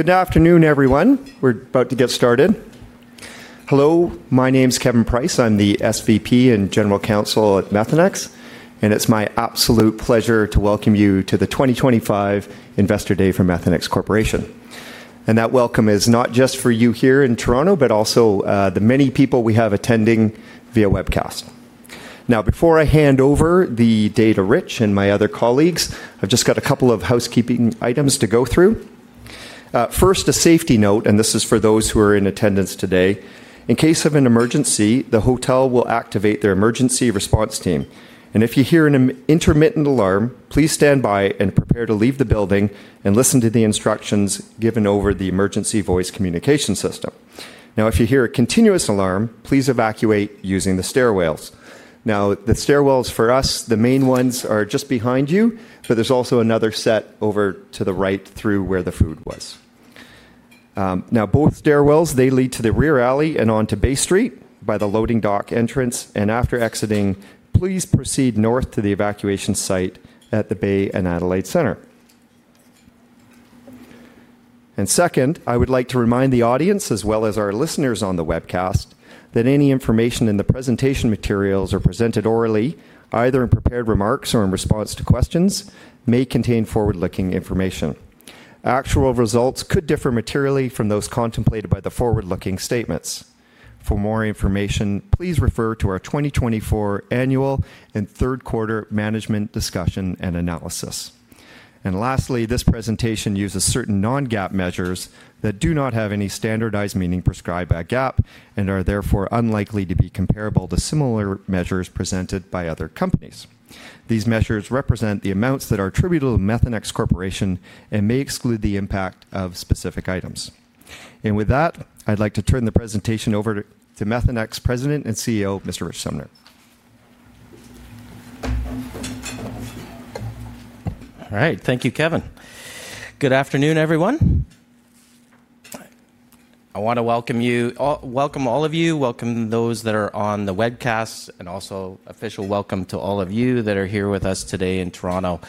Good afternoon, everyone. We're about to get started. Hello, my name's Kevin Price. I'm the SVP and General Counsel at Methanex, and it's my absolute pleasure to welcome you to the 2025 Investor Day for Methanex Corporation. That welcome is not just for you here in Toronto, but also the many people we have attending via webcast. Now, before I hand over the day to Rich and my other colleagues, I've just got a couple of housekeeping items to go through. First, a safety note, and this is for those who are in attendance today. In case of an emergency, the hotel will activate their emergency response team. If you hear an intermittent alarm, please stand by and prepare to leave the building and listen to the instructions given over the emergency voice communication system. If you hear a continuous alarm, please evacuate using the stairwells. Now, the stairwells for us, the main ones, are just behind you, but there's also another set over to the right through where the food was. Both stairwells, they lead to the rear alley and onto Bay Street by the loading dock entrance. After exiting, please proceed north to the evacuation site at the Bay and Adelaide Center. Second, I would like to remind the audience, as well as our listeners on the webcast, that any information in the presentation materials or presented orally, either in prepared remarks or in response to questions, may contain forward-looking information. Actual results could differ materially from those contemplated by the forward-looking statements. For more information, please refer to our 2024 annual and third-quarter management discussion and analysis. Lastly, this presentation uses certain non-GAAP measures that do not have any standardized meaning prescribed by GAAP and are therefore unlikely to be comparable to similar measures presented by other companies. These measures represent the amounts that are attributable to Methanex Corporation and may exclude the impact of specific items. With that, I'd like to turn the presentation over to Methanex President and CEO, Mr. Rich Sumner. All right, thank you, Kevin. Good afternoon, everyone. I want to welcome you all, welcome all of you, welcome those that are on the webcast, and also official welcome to all of you that are here with us today in Toronto.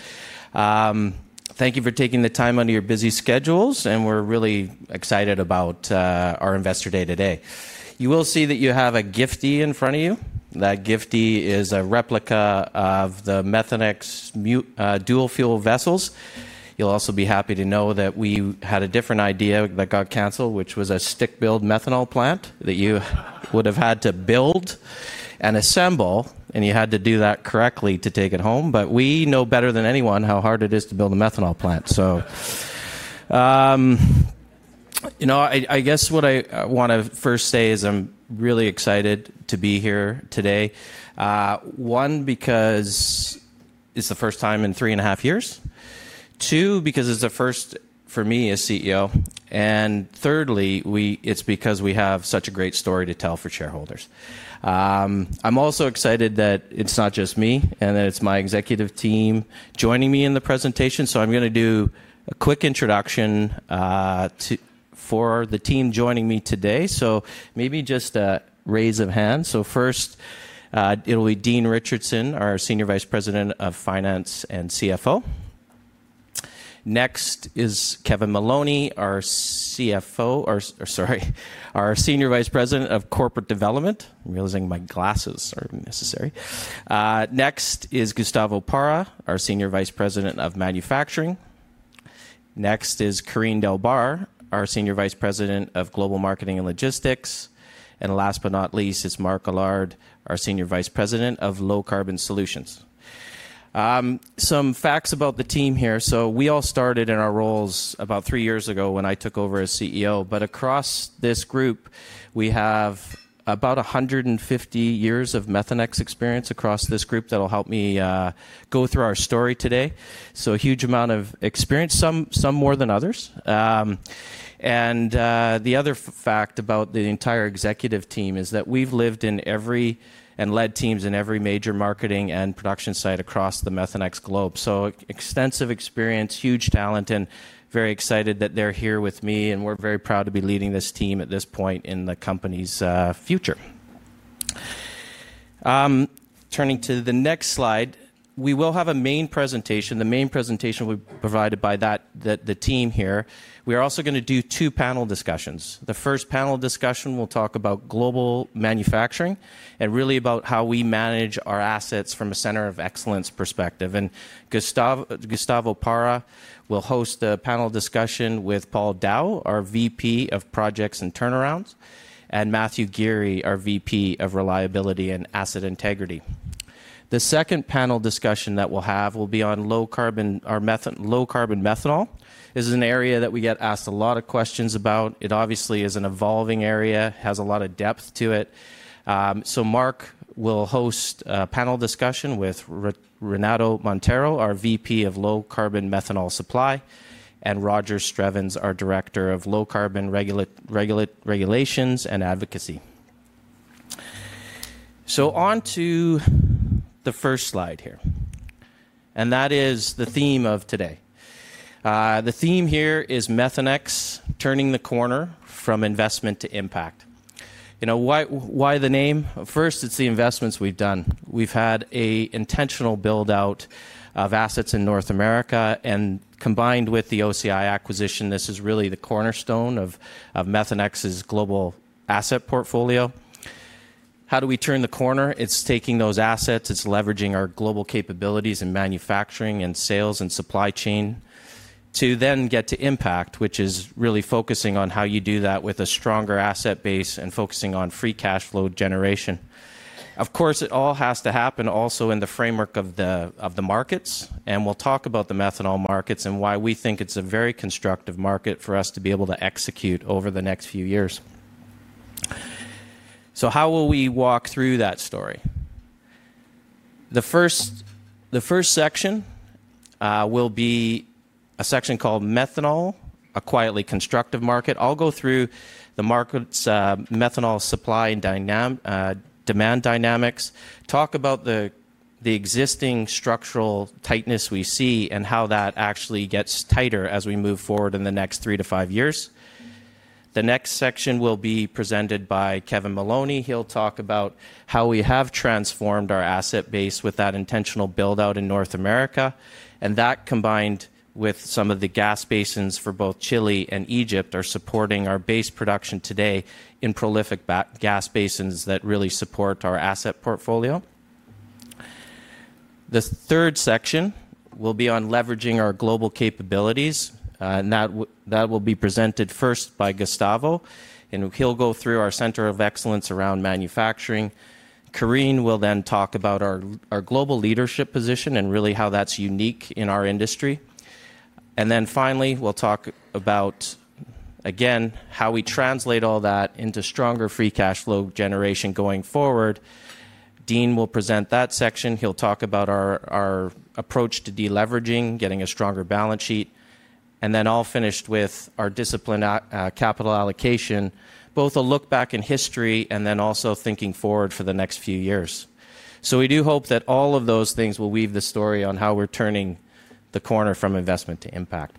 Thank you for taking the time out of your busy schedules, and we're really excited about our Investor Day today. You will see that you have a gift in front of you. That gift is a replica of the Methanex dual-fuel vessels. You'll also be happy to know that we had a different idea that got canceled, which was a stick-build methanol plant that you would have had to build and assemble, and you had to do that correctly to take it home. We know better than anyone how hard it is to build a methanol plant. You know, I guess what I want to first say is I'm really excited to be here today. One, because it's the first time in three and a half years. Two, because it's the first for me as CEO. Thirdly, it's because we have such a great story to tell for shareholders. I'm also excited that it's not just me and that it's my executive team joining me in the presentation. I'm going to do a quick introduction for the team joining me today. Maybe just a raise of hands. First, it'll be Dean Richardson, our Senior Vice President of Finance and CFO. Next is Kevin Maloney, our Senior Vice President of Corporate Development. I'm realizing my glasses are necessary. Next is Gustavo Parra, our Senior Vice President of Manufacturing. Next is Karine Delbarre, our Senior Vice President of Global Marketing and Logistics. Last but not least, it's Mark Allard, our Senior Vice President of Low Carbon Solutions. Some facts about the team here. We all started in our roles about three years ago when I took over as CEO. Across this group, we have about 150 years of Methanex experience across this group that'll help me go through our story today. A huge amount of experience, some more than others. The other fact about the entire executive team is that we've lived in and led teams in every major marketing and production site across the Methanex globe. Extensive experience, huge talent, and very excited that they're here with me, and we're very proud to be leading this team at this point in the company's future. Turning to the next slide, we will have a main presentation, the main presentation provided by the team here. We are also going to do two panel discussions. The first panel discussion will talk about global manufacturing and really about how we manage our assets from a center of excellence perspective. Gustavo Parra will host the panel discussion with Paul Daoust, our VP of Projects and Turnarounds, and Matthew Geary, our VP of Reliability and Asset Integrity. The second panel discussion that we will have will be on low carbon, our Low Carbon Methanol. This is an area that we get asked a lot of questions about. It obviously is an evolving area, has a lot of depth to it. Mark will host a panel discussion with Renato Montero, our VP of Low Carbon Methanol Supply, and Roger Strevens, our Director of Low Carbon Regulations and Advocacy. On to the first slide here, and that is the theme of today. The theme here is Methanex turning the corner from investment to impact. You know, why the name? First, it's the investments we've done. We've had an intentional build-out of assets in North America, and combined with the OCI acquisition, this is really the cornerstone of Methanex's global asset portfolio. How do we turn the corner? It's taking those assets, it's leveraging our global capabilities in manufacturing and sales and supply chain to then get to impact, which is really focusing on how you do that with a stronger asset base and focusing on free cash flow generation. Of course, it all has to happen also in the framework of the markets, and we'll talk about the methanol markets and why we think it's a very constructive market for us to be able to execute over the next few years. How will we walk through that story? The first section will be a section called Methanol, a quietly constructive market. I'll go through the markets, methanol supply and demand dynamics, talk about the existing structural tightness we see and how that actually gets tighter as we move forward in the next three to five years. The next section will be presented by Kevin Maloney. He'll talk about how we have transformed our asset base with that intentional build-out in North America, and that combined with some of the gas basins for both Chile and Egypt are supporting our base production today in prolific gas basins that really support our asset portfolio. The third section will be on leveraging our global capabilities, and that will be presented first by Gustavo, and he'll go through our center of excellence around manufacturing. Karine will then talk about our global leadership position and really how that's unique in our industry. Finally, we'll talk about, again, how we translate all that into stronger free cash flow generation going forward. Dean will present that section. He'll talk about our approach to deleveraging, getting a stronger balance sheet, and then I'll finish with our discipline capital allocation, both a look back in history and then also thinking forward for the next few years. We do hope that all of those things will weave the story on how we're turning the corner from investment to impact.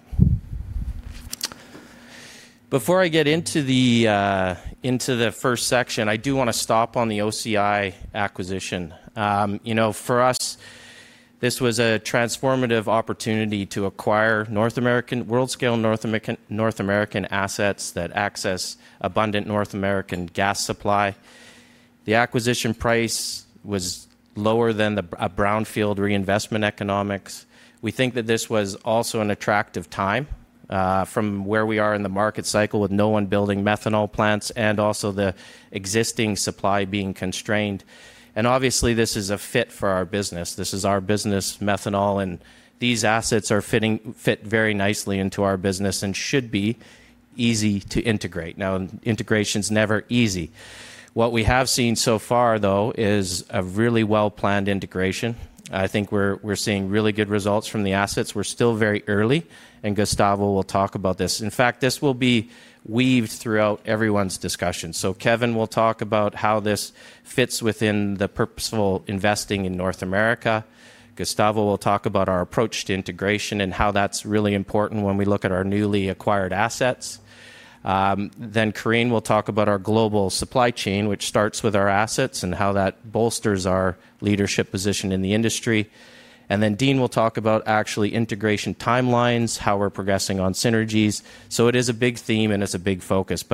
Before I get into the first section, I do want to stop on the OCI acquisition. You know, for us, this was a transformative opportunity to acquire North American, world-scale North American assets that access abundant North American gas supply. The acquisition price was lower than a brownfield reinvestment economics. We think that this was also an attractive time from where we are in the market cycle with no one building methanol plants and also the existing supply being constrained. Obviously, this is a fit for our business. This is our business, methanol, and these assets fit very nicely into our business and should be easy to integrate. Now, integration's never easy. What we have seen so far, though, is a really well-planned integration. I think we're seeing really good results from the assets. We're still very early, and Gustavo will talk about this. In fact, this will be weaved throughout everyone's discussion. Kevin will talk about how this fits within the purposeful investing in North America. Gustavo will talk about our approach to integration and how that's really important when we look at our newly acquired assets. Karine will talk about our global supply chain, which starts with our assets and how that bolsters our leadership position in the industry. Dean will talk about actually integration timelines, how we're progressing on synergies. It is a big theme and it's a big focus.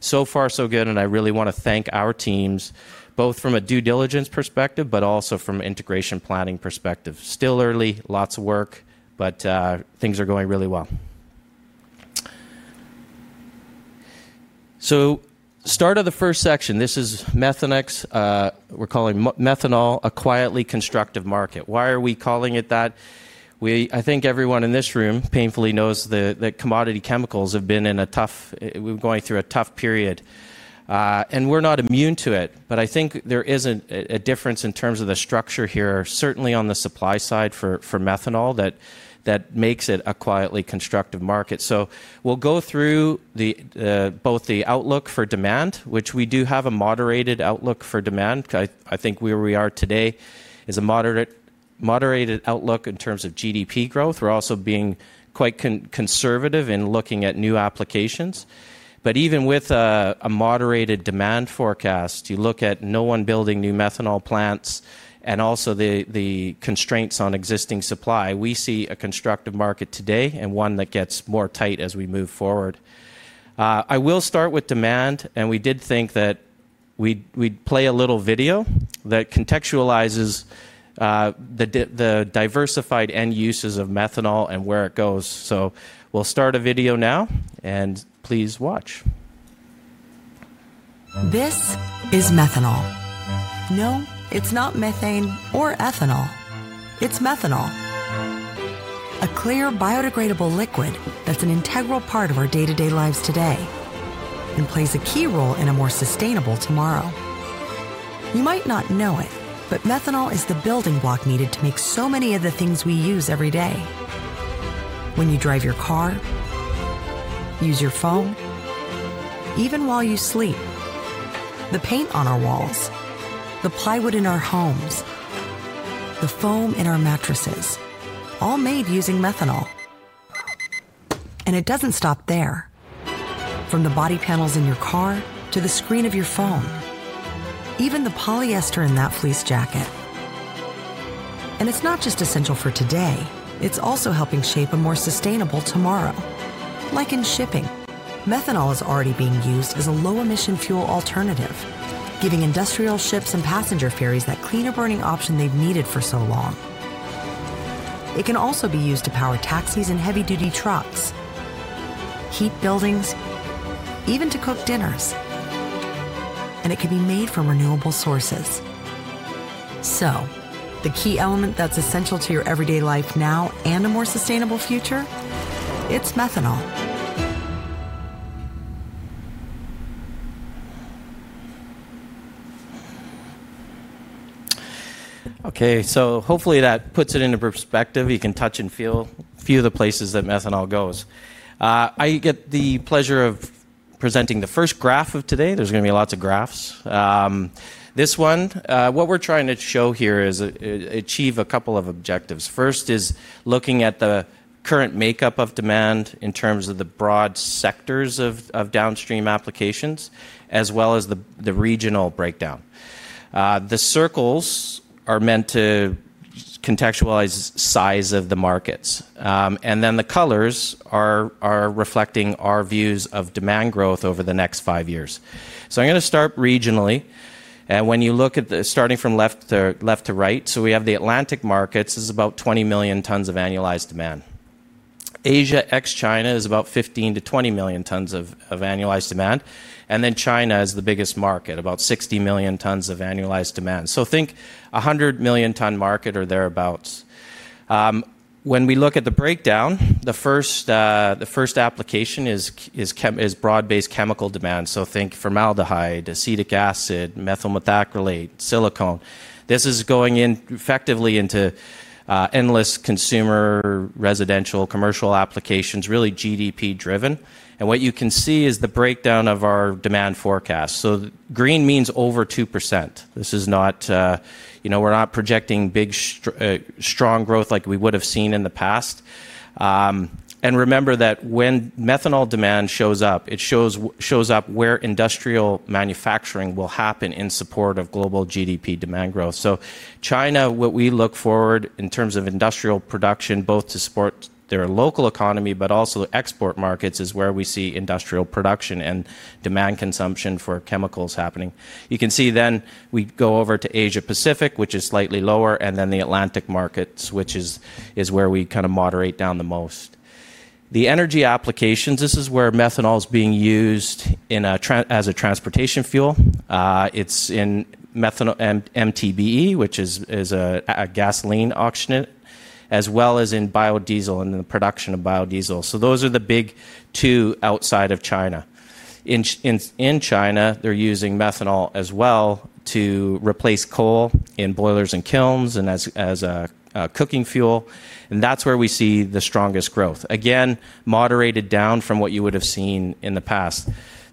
So far, so good, and I really want to thank our teams, both from a due diligence perspective, but also from an integration planning perspective. Still early, lots of work, but things are going really well. Start of the first section, this is Methanex, we're calling methanol a quietly constructive market. Why are we calling it that? I think everyone in this room painfully knows that commodity chemicals have been in a tough, we're going through a tough period. We're not immune to it, but I think there is a difference in terms of the structure here, certainly on the supply side for methanol that makes it a quietly constructive market. We'll go through both the outlook for demand, which we do have a moderated outlook for demand. I think where we are today is a moderated outlook in terms of GDP growth. We're also being quite conservative in looking at new applications. Even with a moderated demand forecast, you look at no one building new methanol plants and also the constraints on existing supply, we see a constructive market today and one that gets more tight as we move forward. I will start with demand, and we did think that we'd play a little video that contextualizes the diversified end uses of methanol and where it goes. We'll start a video now, and please watch. This is methanol. No, it's not methane or ethanol. It's methanol. A clear, biodegradable liquid that's an integral part of our day-to-day lives today and plays a key role in a more sustainable tomorrow. You might not know it, but methanol is the building block needed to make so many of the things we use every day. When you drive your car, use your phone, even while you sleep. The paint on our walls, the plywood in our homes, the foam in our mattresses, all made using methanol. It doesn't stop there. From the body panels in your car to the screen of your phone, even the polyester in that fleece jacket. It's not just essential for today, it's also helping shape a more sustainable tomorrow. Like in shipping, methanol is already being used as a low-emission fuel alternative, giving industrial ships and passenger ferries that cleaner burning option they've needed for so long. It can also be used to power taxis and heavy-duty trucks, heat buildings, even to cook dinners. It can be made from renewable sources. The key element that's essential to your everyday life now and a more sustainable future is methanol. Okay, so hopefully that puts it into perspective. You can touch and feel a few of the places that methanol goes. I get the pleasure of presenting the first graph of today. There's going to be lots of graphs. This one, what we're trying to show here is achieve a couple of objectives. First is looking at the current makeup of demand in terms of the broad sectors of downstream applications, as well as the regional breakdown. The circles are meant to contextualize size of the markets. The colors are reflecting our views of demand growth over the next five years. I'm going to start regionally. When you look at the starting from left to right, we have the Atlantic markets, this is about 20 million tons of annualized demand. Asia ex-China is about 15 million tons-20 million tons of annualized demand. China is the biggest market, about 60 million tons of annualized demand. Think a 100 million ton market or thereabouts. When we look at the breakdown, the first application is broad-based chemical demand. Think formaldehyde, acetic acid, methyl methacrylate, silicone. This is going in effectively into endless consumer, residential, commercial applications, really GDP-driven. What you can see is the breakdown of our demand forecast. Green means over 2%. This is not, you know, we're not projecting big strong growth like we would have seen in the past. Remember that when methanol demand shows up, it shows up where industrial manufacturing will happen in support of global GDP demand growth. China, what we look forward in terms of industrial production, both to support their local economy, but also export markets is where we see industrial production and demand consumption for chemicals happening. You can see then we go over to Asia Pacific, which is slightly lower, and then the Atlantic markets, which is where we kind of moderate down the most. The energy applications, this is where methanol is being used as a transportation fuel. It is in MTBE, which is a gasoline oxygenate, as well as in biodiesel and the production of biodiesel. Those are the big two outside of China. In China, they are using methanol as well to replace coal in boilers and kilns and as a cooking fuel. That is where we see the strongest growth, again, moderated down from what you would have seen in the past.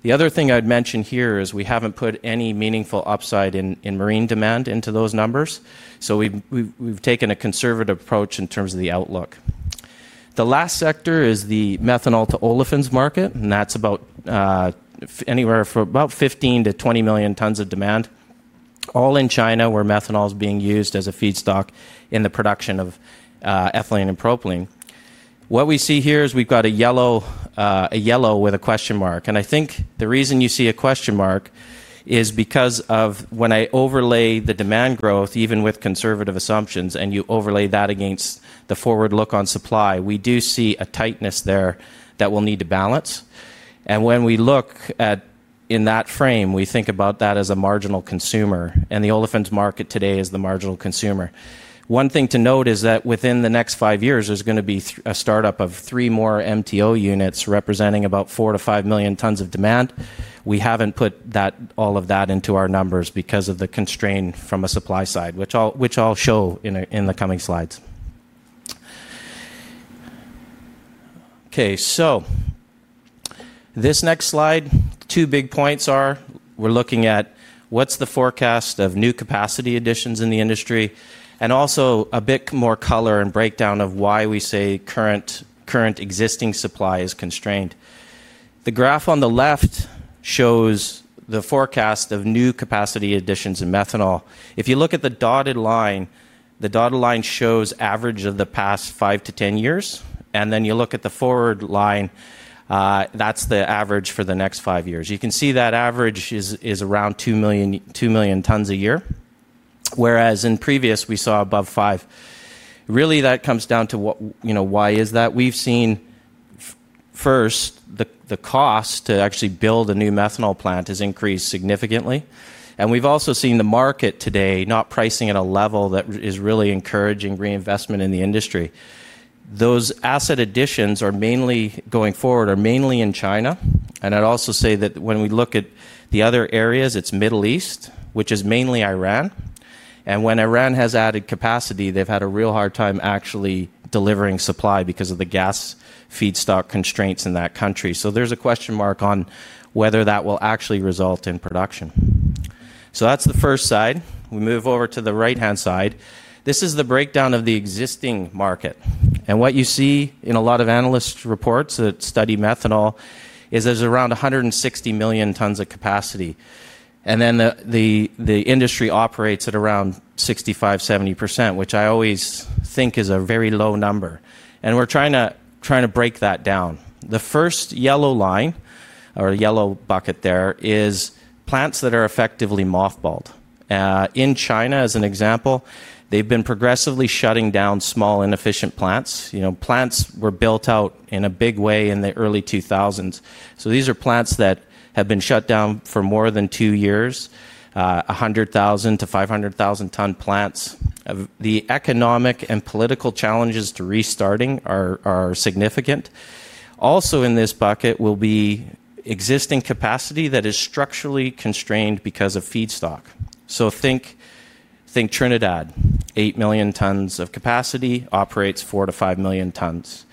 The other thing I would mention here is we have not put any meaningful upside in marine demand into those numbers. We have taken a conservative approach in terms of the outlook. The last sector is the methanol to olefins market, and that's about anywhere from about 15 million tons-20 million tons of demand, all in China where methanol is being used as a feedstock in the production of ethylene and propylene. What we see here is we've got a yellow with a question mark. I think the reason you see a question mark is because of when I overlay the demand growth, even with conservative assumptions, and you overlay that against the forward look on supply, we do see a tightness there that we'll need to balance. When we look at in that frame, we think about that as a marginal consumer, and the olefins market today is the marginal consumer. One thing to note is that within the next five years, there's going to be a startup of three more MTO units representing about 4 million tons-5 million tons of demand. We haven't put all of that into our numbers because of the constraint from a supply side, which I'll show in the coming slides. Okay, this next slide, two big points are, we're looking at what's the forecast of new capacity additions in the industry, and also a bit more color and breakdown of why we say current existing supply is constrained. The graph on the left shows the forecast of new capacity additions in methanol. If you look at the dotted line, the dotted line shows average of the past 5-10 years, and then you look at the forward line, that's the average for the next five years. You can see that average is around 2 million tons a year, whereas in previous we saw above 5. Really, that comes down to what why is that? We've seen first the cost to actually build a new methanol plant has increased significantly. We've also seen the market today not pricing at a level that is really encouraging reinvestment in the industry. Those asset additions are mainly going forward are mainly in China. I'd also say that when we look at the other areas, it's Middle East, which is mainly Iran. When Iran has added capacity, they've had a real hard time actually delivering supply because of the gas feedstock constraints in that country. There's a question mark on whether that will actually result in production. That's the first side. We move over to the right-hand side. This is the breakdown of the existing market. What you see in a lot of analyst reports that study methanol is there's around 160 million tons of capacity. The industry operates at around 65%-70%, which I always think is a very low number. We're trying to break that down. The first yellow line, or yellow bucket there, is plants that are effectively mothballed. In China, as an example, they've been progressively shutting down small inefficient plants. You know, plants were built out in a big way in the early 2000s. These are plants that have been shut down for more than two years, 100,000 ton-500,000 ton plants. The economic and political challenges to restarting are significant. Also in this bucket will be existing capacity that is structurally constrained because of feedstock. Think Trinidad, 8 million tons of capacity, operates 4 million tons-5 million tons.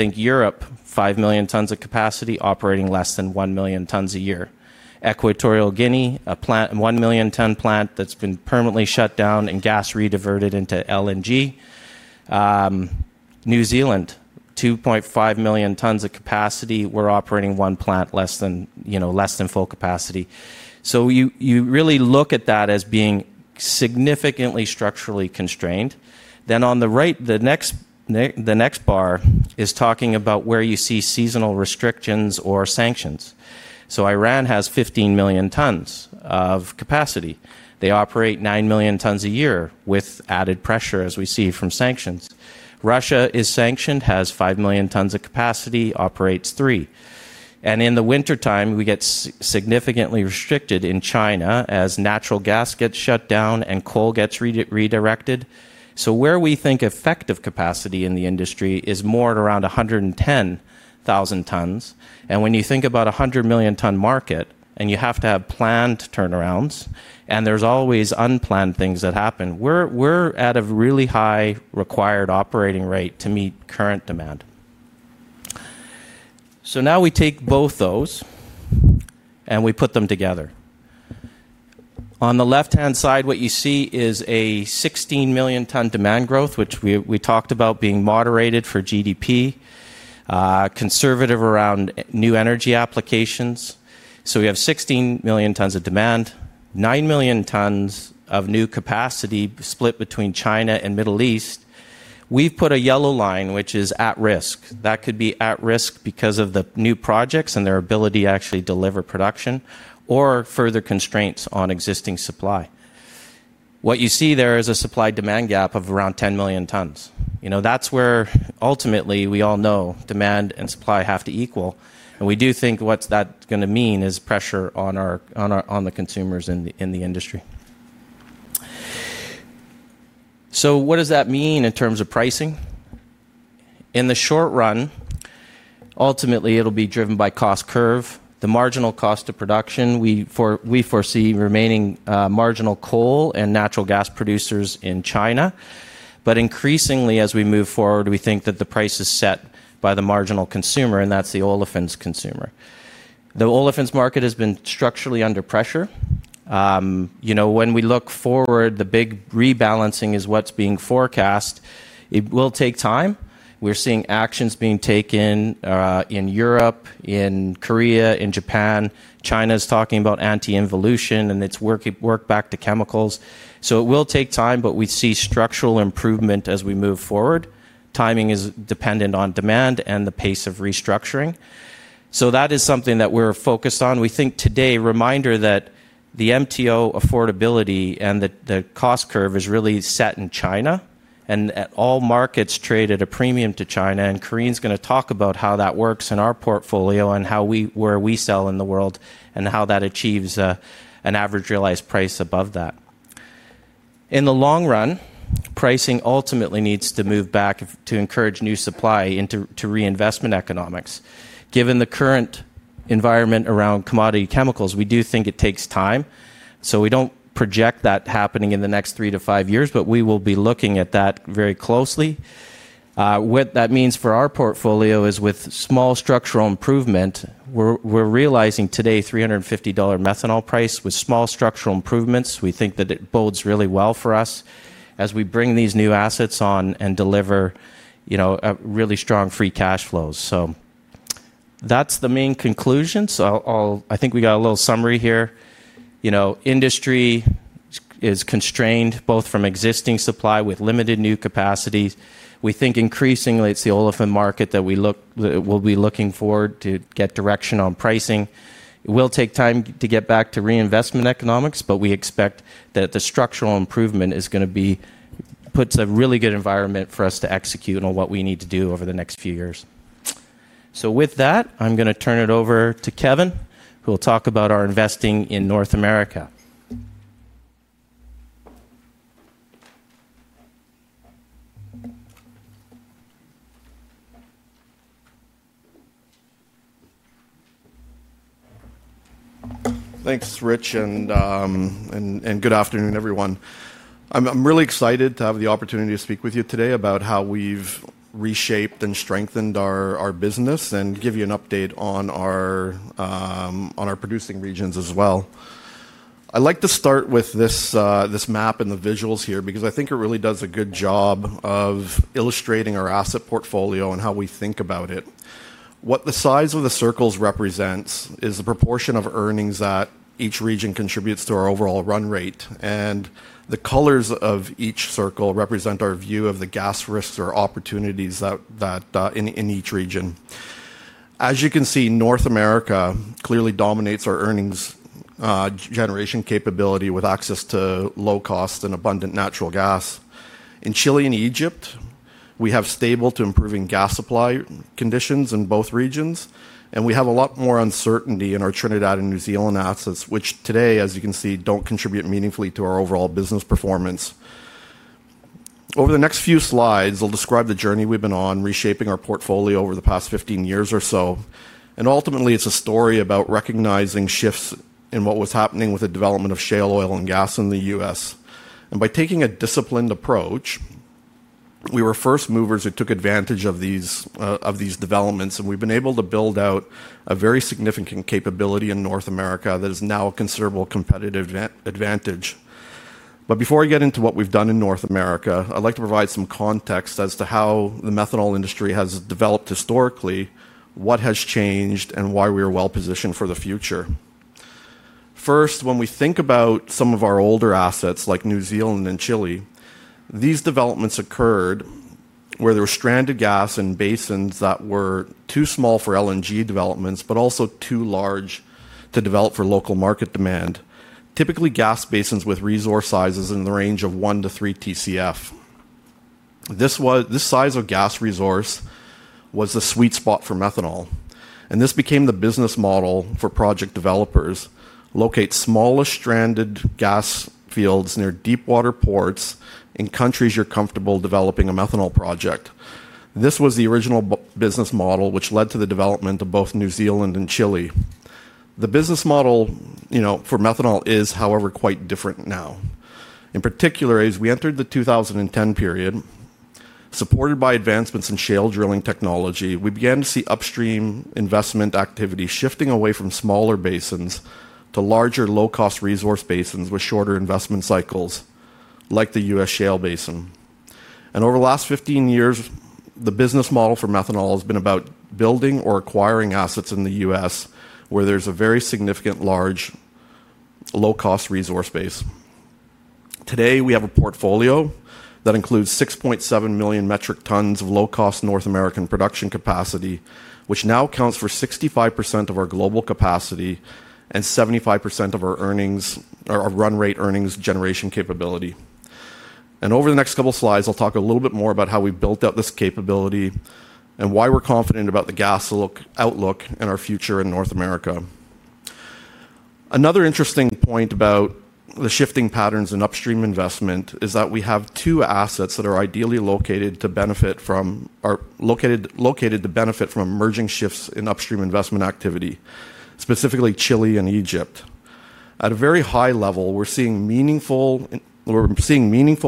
Think Europe, 5 million tons of capacity operating less than 1 million tons a year. Equatorial Guinea, a 1 million ton plant that's been permanently shut down and gas rediverted into LNG. New Zealand, 2.5 million tons of capacity, we're operating one plant less than full capacity. You really look at that as being significantly structurally constrained. On the right, the next bar is talking about where you see seasonal restrictions or sanctions. Iran has 15 million tons of capacity. They operate 9 million tons a year with added pressure as we see from sanctions. Russia is sanctioned, has 5 million tons of capacity, operates 3. In the wintertime, we get significantly restricted in China as natural gas gets shut down and coal gets redirected. Where we think effective capacity in the industry is more at around 110 million tons. When you think about a 100 million ton market and you have to have planned turnarounds and there are always unplanned things that happen, we are at a really high required operating rate to meet current demand. Now we take both those and we put them together. On the left-hand side, what you see is a 16 million ton demand growth, which we talked about being moderated for GDP, conservative around new energy applications. We have 16 million tons of demand, 9 million tons of new capacity split between China and Middle East. We have put a yellow line, which is at risk. That could be at risk because of the new projects and their ability to actually deliver production or further constraints on existing supply. What you see there is a supply-demand gap of around 10 million tons. You know, that's where ultimately we all know demand and supply have to equal. And we do think what's that going to mean is pressure on the consumers in the industry. So what does that mean in terms of pricing? In the short run, ultimately it'll be driven by cost curve. The marginal cost of production, we foresee remaining marginal coal and natural gas producers in China. But increasingly as we move forward, we think that the price is set by the marginal consumer, and that's the olefins consumer. The olefins market has been structurally under pressure. You know, when we look forward, the big rebalancing is what's being forecast. It will take time. We're seeing actions being taken in Europe, in Korea, in Japan. China is talking about anti-involution and its work back to chemicals. So it will take time, but we see structural improvement as we move forward. Timing is dependent on demand and the pace of restructuring. That is something that we're focused on. We think today, reminder that the MTO affordability and the cost curve is really set in China. All markets trade at a premium to China. Karine's going to talk about how that works in our portfolio and how we, where we sell in the world, and how that achieves an average realized price above that. In the long run, pricing ultimately needs to move back to encourage new supply into reinvestment economics. Given the current environment around commodity chemicals, we do think it takes time. We do not project that happening in the next three to five years, but we will be looking at that very closely. What that means for our portfolio is with small structural improvement, we're realizing today $350 methanol price with small structural improvements. We think that it bodes really well for us as we bring these new assets on and deliver, you know, really strong free cash flows. That is the main conclusion. I think we got a little summary here. You know, industry is constrained both from existing supply with limited new capacity. We think increasingly it is the olefin market that we will be looking forward to get direction on pricing. It will take time to get back to reinvestment economics, but we expect that the structural improvement is going to be puts a really good environment for us to execute on what we need to do over the next few years. With that, I am going to turn it over to Kevin, who will talk about our investing in North America. Thanks, Rich, and good afternoon, everyone. I'm really excited to have the opportunity to speak with you today about how we've reshaped and strengthened our business and give you an update on our producing regions as well. I'd like to start with this map and the visuals here because I think it really does a good job of illustrating our asset portfolio and how we think about it. What the size of the circles represents is the proportion of earnings that each region contributes to our overall run rate. The colors of each circle represent our view of the gas risks or opportunities in each region. As you can see, North America clearly dominates our earnings generation capability with access to low cost and abundant natural gas. In Chile and Egypt, we have stable to improving gas supply conditions in both regions. We have a lot more uncertainty in our Trinidad and New Zealand assets, which today, as you can see, do not contribute meaningfully to our overall business performance. Over the next few slides, I'll describe the journey we have been on reshaping our portfolio over the past 15 years or so. Ultimately, it is a story about recognizing shifts in what was happening with the development of shale oil and gas in the U.S.. By taking a disciplined approach, we were first movers who took advantage of these developments. We have been able to build out a very significant capability in North America that is now a considerable competitive advantage. Before I get into what we have done in North America, I would like to provide some context as to how the methanol industry has developed historically, what has changed, and why we are well positioned for the future. First, when we think about some of our older assets like New Zealand and Chile, these developments occurred where there were stranded gas in basins that were too small for LNG developments, but also too large to develop for local market demand, typically gas basins with resource sizes in the range of 1 tcf-3 tcf. This size of gas resource was the sweet spot for methanol. And this became the business model for project developers: locate smallest stranded gas fields near deep water ports in countries you're comfortable developing a methanol project. This was the original business model, which led to the development of both New Zealand and Chile. The business model for methanol is, however, quite different now. In particular, as we entered the 2010 period, supported by advancements in shale drilling technology, we began to see upstream investment activity shifting away from smaller basins to larger, low-cost resource basins with shorter investment cycles, like the U.S. Shale Basin. Over the last 15 years, the business model for methanol has been about building or acquiring assets in the U.S. where there's a very significant, large, low-cost resource base. Today, we have a portfolio that includes 6.7 million metric tons of low-cost North American production capacity, which now accounts for 65% of our global capacity and 75% of our run rate earnings generation capability. Over the next couple of slides, I'll talk a little bit more about how we built out this capability and why we're confident about the gas outlook and our future in North America. Another interesting point about the shifting patterns in upstream investment is that we have two assets that are ideally located to benefit from emerging shifts in upstream investment activity, specifically Chile and Egypt. At a very high level, we're seeing meaningful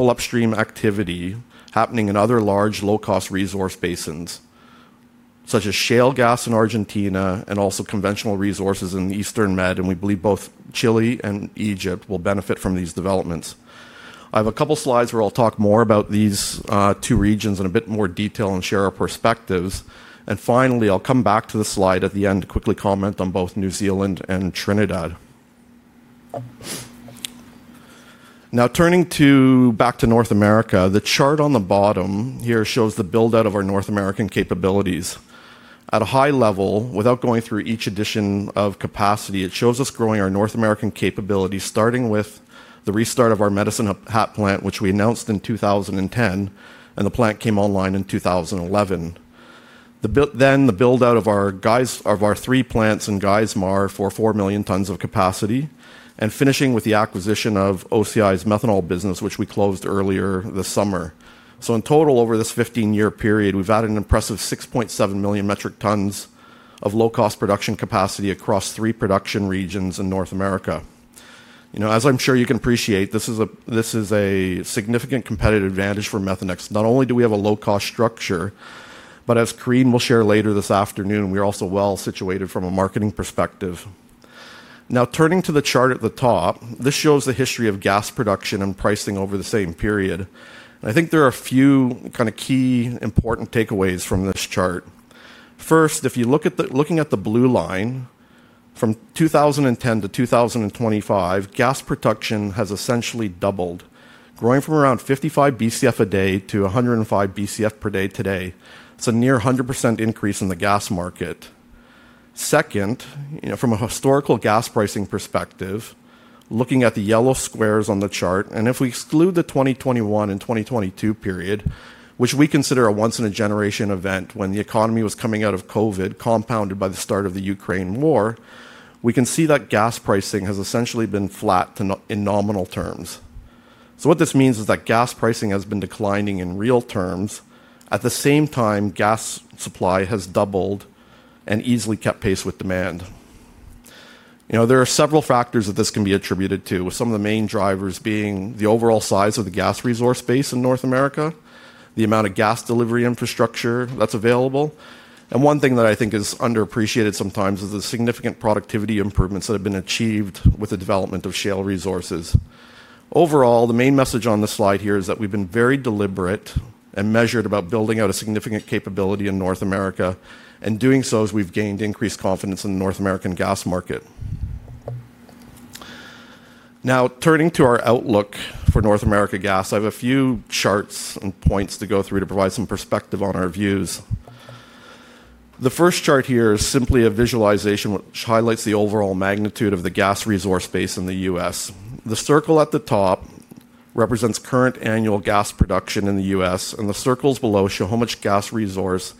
upstream activity happening in other large, low-cost resource basins, such as shale gas in Argentina and also conventional resources in the Eastern Med. We believe both Chile and Egypt will benefit from these developments. I have a couple of slides where I'll talk more about these two regions in a bit more detail and share our perspectives. Finally, I'll come back to the slide at the end to quickly comment on both New Zealand and Trinidad. Now turning back to North America, the chart on the bottom here shows the buildout of our North American capabilities. At a high level, without going through each addition of capacity, it shows us growing our North American capability, starting with the restart of our Medicine Hat plant, which we announced in 2010, and the plant came online in 2011. Then the buildout of our three plants in Geismar for 4 million tons of capacity, and finishing with the acquisition of OCI's methanol business, which we closed earlier this summer. In total, over this 15-year period, we've added an impressive 6.7 million metric tons of low-cost production capacity across three production regions in North America. You know, as I'm sure you can appreciate, this is a significant competitive advantage for Methanex. Not only do we have a low-cost structure, but as Karine will share later this afternoon, we're also well situated from a marketing perspective. Now turning to the chart at the top, this shows the history of gas production and pricing over the same period. I think there are a few kind of key important takeaways from this chart. First, if you're looking at the blue line, from 2010-2025, gas production has essentially doubled, growing from around 55 Bcf a day to 105 Bcf per day today. It's a near 100% increase in the gas market. Second, from a historical gas pricing perspective, looking at the yellow squares on the chart, and if we exclude the 2021 and 2022 period, which we consider a once-in-a-generation event when the economy was coming out of COVID, compounded by the start of the Ukraine war, we can see that gas pricing has essentially been flat in nominal terms. What this means is that gas pricing has been declining in real terms. At the same time, gas supply has doubled and easily kept pace with demand. There are several factors that this can be attributed to, with some of the main drivers being the overall size of the gas resource base in North America, the amount of gas delivery infrastructure that is available. One thing that I think is underappreciated sometimes is the significant productivity improvements that have been achieved with the development of shale resources. Overall, the main message on the slide here is that we have been very deliberate and measured about building out a significant capability in North America, and doing so as we have gained increased confidence in the North American gas market. Now turning to our outlook for North America gas, I have a few charts and points to go through to provide some perspective on our views. The first chart here is simply a visualization, which highlights the overall magnitude of the gas resource base in the U.S. The circle at the top represents current annual gas production in the U.S., and the circles below show how much gas resource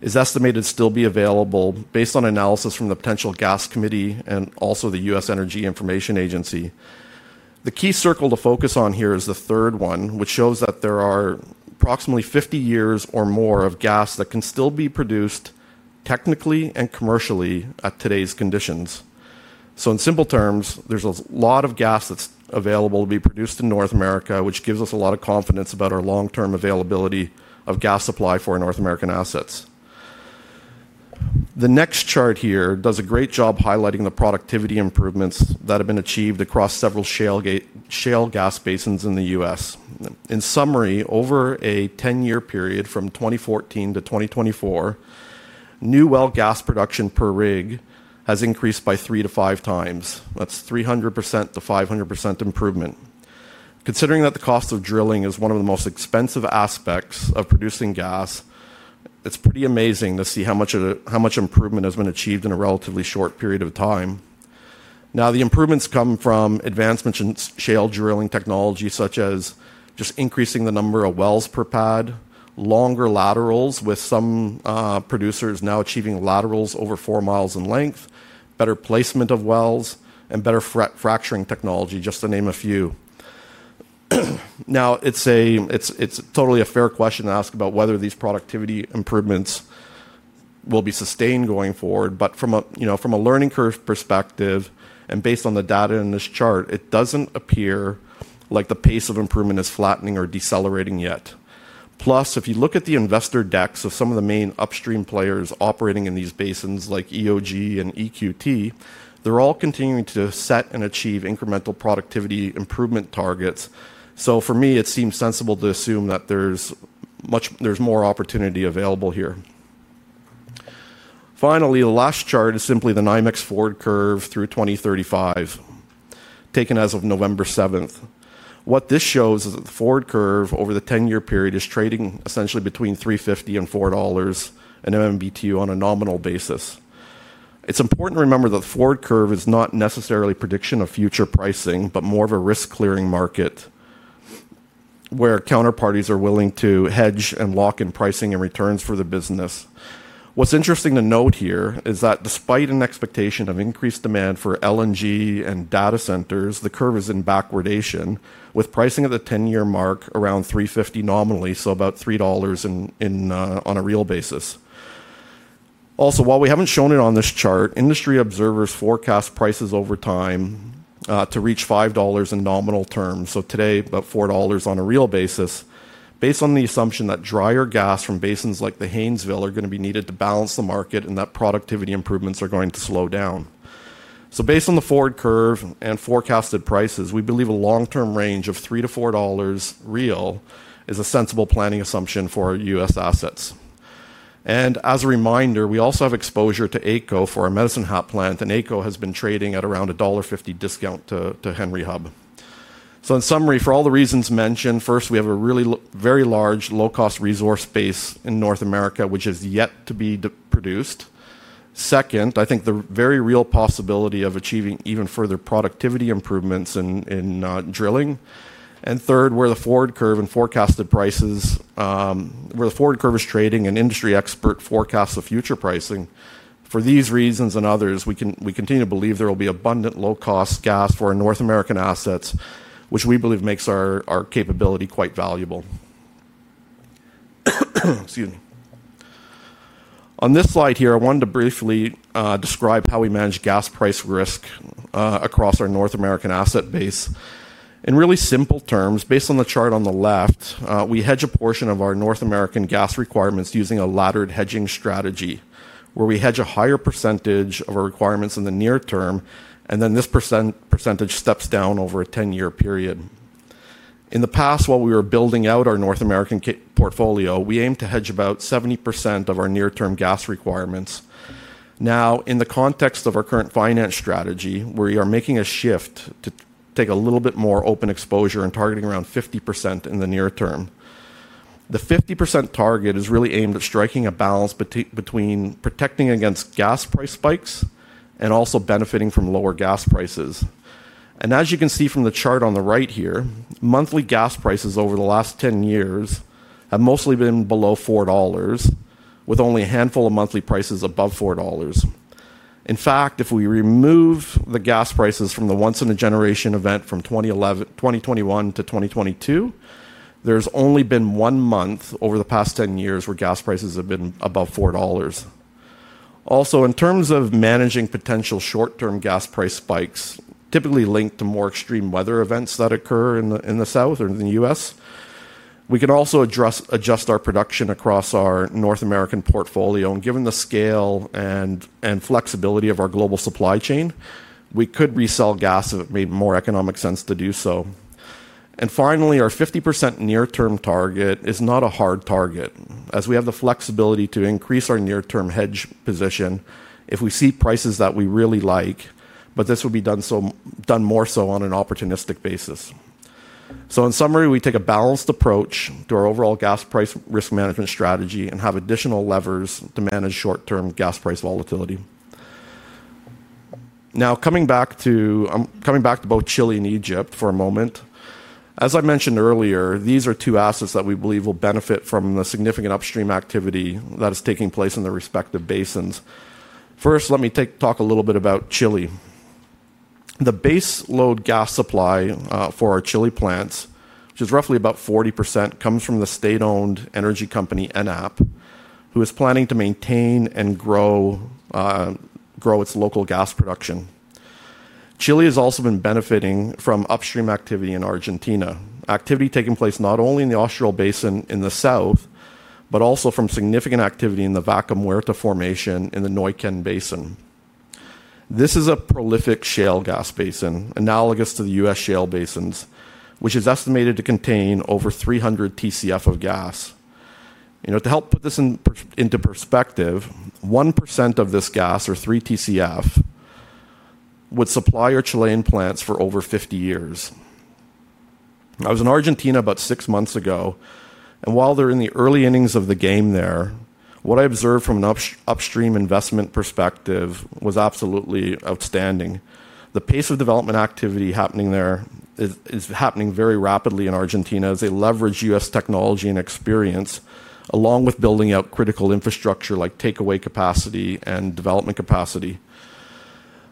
is estimated to still be available based on analysis from the Potential Gas Committee and also the U.S. Energy Information Agency. The key circle to focus on here is the third one, which shows that there are approximately 50 years or more of gas that can still be produced technically and commercially at today's conditions. In simple terms, there is a lot of gas that is available to be produced in North America, which gives us a lot of confidence about our long-term availability of gas supply for our North American assets. The next chart here does a great job highlighting the productivity improvements that have been achieved across several shale gas basins in the U.S. In summary, over a 10-year period from 2014-2024, new well gas production per rig has increased by three to five times. That's 300%-500% improvement. Considering that the cost of drilling is one of the most expensive aspects of producing gas, it's pretty amazing to see how much improvement has been achieved in a relatively short period of time. Now, the improvements come from advancements in shale drilling technology, such as just increasing the number of wells per pad, longer laterals, with some producers now achieving laterals over four miles in length, better placement of wells, and better fracturing technology, just to name a few. Now, it's totally a fair question to ask about whether these productivity improvements will be sustained going forward. From a learning curve perspective and based on the data in this chart, it does not appear like the pace of improvement is flattening or decelerating yet. Plus, if you look at the investor decks of some of the main upstream players operating in these basins, like EOG and EQT, they are all continuing to set and achieve incremental productivity improvement targets. For me, it seems sensible to assume that there is more opportunity available here. Finally, the last chart is simply the NYMEX forward curve through 2035, taken as of November 7th. What this shows is that the forward curve over the 10-year period is trading essentially between $3.50 and $4 per MMBtu on a nominal basis. It's important to remember that the forward curve is not necessarily a prediction of future pricing, but more of a risk-clearing market where counterparties are willing to hedge and lock in pricing and returns for the business. What's interesting to note here is that despite an expectation of increased demand for LNG and data centers, the curve is in backwardation, with pricing at the 10-year mark around $350 nominally, so about $3 on a real basis. Also, while we haven't shown it on this chart, industry observers forecast prices over time to reach $5 in nominal terms, so today about $4 on a real basis, based on the assumption that drier gas from basins like the Haynesville are going to be needed to balance the market and that productivity improvements are going to slow down. Based on the forward curve and forecasted prices, we believe a long-term range of $3-$4 is a sensible planning assumption for our U.S. assets. As a reminder, we also have exposure to ACO for our Medicine Hat plant, and ACO has been trading at around $1.50 discount to Henry Hub. In summary, for all the reasons mentioned, first, we have a very large low-cost resource base in North America, which has yet to be produced. Second, I think the very real possibility of achieving even further productivity improvements in drilling. Third, where the forward curve and forecasted prices, where the forward curve is trading and industry expert forecasts the future pricing, for these reasons and others, we continue to believe there will be abundant low-cost gas for our North American assets, which we believe makes our capability quite valuable. Excuse me. On this slide here, I wanted to briefly describe how we manage gas price risk across our North American asset base. In really simple terms, based on the chart on the left, we hedge a portion of our North American gas requirements using a laddered hedging strategy, where we hedge a higher percentage of our requirements in the near term, and then this percentage steps down over a 10-year period. In the past, while we were building out our North American portfolio, we aimed to hedge about 70% of our near-term gas requirements. Now, in the context of our current finance strategy, we are making a shift to take a little bit more open exposure and targeting around 50% in the near term. The 50% target is really aimed at striking a balance between protecting against gas price spikes and also benefiting from lower gas prices. As you can see from the chart on the right here, monthly gas prices over the last 10 years have mostly been below $4, with only a handful of monthly prices above $4. In fact, if we remove the gas prices from the once-in-a-generation event from 2021-2022, there has only been one month over the past 10 years where gas prices have been above $4. Also, in terms of managing potential short-term gas price spikes, typically linked to more extreme weather events that occur in the South or in the U.S., we can also adjust our production across our North American portfolio. Given the scale and flexibility of our global supply chain, we could resell gas if it made more economic sense to do so. Finally, our 50% near-term target is not a hard target, as we have the flexibility to increase our near-term hedge position if we see prices that we really like, but this will be done more so on an opportunistic basis. In summary, we take a balanced approach to our overall gas price risk management strategy and have additional levers to manage short-term gas price volatility. Now coming back to both Chile and Egypt for a moment, as I mentioned earlier, these are two assets that we believe will benefit from the significant upstream activity that is taking place in the respective basins. First, let me talk a little bit about Chile. The base load gas supply for our Chile plants, which is roughly about 40%, comes from the state-owned energy company ENAP, who is planning to maintain and grow its local gas production. Chile has also been benefiting from upstream activity in Argentina, activity taking place not only in the Austral basin in the South, but also from significant activity in the Vaca Muerta formation in the Neuquén basin. This is a prolific shale gas basin, analogous to the US shale basins, which is estimated to contain over 300 tcf of gas. To help put this into perspective, 1% of this gas, or 3 tcf, would supply our Chilean plants for over 50 years. I was in Argentina about six months ago, and while they're in the early innings of the game there, what I observed from an upstream investment perspective was absolutely outstanding. The pace of development activity happening there is happning very rapidly in Argentina as they leverage U.S. technology and experience, along with building out critical infrastructure like takeaway capacity and development capacity.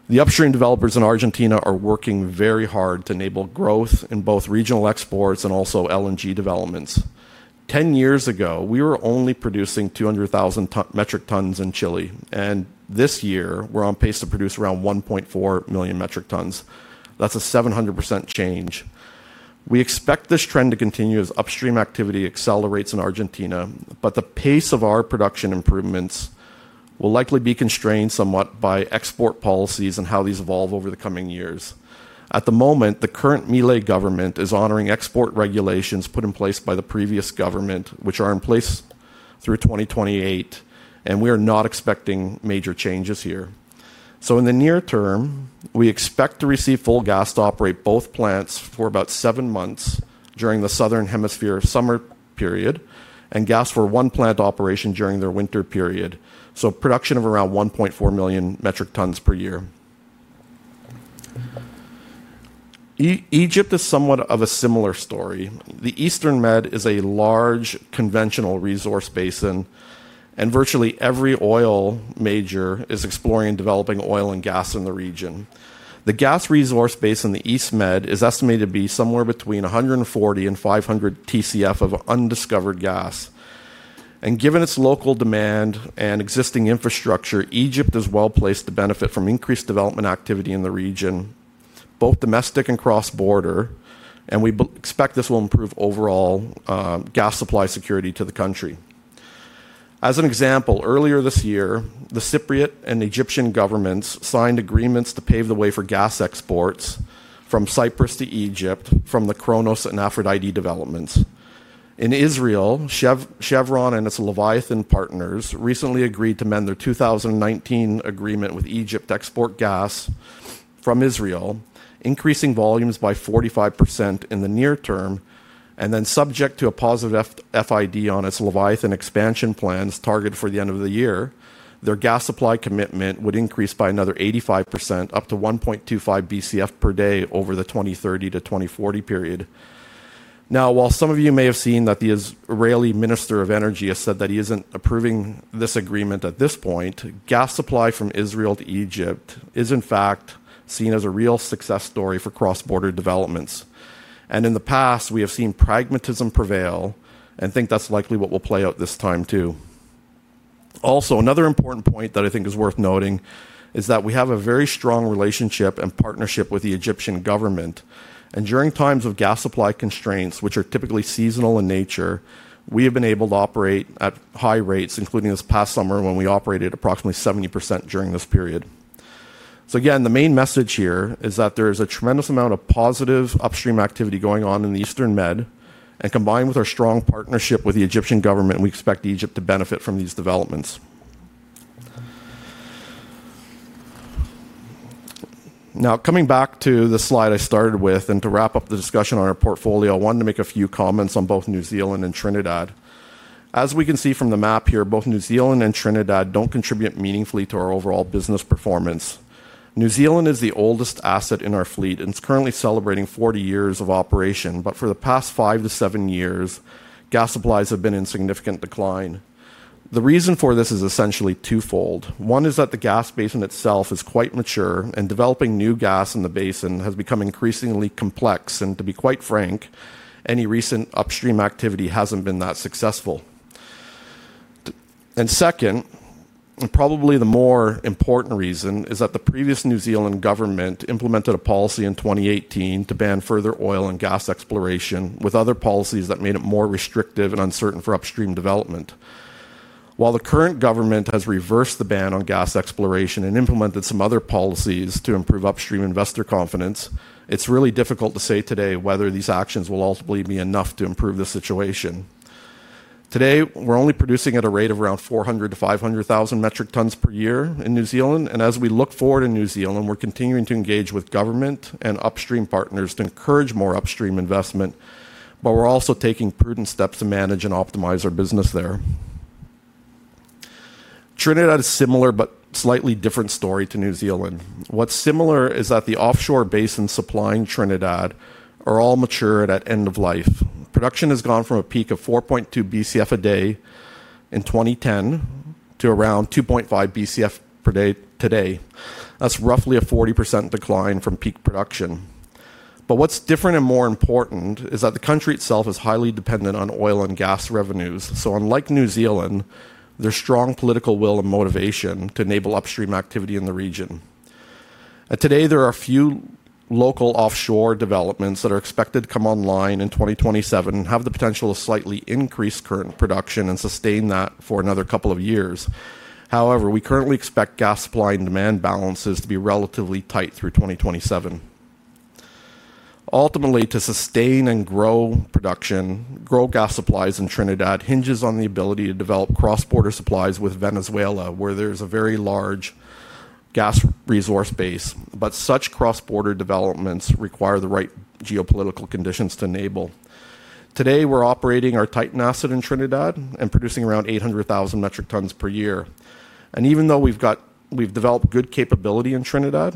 The upstream developers in Argentina are working very hard to enable growth in both regional exports and also LNG developments. Ten years ago, we were only producing 200,000 metric tons in Chile, and this year, we're on pace to produce around 1.4 million metric tons. That's a 700% change. We expect this trend to continue as upstream activity accelerates in Argentina, but the pace of our production improvements will likely be constrained somewhat by export policies and how these evolve over the coming years. At the moment, the current Milei government is honoring export regulations put in place by the previous government, which are in place through 2028, and we are not expecting major changes here. In the near term, we expect to receive full gas to operate both plants for about seven months during the Southern Hemisphere summer period and gas for one plant operation during their winter period, so production of around 1.4 million metric tons per year. Egypt is somewhat of a similar story. The Eastern Med is a large conventional resource basin, and virtually every oil major is exploring and developing oil and gas in the region. The gas resource base in the East Med is estimated to be somewhere between 140 tcf-500 tcf of undiscovered gas. Given its local demand and existing infrastructure, Egypt is well placed to benefit from increased development activity in the region, both domestic and cross-border, and we expect this will improve overall gas supply security to the country. As an example, earlier this year, the Cypriot and Egyptian governments signed agreements to pave the way for gas exports from Cyprus to Egypt from the Kronos and Aphrodite developments. In Israel, Chevron and its Leviathan partners recently agreed to mend their 2019 agreement with Egypt to export gas from Israel, increasing volumes by 45% in the near term, and then subject to a positive FID on its Leviathan expansion plans targeted for the end of the year, their gas supply commitment would increase by another 85%, up to 1.25 Bcf per day over the 2030-2040 period. Now, while some of you may have seen that the Israeli Minister of Energy has said that he isn't approving this agreement at this point, gas supply from Israel to Egypt is, in fact, seen as a real success story for cross-border developments. In the past, we have seen pragmatism prevail and think that's likely what will play out this time too. Also, another important point that I think is worth noting is that we have a very strong relationship and partnership with the Egyptian government. During times of gas supply constraints, which are typically seasonal in nature, we have been able to operate at high rates, including this past summer when we operated at approximately 70% during this period. The main message here is that there is a tremendous amount of positive upstream activity going on in the Eastern Med, and combined with our strong partnership with the Egyptian government, we expect Egypt to benefit from these developments. Now, coming back to the slide I started with and to wrap up the discussion on our portfolio, I wanted to make a few comments on both New Zealand and Trinidad. As we can see from the map here, both New Zealand and Trinidad do not contribute meaningfully to our overall business performance. New Zealand is the oldest asset in our fleet, and it is currently celebrating 40 years of operation, but for the past five to seven years, gas supplies have been in significant decline. The reason for this is essentially twofold. One is that the gas basin itself is quite mature, and developing new gas in the basin has become increasingly complex, and to be quite frank, any recent upstream activity has not been that successful. Second, and probably the more important reason is that the previous New Zealand government implemented a policy in 2018 to ban further oil and gas exploration, with other policies that made it more restrictive and uncertain for upstream development. While the current government has reversed the ban on gas exploration and implemented some other policies to improve upstream investor confidence, it's really difficult to say today whether these actions will ultimately be enough to improve the situation. Today, we're only producing at a rate of around 400,000-500,000 metric tons per year in New Zealand, and as we look forward in New Zealand, we're continuing to engage with government and upstream partners to encourage more upstream investment, but we're also taking prudent steps to manage and optimize our business there. Trinidad is a similar but slightly different story to New Zealand. What's similar is that the offshore basins supplying Trinidad are all mature at end-of-life. Production has gone from a peak of 4.2 Bcf a day in 2010 to around 2.5 Bcf per day today. That's roughly a 40% decline from peak production. What's different and more important is that the country itself is highly dependent on oil and gas revenues, so unlike New Zealand, there's strong political will and motivation to enable upstream activity in the region. Today, there are a few local offshore developments that are expected to come online in 2027 and have the potential to slightly increase current production and sustain that for another couple of years. However, we currently expect gas supply and demand balances to be relatively tight through 2027. Ultimately, to sustain and grow production, grow gas supplies in Trinidad hinges on the ability to develop cross-border supplies with Venezuela, where there is a very large gas resource base, but such cross-border developments require the right geopolitical conditions to enable. Today, we're operating our Titan asset in Trinidad and producing around 800,000 metric tons per year. Even though we've developed good capability in Trinidad,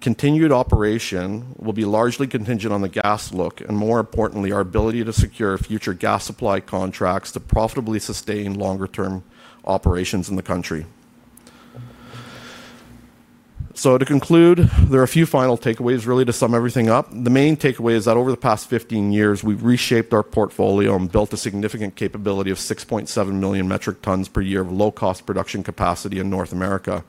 continued operation will be largely contingent on the gas look and, more importantly, our ability to secure future gas supply contracts to profitably sustain longer-term operations in the country. To conclude, there are a few final takeaways really to sum everything up. The main takeaway is that over the past 15 years, we've reshaped our portfolio and built a significant capability of 6.7 million metric tons per year of low-cost production capacity in North America,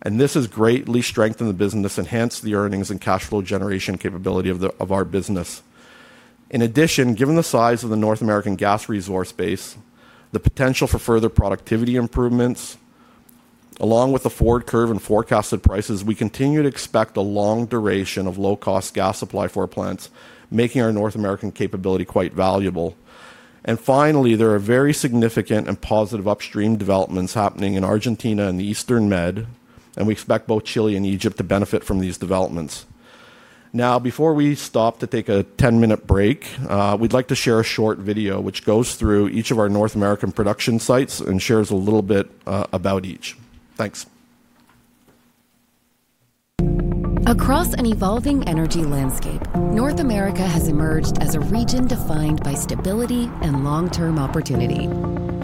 and this has greatly strengthened the business, enhanced the earnings, and cash flow generation capability of our business. In addition, given the size of the North American gas resource base, the potential for further productivity improvements, along with the forward curve and forecasted prices, we continue to expect a long duration of low-cost gas supply for our plants, making our North American capability quite valuable. Finally, there are very significant and positive upstream developments happening in Argentina and the Eastern Med, and we expect both Chile and Egypt to benefit from these developments. Now, before we stop to take a 10-minute break, we'd like to share a short video which goes through each of our North American production sites and shares a little bit about each. Thanks. Across an evolving energy landscape, North America has emerged as a region defined by stability and long-term opportunity.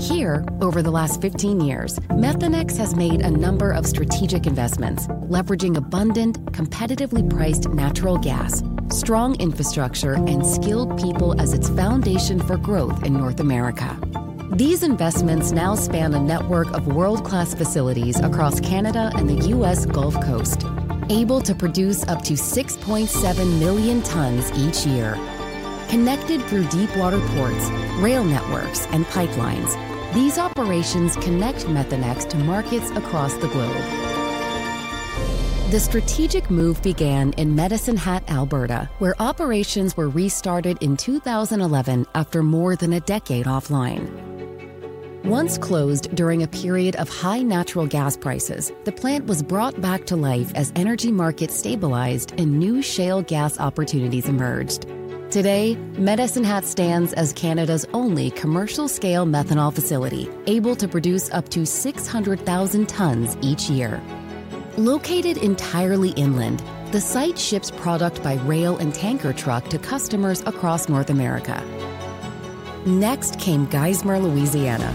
Here, over the last 15 years, Methanex has made a number of strategic investments, leveraging abundant, competitively priced natural gas, strong infrastructure, and skilled people as its foundation for growth in North America. These investments now span a network of world-class facilities across Canada and the U.S. Gulf Coast, able to produce up to 6.7 million tons each year. Connected through deep-water ports, rail networks, and pipelines, these operations connect Methanex to markets across the globe. The strategic move began in Medicine Hat, Alberta, where operations were restarted in 2011 after more than a decade offline. Once closed during a period of high natural gas prices, the plant was brought back to life as energy markets stabilized and new shale gas opportunities emerged. Today, Medicine Hat stands as Canada's only commercial-scale methanol facility, able to produce up to 600,000 tons each year. Located entirely inland, the site ships product by rail and tanker truck to customers across North America. Next came Geismar, Louisiana,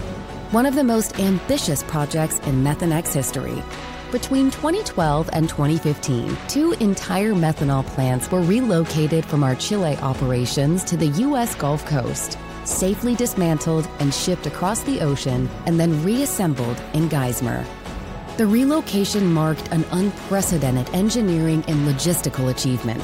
one of the most ambitious projects in Methanex history. Between 2012 and 2015, two entire methanol plants were relocated from our Chile operations to the U.S. Gulf Coast, safely dismantled and shipped across the ocean, and then reassembled in Geismar. The relocation marked an unprecedented engineering and logistical achievement.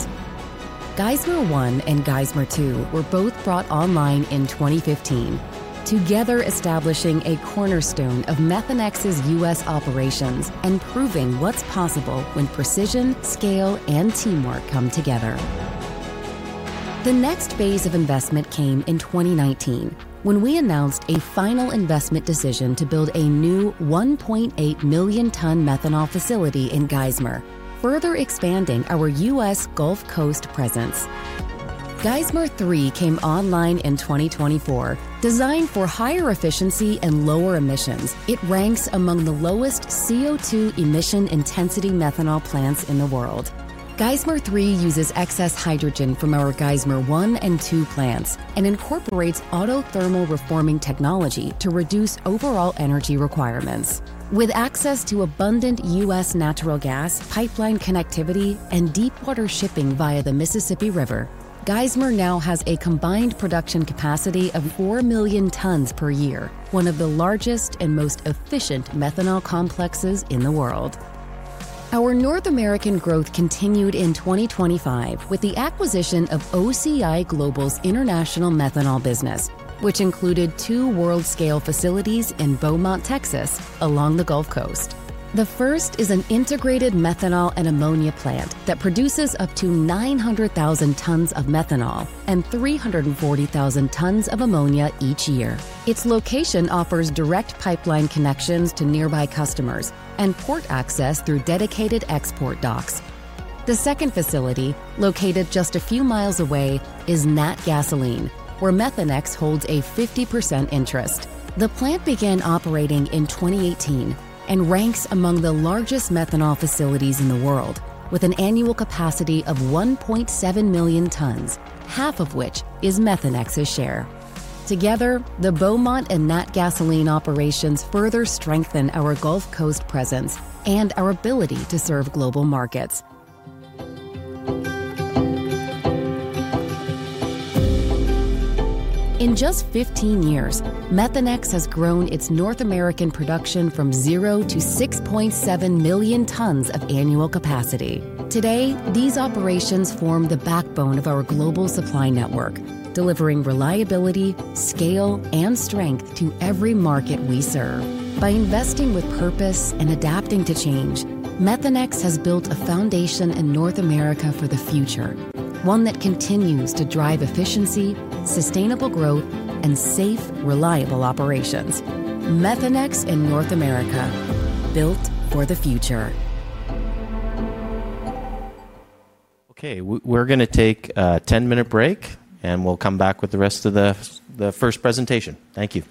Geismar 1 and Geismar 2 were both brought online in 2015, together establishing a cornerstone of Methanex's U.S. operations and proving what's possible when precision, scale, and teamwork come together. The next phase of investment came in 2019 when we announced a final investment decision to build a new 1.8 million ton methanol facility in Geismar, further expanding our U.S. Gulf Coast presence. Geismar 3 came online in 2024. Designed for higher efficiency and lower emissions, it ranks among the lowest CO2 emission-intensity methanol plants in the world. Geismar 3 uses excess hydrogen from our Geismar 1 and 2 plants and incorporates autothermal reforming technology to reduce overall energy requirements. With access to abundant U.S. natural gas, pipeline connectivity, and deep-water shipping via the Mississippi River, Geismar now has a combined production capacity of 4 million tons per year, one of the largest and most efficient methanol complexes in the world. Our North American growth continued in 2025 with the acquisition of OCI Global's International Methanol Business, which included two world-scale facilities in Beaumont, Texas, along the Gulf Coast. The first is an integrated methanol and ammonia plant that produces up to 900,000 tons of methanol and 340,000 tons of ammonia each year. Its location offers direct pipeline connections to nearby customers and port access through dedicated export docks. The second facility, located just a few miles away, is Natgasoline, where Methanex holds a 50% interest. The plant began operating in 2018 and ranks among the largest methanol facilities in the world, with an annual capacity of 1.7 million tons, half of which is Methanex's share. Together, the Beaumont and Natgasoline operations further strengthen our Gulf Coast presence and our ability to serve global markets. In just 15 years, Methanex has grown its North American production from 0 to 6.7 million tons of annual capacity. Today, these operations form the backbone of our global supply network, delivering reliability, scale, and strength to every market we serve. By investing with purpose and adapting to change, Methanex has built a foundation in North America for the future, one that continues to drive efficiency, sustainable growth, and safe, reliable operations. Methanex in North America, built for the future. Okay, we're going to take a 10-minute break, and we'll come back with the rest of the first presentation. Thank you.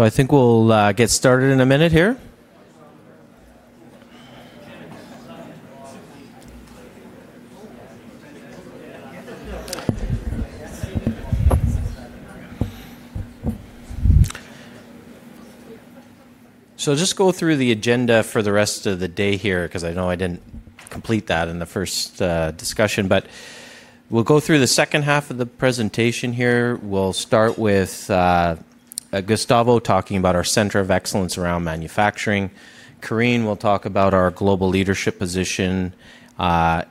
I think we'll get started in a minute here. I'll just go through the agenda for the rest of the day here because I know I didn't complete that in the first discussion, but we'll go through the second half of the presentation here. We'll start with Gustavo talking about our center of excellence around manufacturing. Karine will talk about our global leadership position, and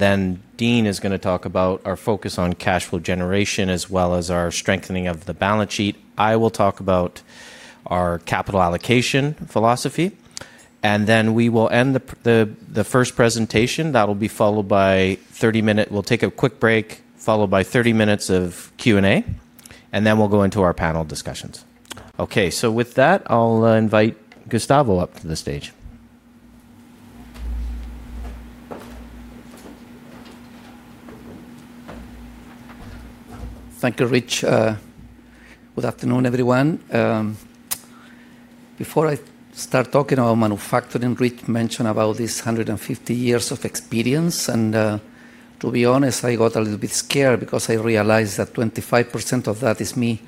then Dean is going to talk about our focus on cash flow generation as well as our strengthening of the balance sheet. I will talk about our capital allocation philosophy, and then we will end the first presentation. That'll be followed by 30 minutes. We'll take a quick break, followed by 30 minutes of Q&A, and then we'll go into our panel discussions. Okay, with that, I'll invite Gustavo up to the stage. Thank you, Rich. Good afternoon, everyone. Before I start talking about manufacturing, Rich mentioned about this 150 years of experience, and to be honest, I got a little bit scared because I realized that 25% of that is me.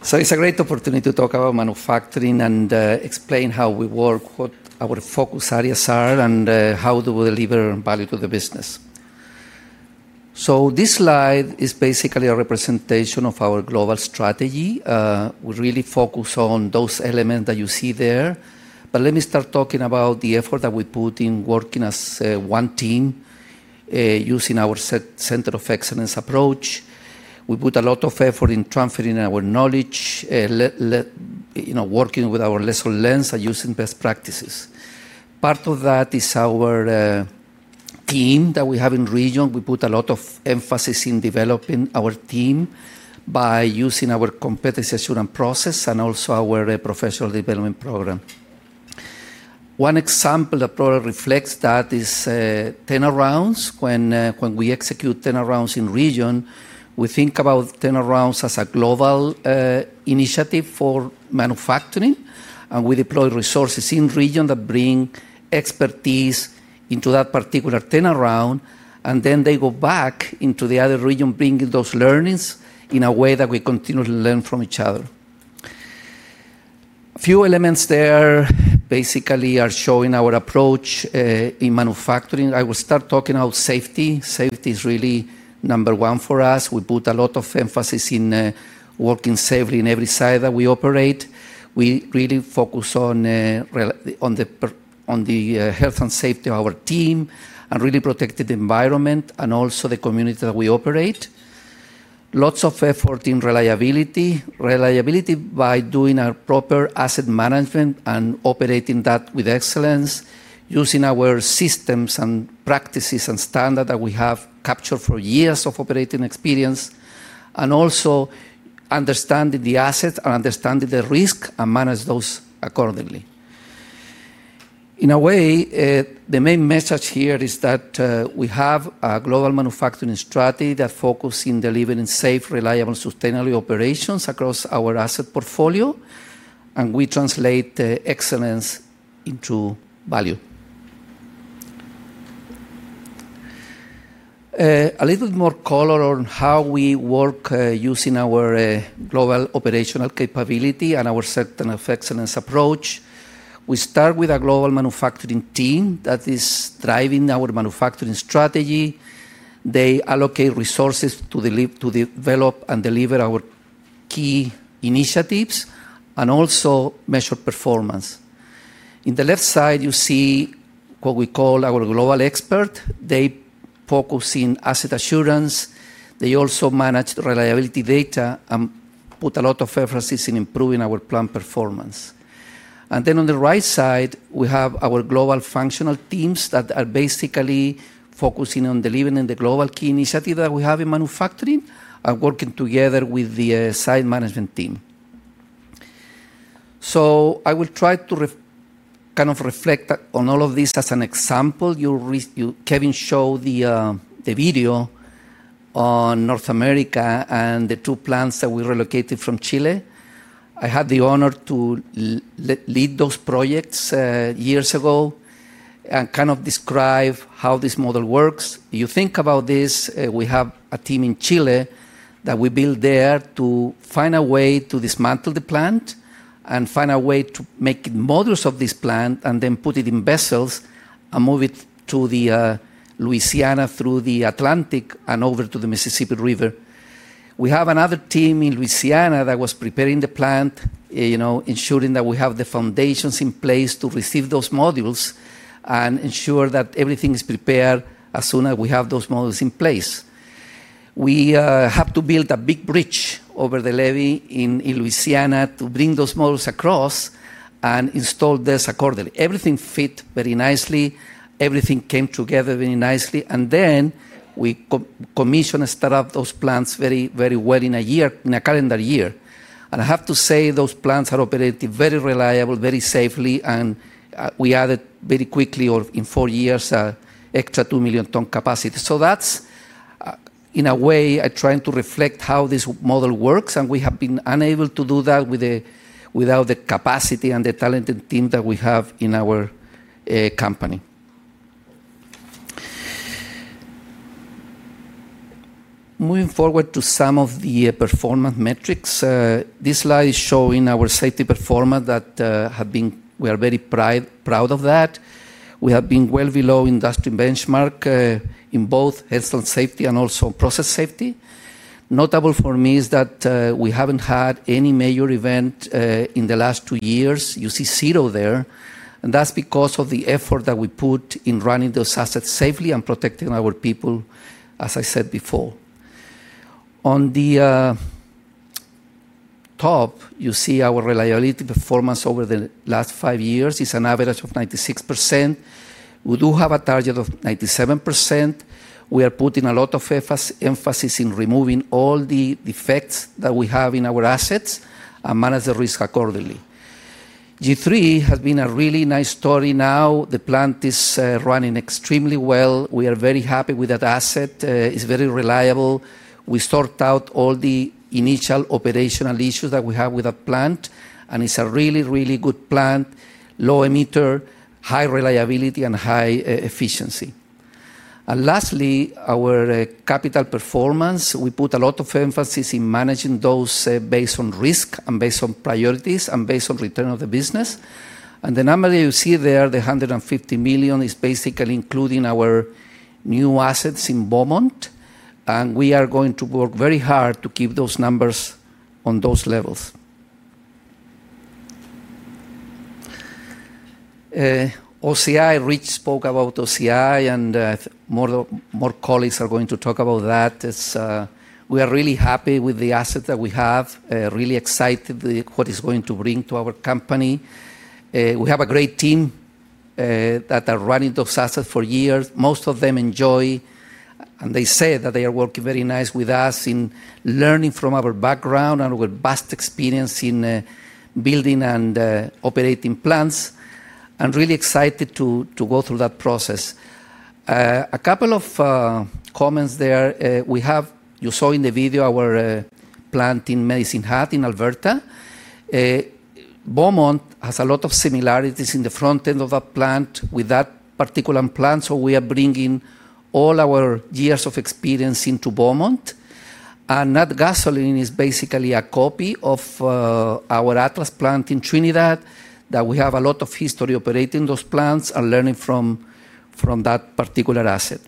It's a great opportunity to talk about manufacturing and explain how we work, what our focus areas are, and how do we deliver value to the business. This slide is basically a representation of our global strategy. We really focus on those elements that you see there, but let me start talking about the effort that we put in working as one team using our center of excellence approach. We put a lot of effort in transferring our knowledge, working with our lesson lens and using best practices. Part of that is our team that we have in region. We put a lot of emphasis in developing our team by using our competency assurance process and also our professional development program. One example that probably reflects that is turnarounds. When we execute turnarounds in region, we think about turnarounds as a global initiative for manufacturing, and we deploy resources in region that bring expertise into that particular turnaround, and then they go back into the other region, bringing those learnings in a way that we continually learn from each other. A few elements there basically are showing our approach in manufacturing. I will start talking about safety. Safety is really number one for us. We put a lot of emphasis in working safely in every site that we operate. We really focus on the health and safety of our team and really protect the environment and also the community that we operate. Lots of effort in reliability, reliability by doing our proper asset management and operating that with excellence, using our systems and practices and standards that we have captured for years of operating experience, and also understanding the assets and understanding the risk and manage those accordingly. In a way, the main message here is that we have a global manufacturing strategy that focuses on delivering safe, reliable, and sustainable operations across our asset portfolio, and we translate excellence into value. A little bit more color on how we work using our global operational capability and our certain effectiveness approach. We start with a global manufacturing team that is driving our manufacturing strategy. They allocate resources to develop and deliver our key initiatives and also measure performance. On the left side, you see what we call our global expert. They focus on asset assurance. They also manage reliability data and put a lot of emphasis on improving our plant performance. On the right side, we have our global functional teams that are basically focusing on delivering the global key initiative that we have in manufacturing and working together with the site management team. I will try to kind of reflect on all of this as an example. Kevin showed the video on North America and the two plants that we relocated from Chile. I had the honor to lead those projects years ago and kind of describe how this model works. You think about this. We have a team in Chile that we built there to find a way to dismantle the plant and find a way to make models of this plant and then put it in vessels and move it to Louisiana through the Atlantic and over to the Mississippi River. We have another team in Louisiana that was preparing the plant, ensuring that we have the foundations in place to receive those modules and ensure that everything is prepared as soon as we have those modules in place. We have to build a big bridge over the levee in Louisiana to bring those modules across and install this accordingly. Everything fit very nicely. Everything came together very nicely. We commissioned and set up those plants very well in a year, in a calendar year. I have to say those plants are operating very reliably, very safely, and we added very quickly, or in four years, an extra 2 million ton capacity. In a way, I am trying to reflect how this model works, and we would have been unable to do that without the capacity and the talented team that we have in our company. Moving forward to some of the performance metrics, this slide is showing our safety performance that we are very proud of. We have been well below industry benchmark in both health and safety and also process safety. Notable for me is that we have not had any major event in the last two years. You see zero there, and that's because of the effort that we put in running those assets safely and protecting our people, as I said before. On the top, you see our reliability performance over the last five years is an average of 96%. We do have a target of 97%. We are putting a lot of emphasis in removing all the defects that we have in our assets and manage the risk accordingly. G3 has been a really nice story. Now the plant is running extremely well. We are very happy with that asset. It's very reliable. We sort out all the initial operational issues that we have with that plant, and it's a really, really good plant, low emitter, high reliability, and high efficiency. Lastly, our capital performance, we put a lot of emphasis in managing those based on risk and based on priorities and based on return of the business. The number that you see there, the $150 million, is basically including our new assets in Beaumont, and we are going to work very hard to keep those numbers on those levels. OCI, Rich spoke about OCI, and more colleagues are going to talk about that. We are really happy with the asset that we have, really excited what it's going to bring to our company. We have a great team that are running those assets for years. Most of them enjoy, and they say that they are working very nice with us in learning from our background and our vast experience in building and operating plants, and really excited to go through that process. A couple of comments there. You saw in the video our plant in Medicine Hat in Alberta. Beaumont has a lot of similarities in the front end of that plant with that particular plant, so we are bringing all our years of experience into Beaumont. That gasoline is basically a copy of our Atlas plant in Trinidad that we have a lot of history operating those plants and learning from that particular asset.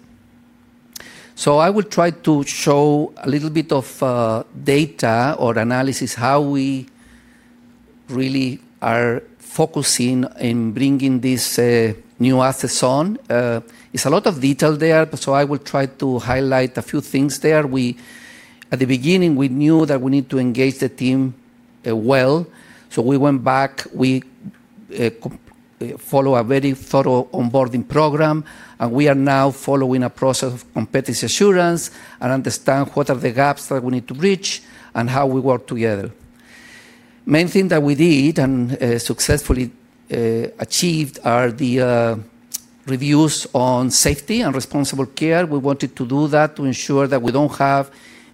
I will try to show a little bit of data or analysis how we really are focusing in bringing these new assets on. There is a lot of detail there, so I will try to highlight a few things there. At the beginning, we knew that we need to engage the team well, so we went back. We follow a very thorough onboarding program, and we are now following a process of competency assurance and understand what are the gaps that we need to bridge and how we work together. The main thing that we did and successfully achieved are the reviews on safety and responsible care. We wanted to do that to ensure that we do not have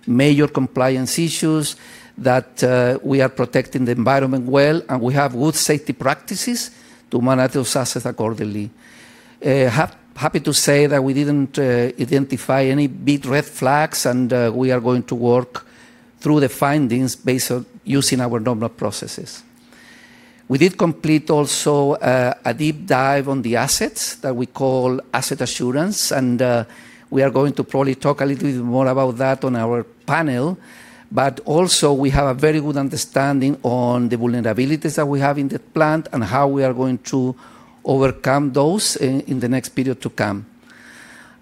major compliance issues, that we are protecting the environment well, and we have good safety practices to manage those assets accordingly. Happy to say that we did not identify any big red flags, and we are going to work through the findings based on using our normal processes. We did complete also a deep dive on the assets that we call asset assurance, and we are going to probably talk a little bit more about that on our panel, but also we have a very good understanding on the vulnerabilities that we have in the plant and how we are going to overcome those in the next period to come.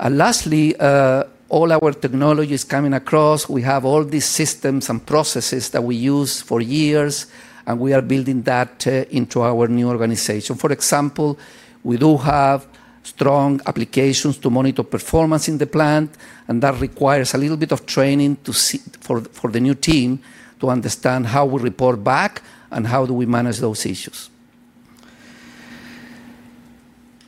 Lastly, all our technology is coming across. We have all these systems and processes that we use for years, and we are building that into our new organization. For example, we do have strong applications to monitor performance in the plant, and that requires a little bit of training for the new team to understand how we report back and how do we manage those issues.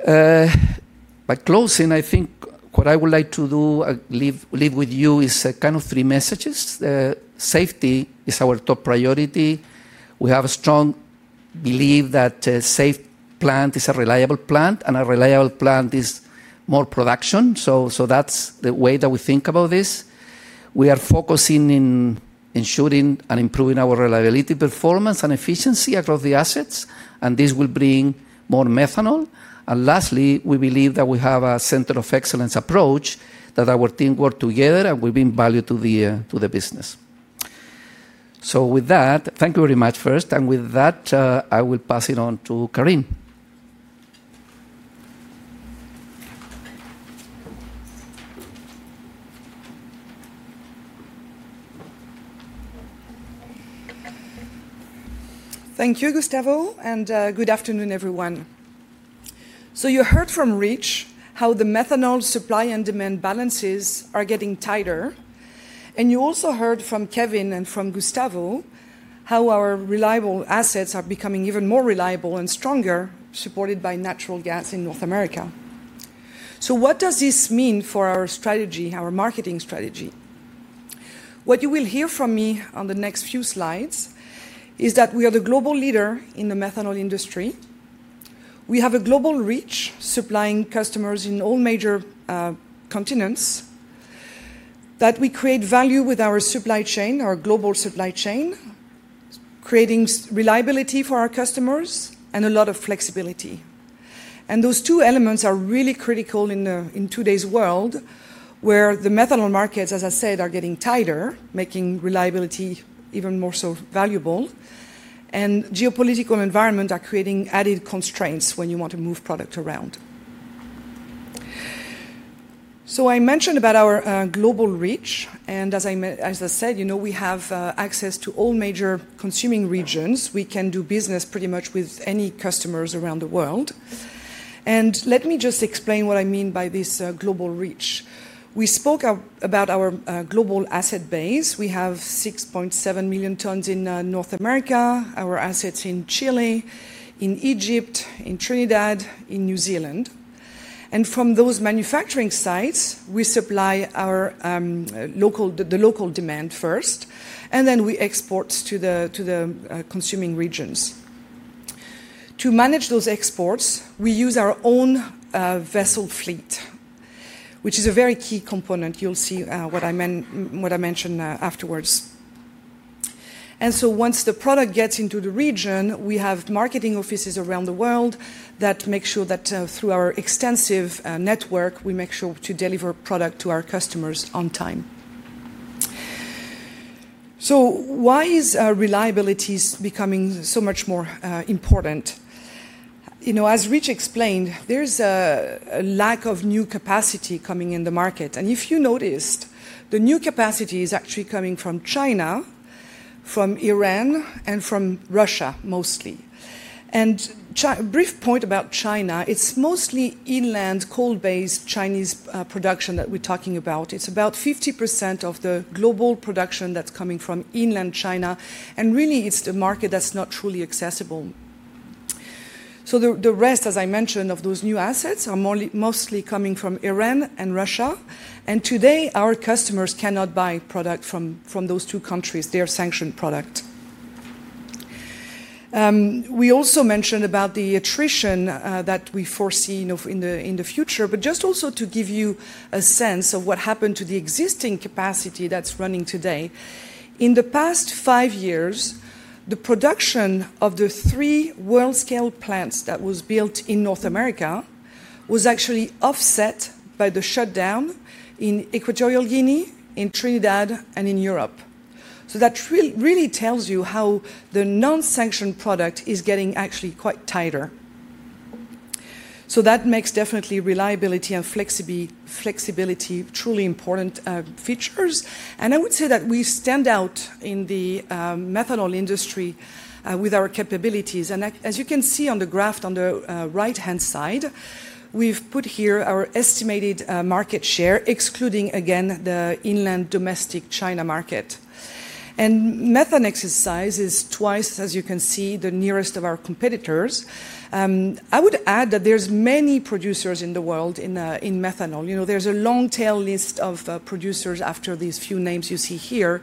By closing, I think what I would like to leave with you is kind of three messages. Safety is our top priority. We have a strong belief that a safe plant is a reliable plant, and a reliable plant is more production. That is the way that we think about this. We are focusing in ensuring and improving our reliability performance and efficiency across the assets, and this will bring more methanol. Lastly, we believe that we have a center of excellence approach, that our team worked together and will bring value to the business. Thank you very much first, and with that, I will pass it on to Karine. Thank you, Gustavo, and good afternoon, everyone. You heard from Rich how the methanol supply and demand balances are getting tighter, and you also heard from Kevin and from Gustavo how our reliable assets are becoming even more reliable and stronger, supported by natural gas in North America. What does this mean for our strategy, our marketing strategy? What you will hear from me on the next few slides is that we are the global leader in the methanol industry. We have a global reach supplying customers in all major continents, that we create value with our supply chain, our global supply chain, creating reliability for our customers and a lot of flexibility. Those two elements are really critical in today's world where the methanol markets, as I said, are getting tighter, making reliability even more so valuable, and geopolitical environments are creating added constraints when you want to move product around. I mentioned our global reach, and as I said, we have access to all major consuming regions. We can do business pretty much with any customers around the world. Let me just explain what I mean by this global reach. We spoke about our global asset base. We have 6.7 million tons in North America, our assets in Chile, in Egypt, in Trinidad, in New Zealand. From those manufacturing sites, we supply the local demand first, and then we export to the consuming regions. To manage those exports, we use our own vessel fleet, which is a very key component. You'll see what I mentioned afterwards. Once the product gets into the region, we have marketing offices around the world that make sure that through our extensive network, we make sure to deliver product to our customers on time. Why is reliability becoming so much more important? As Rich explained, there's a lack of new capacity coming in the market. If you noticed, the new capacity is actually coming from China, from Iran, and from Russia mostly. A brief point about China, it's mostly inland coal-based Chinese production that we're talking about. It's about 50% of the global production that's coming from inland China, and really, it's the market that's not truly accessible. The rest, as I mentioned, of those new assets are mostly coming from Iran and Russia. Today, our customers cannot buy product from those two countries. They are sanctioned product. We also mentioned about the attrition that we foresee in the future, but just also to give you a sense of what happened to the existing capacity that's running today. In the past five years, the production of the three world-scale plants that were built in North America was actually offset by the shutdown in Equatorial Guinea, in Trinidad, and in Europe. That really tells you how the non-sanctioned product is getting actually quite tighter. That makes definitely reliability and flexibility truly important features. I would say that we stand out in the methanol industry with our capabilities. As you can see on the graph on the right-hand side, we have put here our estimated market share, excluding, again, the inland domestic China market. Methanex's size is twice, as you can see, the nearest of our competitors. I would add that there are many producers in the world in methanol. There is a long tail list of producers after these few names you see here.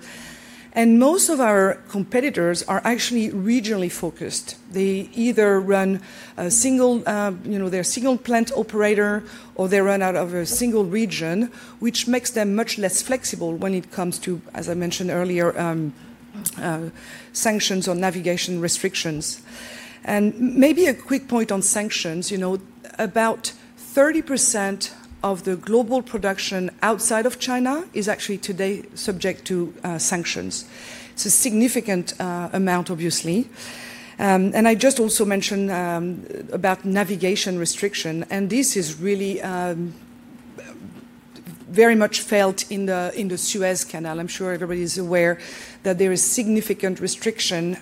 Most of our competitors are actually regionally focused. They either run a single—they are a single plant operator, or they run out of a single region, which makes them much less flexible when it comes to, as I mentioned earlier, sanctions or navigation restrictions. Maybe a quick point on sanctions. About 30% of the global production outside of China is actually today subject to sanctions. It's a significant amount, obviously. I just also mentioned about navigation restrictions, and this is really very much felt in the Suez Canal. I'm sure everybody is aware that there is significant restriction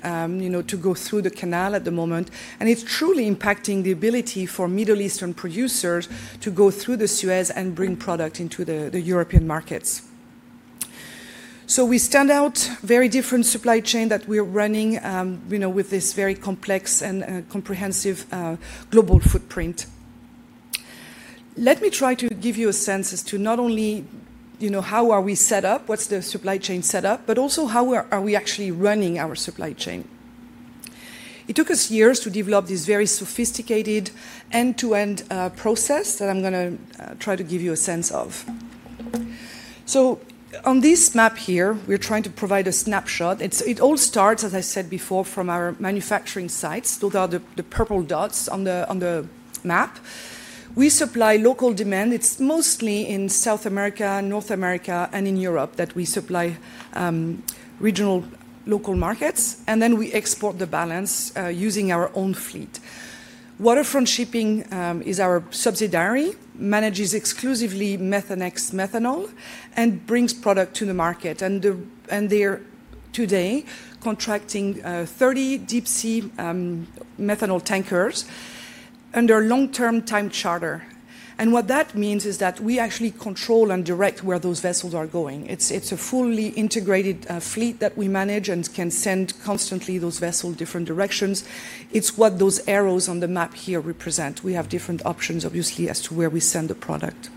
to go through the canal at the moment, and it's truly impacting the ability for Middle Eastern producers to go through the Suez and bring product into the European markets. We stand out very different supply chain that we're running with this very complex and comprehensive global footprint. Let me try to give you a sense as to not only how are we set up, what's the supply chain set up, but also how are we actually running our supply chain. It took us years to develop this very sophisticated end-to-end process that I'm going to try to give you a sense of. On this map here, we're trying to provide a snapshot. It all starts, as I said before, from our manufacturing sites. Those are the purple dots on the map. We supply local demand. It's mostly in South America, North America, and in Europe that we supply regional local markets, and then we export the balance using our own fleet. Waterfront Shipping is our subsidiary, manages exclusively Methanex methanol and brings product to the market. They're today contracting 30 deep-sea methanol tankers under long-term time charter. What that means is that we actually control and direct where those vessels are going. It's a fully integrated fleet that we manage and can send constantly those vessels in different directions. It's what those arrows on the map here represent. We have different options, obviously, as to where we send the product.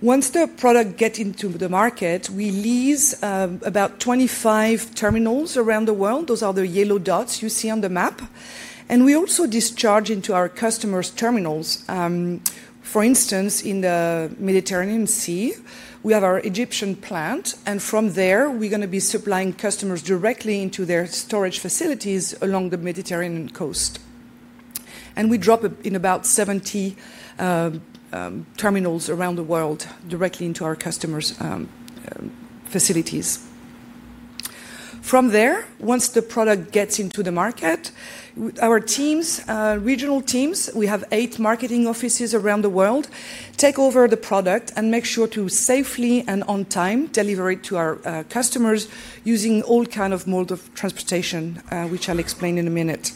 Once the product gets into the market, we lease about 25 terminals around the world. Those are the yellow dots you see on the map. We also discharge into our customers' terminals. For instance, in the Mediterranean Sea, we have our Egyptian plant, and from there, we're going to be supplying customers directly into their storage facilities along the Mediterranean coast. We drop in about 70 terminals around the world directly into our customers' facilities. From there, once the product gets into the market, our regional teams—we have eight marketing offices around the world—take over the product and make sure to safely and on time deliver it to our customers using all kinds of modes of transportation, which I'll explain in a minute.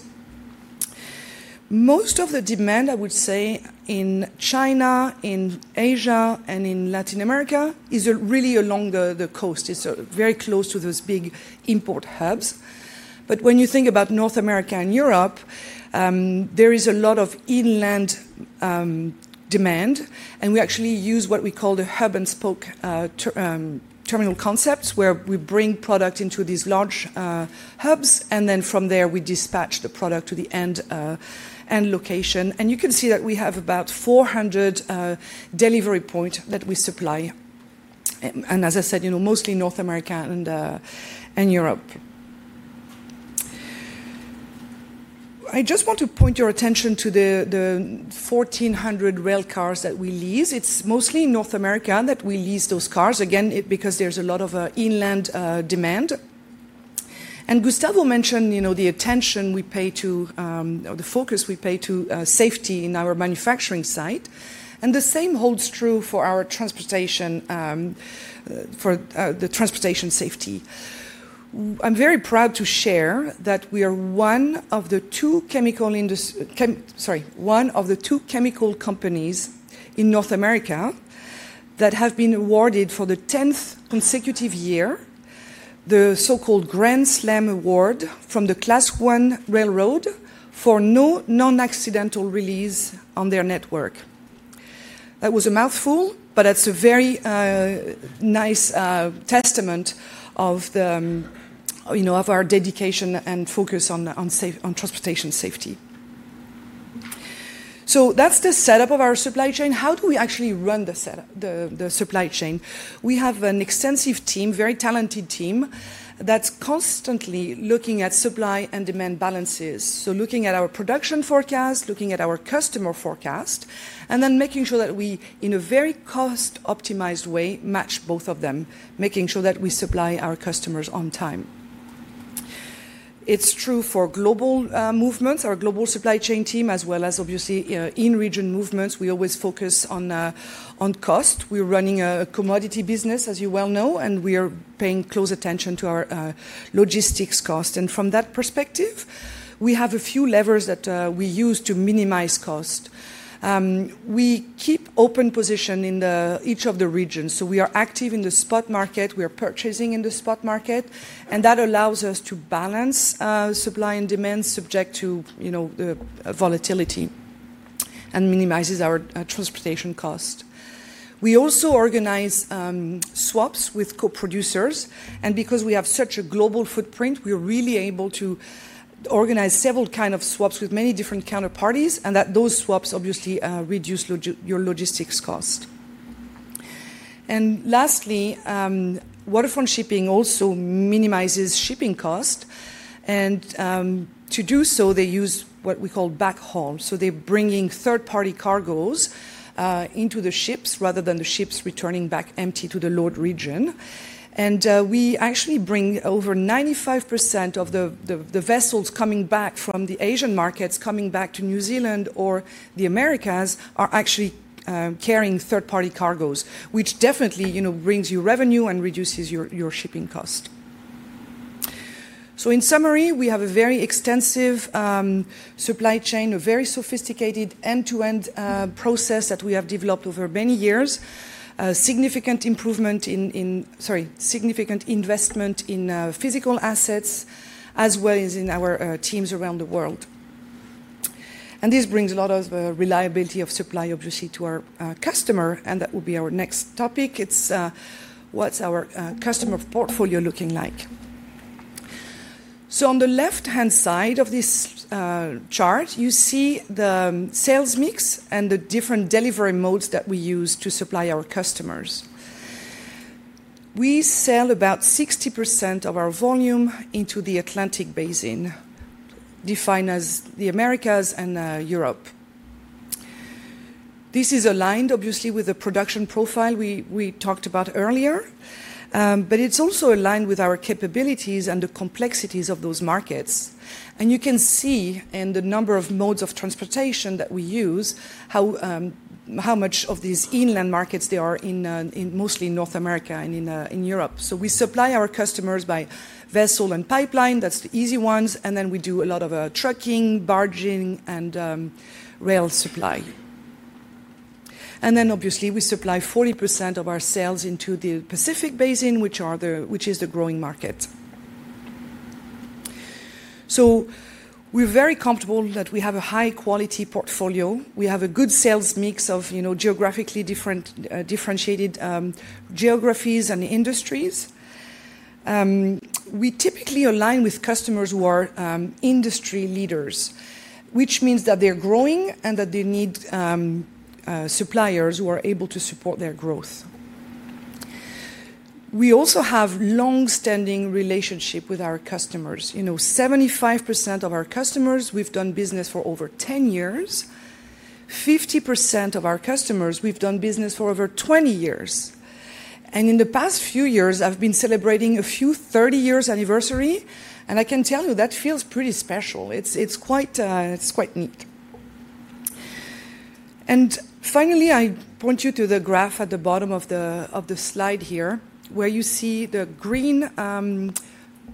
Most of the demand, I would say, in China, in Asia, and in Latin America is really along the coast. It's very close to those big import hubs. When you think about North America and Europe, there is a lot of inland demand, and we actually use what we call the hub-and-spoke terminal concepts where we bring product into these large hubs, and then from there, we dispatch the product to the end location. You can see that we have about 400 delivery points that we supply. As I said, mostly North America and Europe. I just want to point your attention to the 1,400 railcars that we lease. It's mostly in North America that we lease those cars, again, because there's a lot of inland demand. Gustavo mentioned the attention we pay to or the focus we pay to safety in our manufacturing site. The same holds true for our transportation safety. I'm very proud to share that we are one of the two chemical companies in North America that have been awarded for the 10th consecutive year the so-called Grand Slam Award from the Class 1 Railroad for non-accidental release on their network. That was a mouthful, but that's a very nice testament of our dedication and focus on transportation safety. That's the setup of our supply chain. How do we actually run the supply chain? We have an extensive team, very talented team that's constantly looking at supply and demand balances. Looking at our production forecast, looking at our customer forecast, and then making sure that we, in a very cost-optimized way, match both of them, making sure that we supply our customers on time. It's true for global movements, our global supply chain team, as well as, obviously, in-region movements. We always focus on cost. We're running a commodity business, as you well know, and we are paying close attention to our logistics cost. From that perspective, we have a few levers that we use to minimize cost. We keep open position in each of the regions. We are active in the spot market. We are purchasing in the spot market, and that allows us to balance supply and demand subject to volatility and minimizes our transportation cost. We also organize swaps with co-producers, and because we have such a global footprint, we're really able to organize several kinds of swaps with many different counterparties, and those swaps, obviously, reduce your logistics cost. Lastly, Waterfront Shipping also minimizes shipping cost. To do so, they use what we call back haul. They're bringing third-party cargoes into the ships rather than the ships returning back empty to the lower region. We actually bring over 95% of the vessels coming back from the Asian markets, coming back to New Zealand or the Americas, are actually carrying third-party cargoes, which definitely brings you revenue and reduces your shipping cost. In summary, we have a very extensive supply chain, a very sophisticated end-to-end process that we have developed over many years, significant improvement in, sorry, significant investment in physical assets, as well as in our teams around the world. This brings a lot of reliability of supply, obviously, to our customer, and that will be our next topic. It's what's our customer portfolio looking like? On the left-hand side of this chart, you see the sales mix and the different delivery modes that we use to supply our customers. We sell about 60% of our volume into the Atlantic basin, defined as the Americas and Europe. This is aligned, obviously, with the production profile we talked about earlier, but it is also aligned with our capabilities and the complexities of those markets. You can see in the number of modes of transportation that we use how much of these inland markets there are in mostly North America and in Europe. We supply our customers by vessel and pipeline. That is the easy ones. We do a lot of trucking, barging, and rail supply. Obviously, we supply 40% of our sales into the Pacific basin, which is the growing market. We are very comfortable that we have a high-quality portfolio. We have a good sales mix of geographically differentiated geographies and industries. We typically align with customers who are industry leaders, which means that they're growing and that they need suppliers who are able to support their growth. We also have a long-standing relationship with our customers. 75% of our customers, we've done business for over 10 years. 50% of our customers, we've done business for over 20 years. In the past few years, I've been celebrating a few 30-year anniversary, and I can tell you that feels pretty special. It's quite neat. Finally, I point you to the graph at the bottom of the slide here, where you see the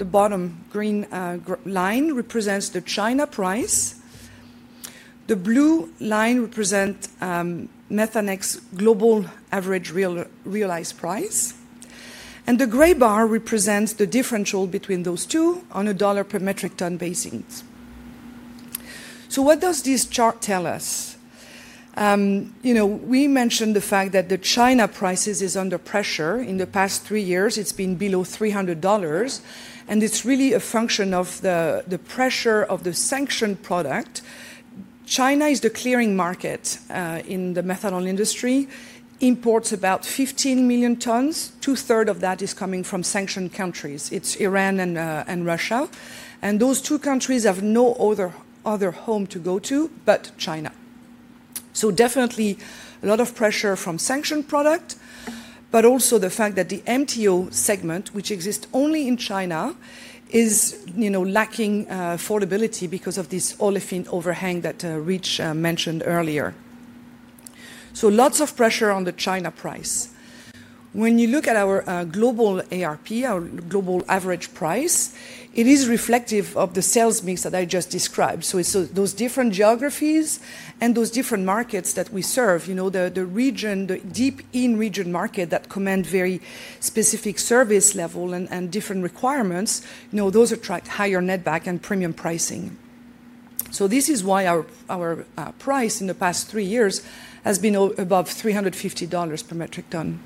bottom green line represents the China price. The blue line represents Methanex's global average realized price. The gray bar represents the differential between those two on a dollar per metric ton basis. What does this chart tell us? We mentioned the fact that the China prices are under pressure. In the past three years, it's been below $300, and it's really a function of the pressure of the sanctioned product. China is the clearing market in the methanol industry. It imports about 15 million tons. Two-thirds of that is coming from sanctioned countries. It's Iran and Russia. Those two countries have no other home to go to but China. Definitely a lot of pressure from sanctioned product, but also the fact that the MTO segment, which exists only in China, is lacking affordability because of this olefin overhang that Rich mentioned earlier. Lots of pressure on the China price. When you look at our global ARP, our global average price, it is reflective of the sales mix that I just described. It's those different geographies and those different markets that we serve. The region, the deep in-region market that commands very specific service levels and different requirements, those attract higher net back and premium pricing. This is why our price in the past three years has been above $350 per metric ton.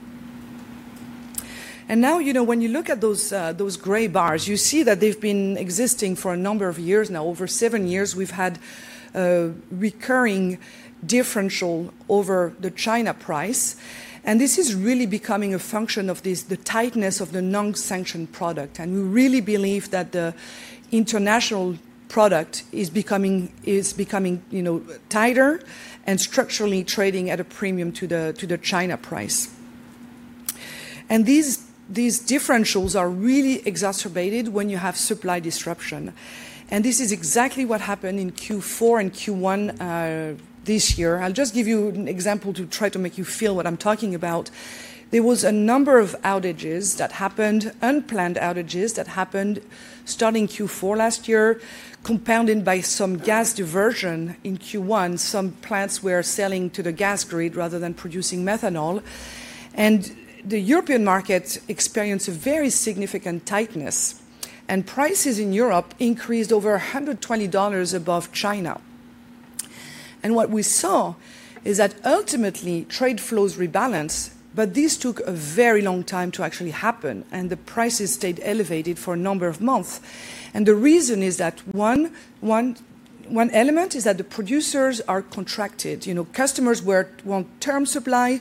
Now, when you look at those gray bars, you see that they have been existing for a number of years now. Over seven years, we have had recurring differential over the China price. This is really becoming a function of the tightness of the non-sanctioned product. We really believe that the international product is becoming tighter and structurally trading at a premium to the China price. These differentials are really exacerbated when you have supply disruption. This is exactly what happened in Q4 and Q1 this year. I'll just give you an example to try to make you feel what I'm talking about. There was a number of outages that happened, unplanned outages that happened starting Q4 last year, compounded by some gas diversion in Q1. Some plants were selling to the gas grid rather than producing methanol. The European market experienced a very significant tightness, and prices in Europe increased over $120 above China. What we saw is that ultimately, trade flows rebalanced, but this took a very long time to actually happen, and the prices stayed elevated for a number of months. The reason is that one element is that the producers are contracted. Customers want term supply,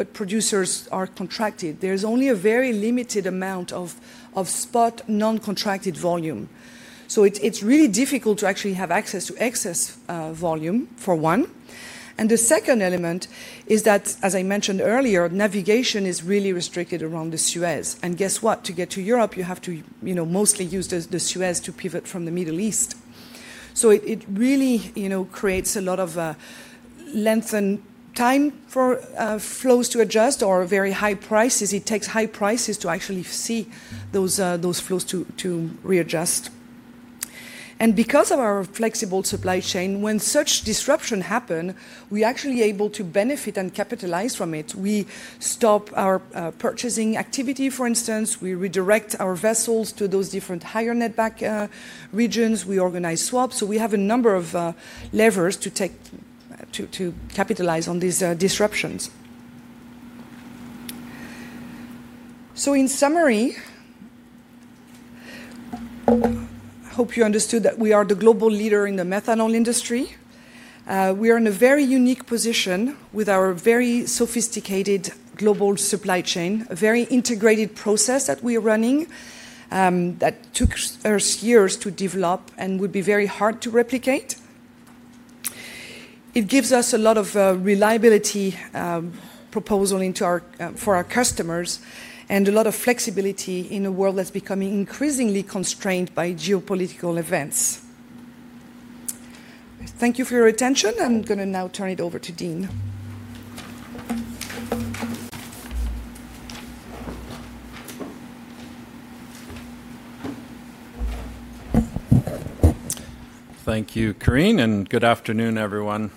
but producers are contracted. There is only a very limited amount of spot non-contracted volume. It is really difficult to actually have access to excess volume, for one. The second element is that, as I mentioned earlier, navigation is really restricted around the Suez. And guess what? To get to Europe, you have to mostly use the Suez to pivot from the Middle East. It really creates a lot of lengthened time for flows to adjust or very high prices. It takes high prices to actually see those flows to readjust. Because of our flexible supply chain, when such disruption happens, we're actually able to benefit and capitalize from it. We stop our purchasing activity, for instance. We redirect our vessels to those different higher net back regions. We organize swaps. We have a number of levers to capitalize on these disruptions. In summary, I hope you understood that we are the global leader in the methanol industry. We are in a very unique position with our very sophisticated global supply chain, a very integrated process that we are running that took us years to develop and would be very hard to replicate. It gives us a lot of reliability proposal for our customers and a lot of flexibility in a world that's becoming increasingly constrained by geopolitical events. Thank you for your attention. I'm going to now turn it over to Dean. Thank you, Karine, and good afternoon, everyone.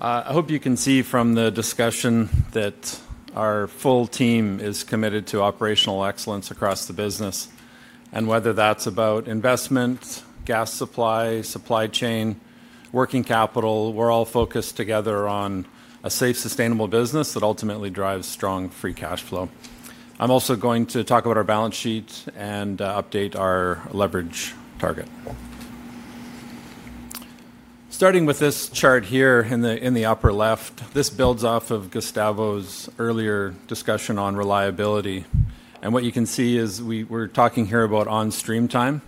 I hope you can see from the discussion that our full team is committed to operational excellence across the business. Whether that's about investment, gas supply, supply chain, working capital, we're all focused together on a safe, sustainable business that ultimately drives strong free cash flow. I'm also going to talk about our balance sheet and update our leverage target. Starting with this chart here in the upper left, this builds off of Gustavo's earlier discussion on reliability. What you can see is we're talking here about on-stream time.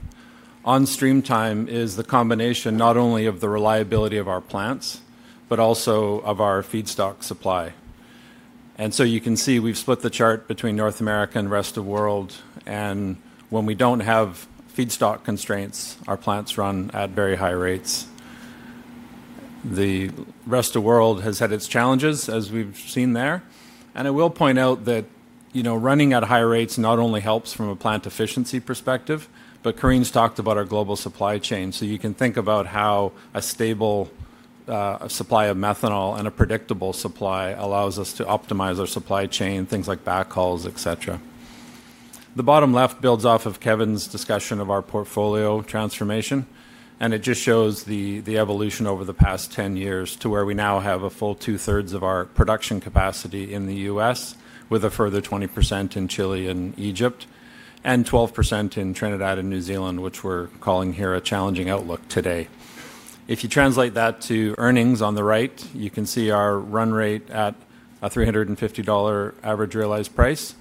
On-stream time is the combination not only of the reliability of our plants, but also of our feedstock supply. You can see we have split the chart between North America and the rest of the world. When we do not have feedstock constraints, our plants run at very high rates. The rest of the world has had its challenges, as we have seen there. I will point out that running at high rates not only helps from a plant efficiency perspective, but Karine has talked about our global supply chain. You can think about how a stable supply of methanol and a predictable supply allows us to optimize our supply chain, things like back hauls, etc. The bottom left builds off of Kevin's discussion of our portfolio transformation. It just shows the evolution over the past 10 years to where we now have a full two-thirds of our production capacity in the U.S., with a further 20% in Chile and Egypt, and 12% in Trinidad and New Zealand, which we are calling here a challenging outlook today. If you translate that to earnings on the right, you can see our run rate at a $350 average realized price.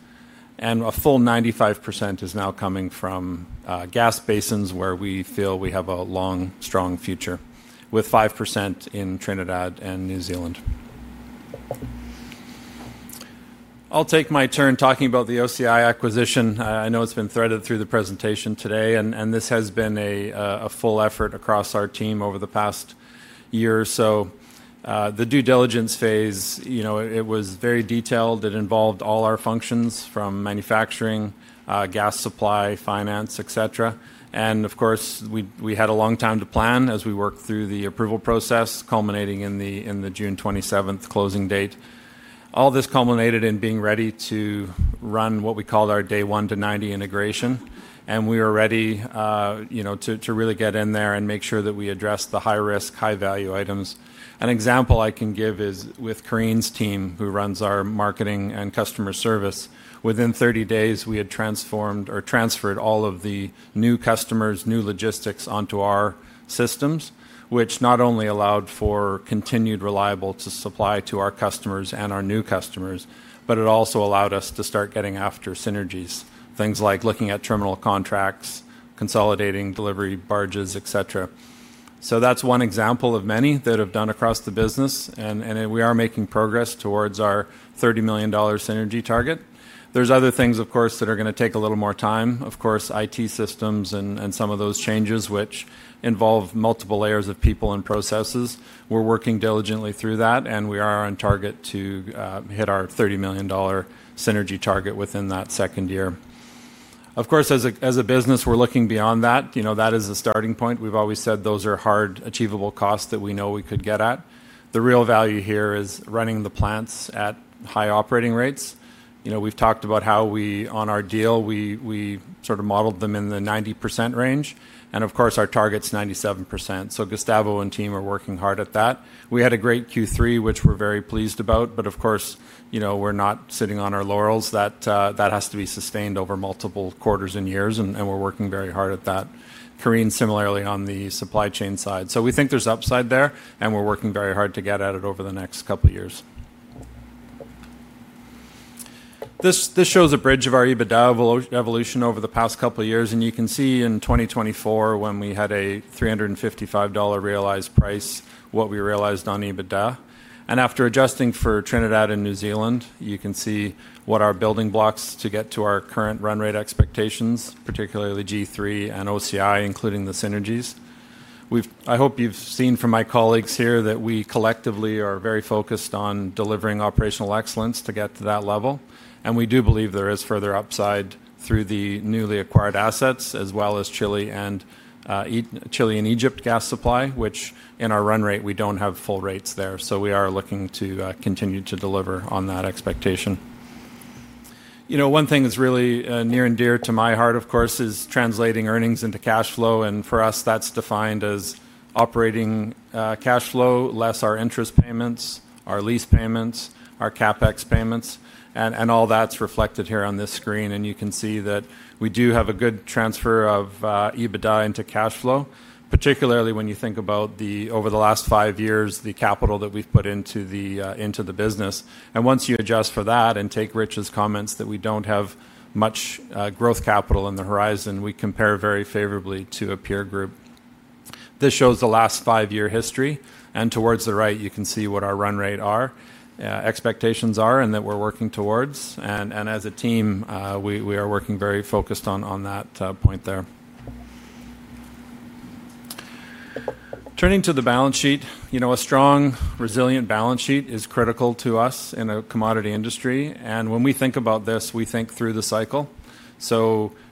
A full 95% is now coming from gas basins where we feel we have a long, strong future, with 5% in Trinidad and New Zealand. I will take my turn talking about the OCI acquisition. I know it has been threaded through the presentation today, and this has been a full effort across our team over the past year or so. The due diligence phase, it was very detailed. It involved all our functions from manufacturing, gas supply, finance, etc. Of course, we had a long time to plan as we worked through the approval process, culminating in the June 27th closing date. All this culminated in being ready to run what we called our day 1-90 integration. We were ready to really get in there and make sure that we address the high-risk, high-value items. An example I can give is with Karine's team, who runs our marketing and customer service. Within 30 days, we had transformed or transferred all of the new customers, new logistics onto our systems, which not only allowed for continued reliable supply to our customers and our new customers, but it also allowed us to start getting after synergies, things like looking at terminal contracts, consolidating delivery barges, etc. That is one example of many that have been done across the business. We are making progress towards our $30 million synergy target. There are other things, of course, that are going to take a little more time. Of course, IT systems and some of those changes, which involve multiple layers of people and processes. We are working diligently through that, and we are on target to hit our $30 million synergy target within that second year. Of course, as a business, we are looking beyond that. That is a starting point. We have always said those are hard, achievable costs that we know we could get at. The real value here is running the plants at high operating rates. We have talked about how we, on our deal, we sort of modeled them in the 90% range. Our target is 97%. Gustavo and team are working hard at that. We had a great Q3, which we are very pleased about. Of course, we're not sitting on our laurels. That has to be sustained over multiple quarters and years, and we're working very hard at that. Karine, similarly, on the supply chain side. We think there's upside there, and we're working very hard to get at it over the next couple of years. This shows a bridge of our EBITDA evolution over the past couple of years. You can see in 2024, when we had a $355 realized price, what we realized on EBITDA. After adjusting for Trinidad and New Zealand, you can see what our building blocks to get to our current run rate expectations are, particularly G3 and OCI, including the synergies. I hope you've seen from my colleagues here that we collectively are very focused on delivering operational excellence to get to that level. We do believe there is further upside through the newly acquired assets, as well as Chile and Egypt gas supply, which in our run rate, we do not have full rates there. We are looking to continue to deliver on that expectation. One thing that is really near and dear to my heart, of course, is translating earnings into cash flow. For us, that is defined as operating cash flow less our interest payments, our lease payments, our CapEx payments. All that is reflected here on this screen. You can see that we do have a good transfer of EBITDA into cash flow, particularly when you think about over the last five years, the capital that we have put into the business. Once you adjust for that and take Rich's comments that we do not have much growth capital on the horizon, we compare very favorably to a peer group. This shows the last five-year history. Towards the right, you can see what our run rate expectations are and that we are working towards. As a team, we are working very focused on that point there. Turning to the balance sheet, a strong, resilient balance sheet is critical to us in a commodity industry. When we think about this, we think through the cycle.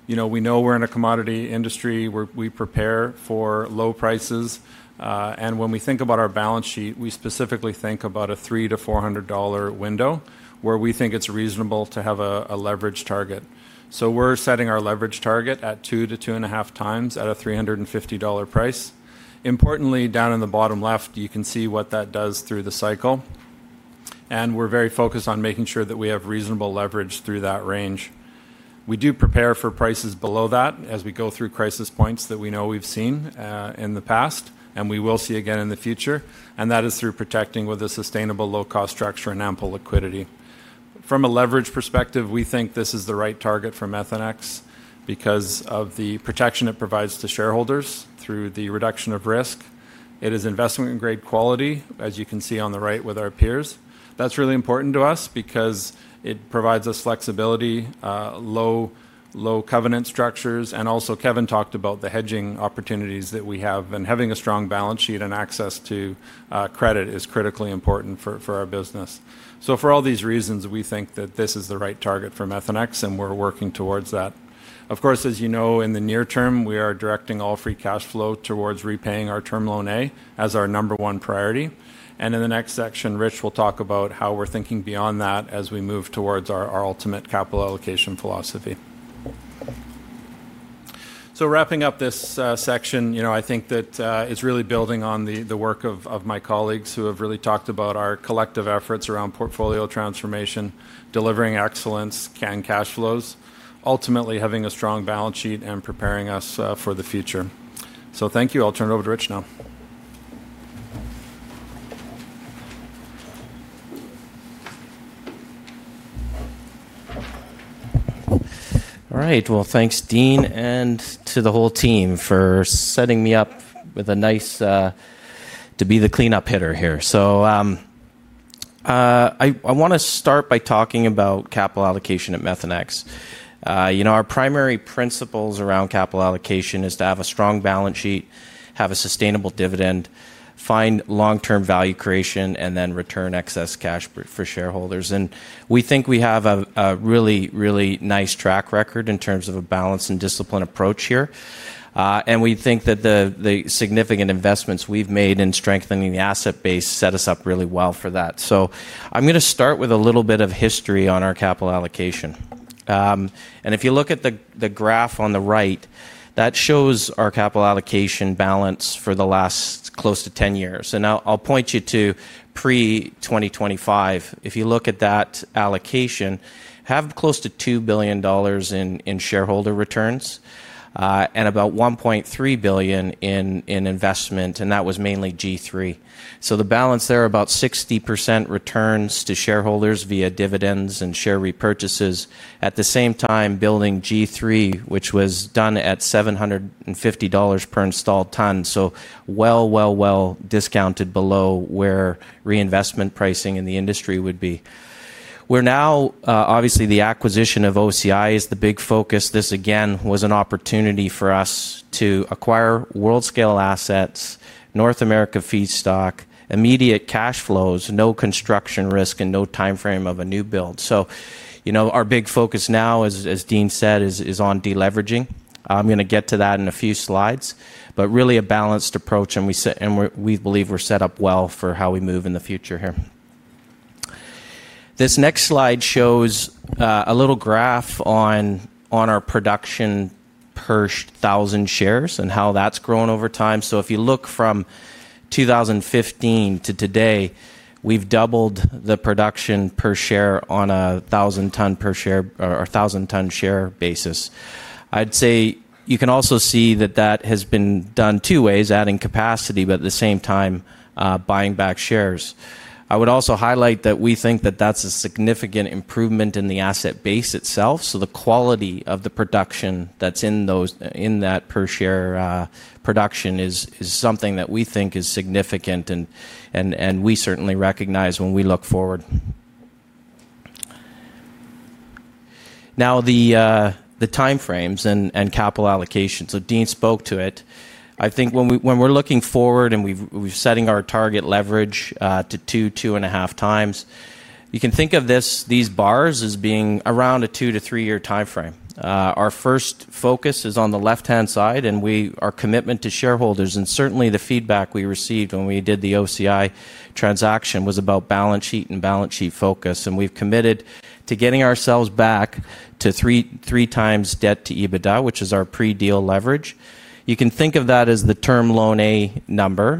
We know we are in a commodity industry where we prepare for low prices. When we think about our balance sheet, we specifically think about a $300-$400 window where we think it is reasonable to have a leverage target. We are setting our leverage target at two to two and a half times at a $350 price. Importantly, down in the bottom left, you can see what that does through the cycle. We're very focused on making sure that we have reasonable leverage through that range. We do prepare for prices below that as we go through crisis points that we know we've seen in the past and we will see again in the future. That is through protecting with a sustainable low-cost structure and ample liquidity. From a leverage perspective, we think this is the right target for Methanex because of the protection it provides to shareholders through the reduction of risk. It is investment-grade quality, as you can see on the right with our peers. That's really important to us because it provides us flexibility, low covenant structures. Also, Kevin talked about the hedging opportunities that we have. Having a strong balance sheet and access to credit is critically important for our business. For all these reasons, we think that this is the right target for Methanex, and we're working towards that. Of course, as you know, in the near term, we are directing all free cash flow towards repaying our term loan A as our number one priority. In the next section, Rich will talk about how we're thinking beyond that as we move towards our ultimate capital allocation philosophy. Wrapping up this section, I think that it's really building on the work of my colleagues who have really talked about our collective efforts around portfolio transformation, delivering excellence, canned cash flows, ultimately having a strong balance sheet and preparing us for the future. Thank you. I'll turn it over to Rich now. All right. Thanks, Dean, and to the whole team for setting me up with a nice to be the cleanup hitter here. I want to start by talking about capital allocation at Methanex. Our primary principles around capital allocation is to have a strong balance sheet, have a sustainable dividend, find long-term value creation, and then return excess cash for shareholders. We think we have a really, really nice track record in terms of a balance and discipline approach here. We think that the significant investments we have made in strengthening the asset base set us up really well for that. I am going to start with a little bit of history on our capital allocation. If you look at the graph on the right, that shows our capital allocation balance for the last close to 10 years. I will point you to pre-2025. If you look at that allocation, have close to $2 billion in shareholder returns and about $1.3 billion in investment. That was mainly G3. The balance there are about 60% returns to shareholders via dividends and share repurchases. At the same time, building G3, which was done at $750 per installed ton, well, well, well discounted below where reinvestment pricing in the industry would be. We are now, obviously, the acquisition of OCI is the big focus. This, again, was an opportunity for us to acquire world-scale assets, North America feedstock, immediate cash flows, no construction risk, and no timeframe of a new build. Our big focus now, as Dean said, is on deleveraging. I am going to get to that in a few slides, but really a balanced approach. We believe we are set up well for how we move in the future here. This next slide shows a little graph on our production per 1,000 shares and how that's grown over time. If you look from 2015 to today, we've doubled the production per share on a 1,000-ton per share or 1,000-ton share basis. I'd say you can also see that that has been done two ways, adding capacity, but at the same time, buying back shares. I would also highlight that we think that that's a significant improvement in the asset base itself. The quality of the production that's in that per share production is something that we think is significant, and we certainly recognize when we look forward. Now, the timeframes and capital allocation. Dean spoke to it. I think when we're looking forward and we're setting our target leverage to two, two and a half times, you can think of these bars as being around a two to three-year timeframe. Our first focus is on the left-hand side, and our commitment to shareholders and certainly the feedback we received when we did the OCI transaction was about balance sheet and balance sheet focus. We've committed to getting ourselves back to three times debt to EBITDA, which is our pre-deal leverage. You can think of that as the term loan A number.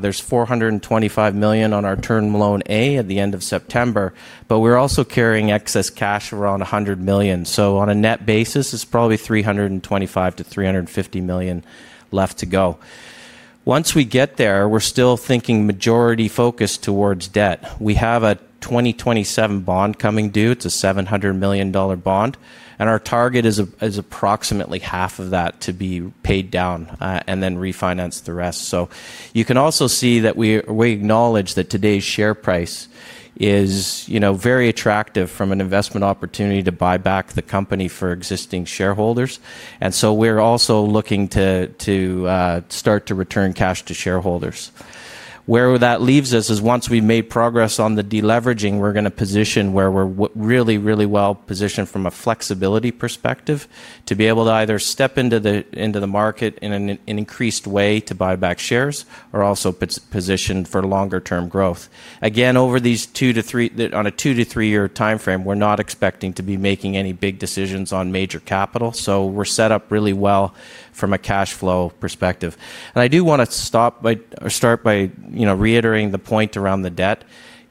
There's $425 million on our term loan A at the end of September, but we're also carrying excess cash around $100 million. On a net basis, it's probably $325-$350 million left to go. Once we get there, we're still thinking majority focus towards debt. We have a 2027 bond coming due. It's a $700 million bond. Our target is approximately half of that to be paid down and then refinance the rest. You can also see that we acknowledge that today's share price is very attractive from an investment opportunity to buy back the company for existing shareholders. We are also looking to start to return cash to shareholders. Where that leaves us is once we've made progress on the deleveraging, we're going to be in a position where we're really, really well positioned from a flexibility perspective to be able to either step into the market in an increased way to buy back shares or also be positioned for longer-term growth. Again, over these two to three, on a two to three-year timeframe, we're not expecting to be making any big decisions on major capital. We're set up really well from a cash flow perspective. I do want to start by reiterating the point around the debt.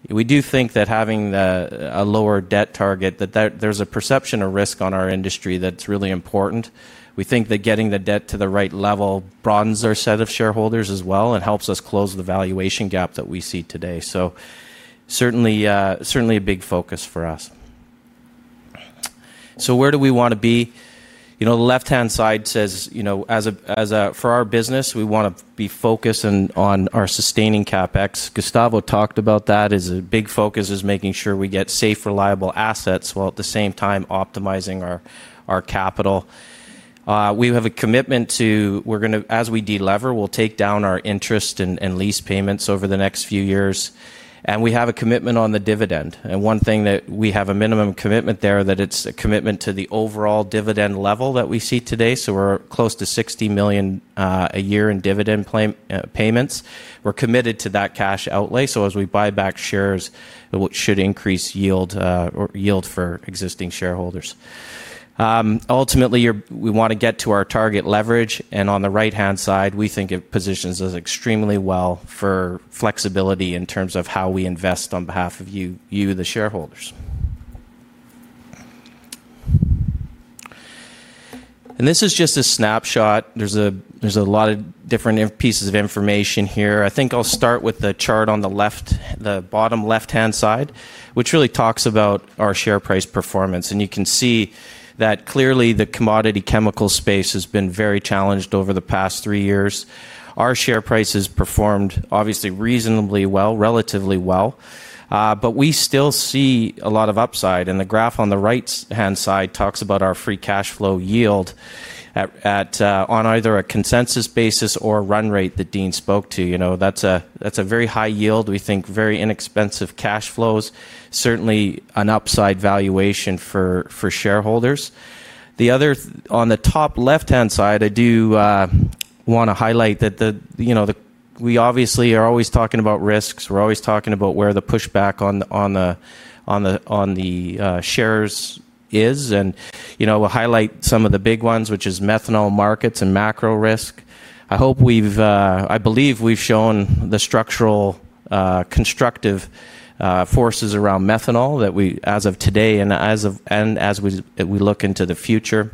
We do think that having a lower debt target, that there's a perception of risk on our industry that's really important. We think that getting the debt to the right level broadens our set of shareholders as well and helps us close the valuation gap that we see today. Certainly a big focus for us. Where do we want to be? The left-hand side says, for our business, we want to be focused on our sustaining CapEx. Gustavo talked about that as a big focus is making sure we get safe, reliable assets while at the same time optimizing our capital. We have a commitment to, as we deliver, we'll take down our interest and lease payments over the next few years. We have a commitment on the dividend. One thing that we have, a minimum commitment there, that it's a commitment to the overall dividend level that we see today. We're close to $60 million a year in dividend payments. We're committed to that cash outlay. As we buy back shares, it should increase yield for existing shareholders. Ultimately, we want to get to our target leverage. On the right-hand side, we think it positions us extremely well for flexibility in terms of how we invest on behalf of you, the shareholders. This is just a snapshot. There's a lot of different pieces of information here. I think I'll start with the chart on the left, the bottom left-hand side, which really talks about our share price performance. You can see that clearly the commodity chemical space has been very challenged over the past three years. Our share price has performed, obviously, reasonably well, relatively well. We still see a lot of upside. The graph on the right-hand side talks about our free cash flow yield on either a consensus basis or run rate that Dean spoke to. That is a very high yield. We think very inexpensive cash flows, certainly an upside valuation for shareholders. On the top left-hand side, I do want to highlight that we obviously are always talking about risks. We are always talking about where the pushback on the shares is. We will highlight some of the big ones, which is methanol markets and macro risk. I believe we have shown the structural constructive forces around methanol as of today and as we look into the future.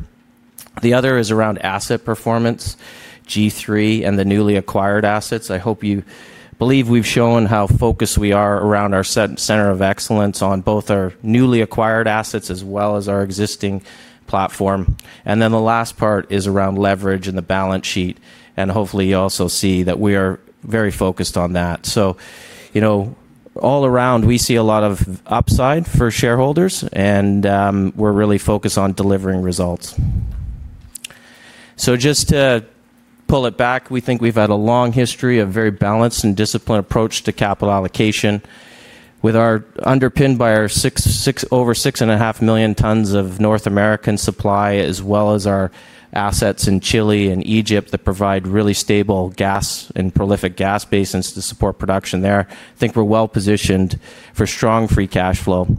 The other is around asset performance, G3, and the newly acquired assets. I hope you believe we've shown how focused we are around our center of excellence on both our newly acquired assets as well as our existing platform. The last part is around leverage and the balance sheet. Hopefully, you also see that we are very focused on that. All around, we see a lot of upside for shareholders, and we're really focused on delivering results. Just to pull it back, we think we've had a long history of very balanced and disciplined approach to capital allocation underpinned by our over 6.5 million tons of North American supply as well as our assets in Chile and Egypt that provide really stable gas and prolific gas basins to support production there. I think we're well positioned for strong free cash flow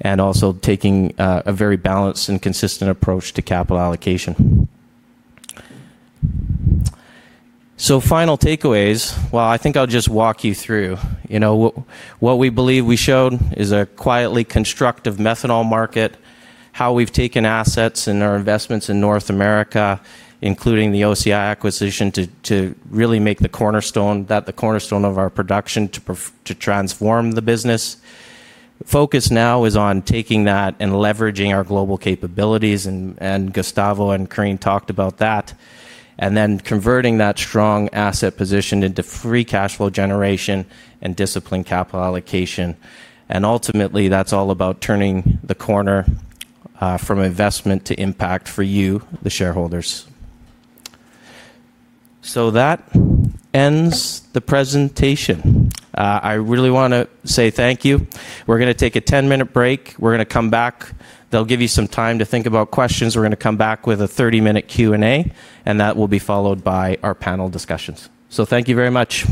and also taking a very balanced and consistent approach to capital allocation. Final takeaways, I think I'll just walk you through. What we believe we showed is a quietly constructive methanol market, how we've taken assets and our investments in North America, including the OCI acquisition, to really make the cornerstone of our production to transform the business. Focus now is on taking that and leveraging our global capabilities. Gustavo and Karine talked about that. Then converting that strong asset position into free cash flow generation and disciplined capital allocation. Ultimately, that's all about turning the corner from investment to impact for you, the shareholders. That ends the presentation. I really want to say thank you. We're going to take a 10-minute break. We're going to come back. That will give you some time to think about questions. We're going to come back with a 30-minute Q&A, and that will be followed by our panel discussions. Thank you very much.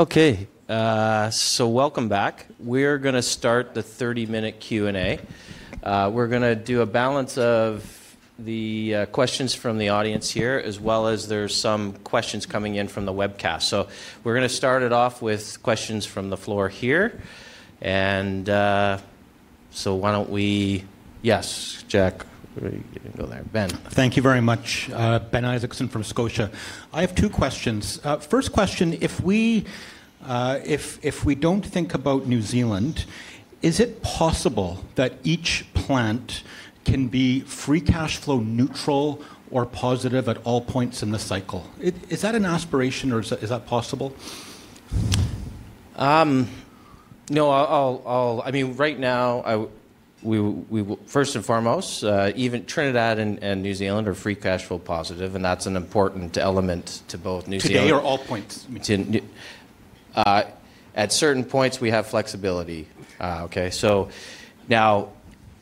Okay. Welcome back. We're going to start the 30-minute Q&A. We're going to do a balance of the questions from the audience here, as well as there are some questions coming in from the webcast. We're going to start it off with questions from the floor here. Why don't we—yes, Jack, you can go there. Ben. Thank you very much. Ben Isaacson from Scotia. I have two questions. First question, if we do not think about New Zealand, is it possible that each plant can be free cash flow neutral or positive at all points in the cycle? Is that an aspiration, or is that possible? No. I mean, right now, first and foremost, even Trinidad and New Zealand are free cash flow positive. And that's an important element to both New Zealand. Today or all points? At certain points, we have flexibility. Okay. Now,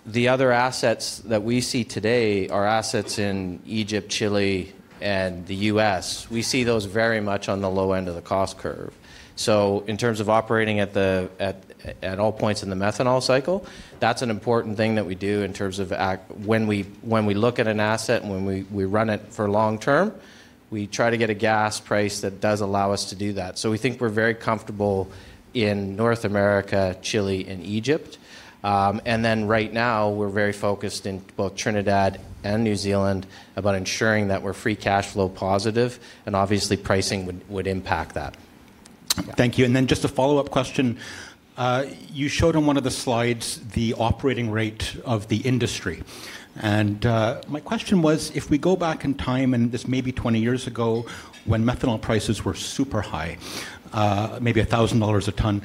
the other assets that we see today are assets in Egypt, Chile, and the U.S. We see those very much on the low end of the cost curve. In terms of operating at all points in the methanol cycle, that's an important thing that we do in terms of when we look at an asset and when we run it for long term, we try to get a gas price that does allow us to do that. We think we're very comfortable in North America, Chile, and Egypt. Right now, we're very focused in both Trinidad and New Zealand about ensuring that we're free cash flow positive. Obviously, pricing would impact that. Thank you. And then just a follow-up question. You showed on one of the slides the operating rate of the industry. My question was, if we go back in time, and this may be 20 years ago, when methanol prices were super high, maybe $1,000 a ton,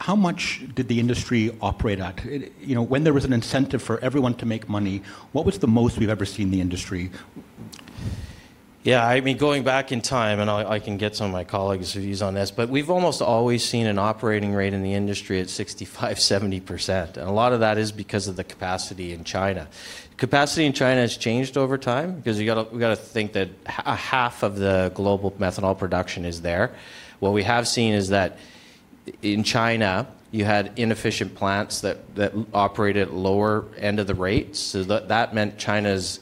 how much did the industry operate at? When there was an incentive for everyone to make money, what was the most we've ever seen the industry? Yeah. I mean, going back in time, and I can get some of my colleagues' views on this, but we've almost always seen an operating rate in the industry at 65%-70%. A lot of that is because of the capacity in China. Capacity in China has changed over time because we've got to think that half of the global methanol production is there. What we have seen is that in China, you had inefficient plants that operated at the lower end of the rates. That meant China's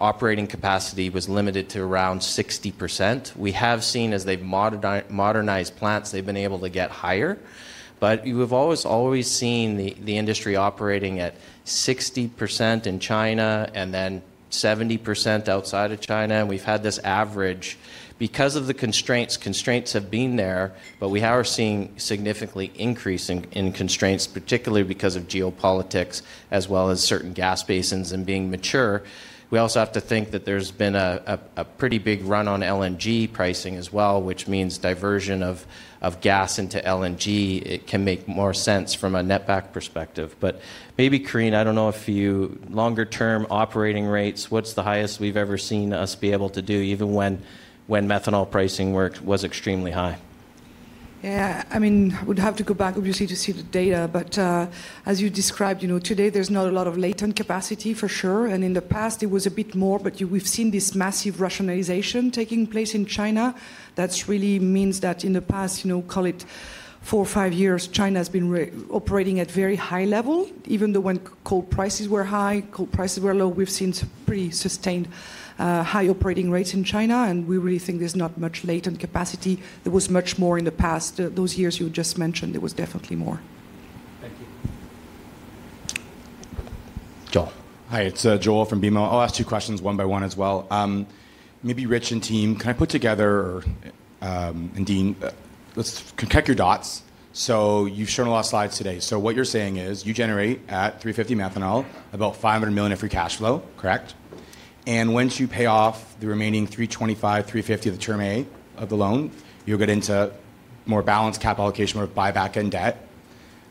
operating capacity was limited to around 60%. We have seen as they've modernized plants, they've been able to get higher. We've always seen the industry operating at 60% in China and then 70% outside of China. We've had this average. Because of the constraints, constraints have been there, but we are seeing significantly increasing in constraints, particularly because of geopolitics, as well as certain gas basins and being mature. We also have to think that there has been a pretty big run on LNG pricing as well, which means diversion of gas into LNG. It can make more sense from a net back perspective. Maybe, Karine, I do not know if you—longer-term operating rates, what is the highest we have ever seen us be able to do, even when methanol pricing was extremely high? Yeah. I mean, I would have to go back, obviously, to see the data. As you described, today, there's not a lot of latent capacity, for sure. In the past, it was a bit more. We've seen this massive rationalization taking place in China. That really means that in the past, call it four or five years, China has been operating at a very high level. Even though when coal prices were high, coal prices were low, we've seen pretty sustained high operating rates in China. We really think there's not much latent capacity. There was much more in the past. Those years you just mentioned, there was definitely more. Hi. It's Joel from BMO. I'll ask two questions one by one as well. Maybe Rich and team, can I put together—and Dean, let's concoct your dots. You have shown a lot of slides today. What you are saying is you generate at $350 methanol about $500 million in free cash flow, correct? Once you pay off the remaining $325-$350 million of the term A of the loan, you will get into more balanced cap allocation or buyback in debt.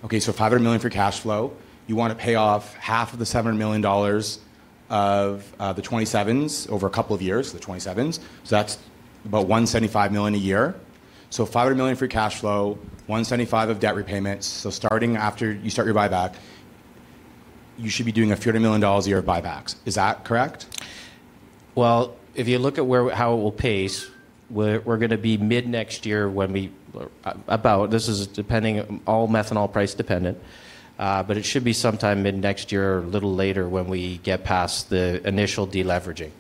$500 million free cash flow. You want to pay off half of the $700 million of the 2027s over a couple of years, the 2027s. That is about $175 million a year. $500 million free cash flow, $175 million of debt repayments. Starting after you start your buyback, you should be doing a few hundred million dollars a year of buybacks. Is that correct? If you look at how it will pace, we're going to be mid-next year when we—about this is depending all methanol price dependent. It should be sometime mid-next year or a little later when we get past the initial deleveraging.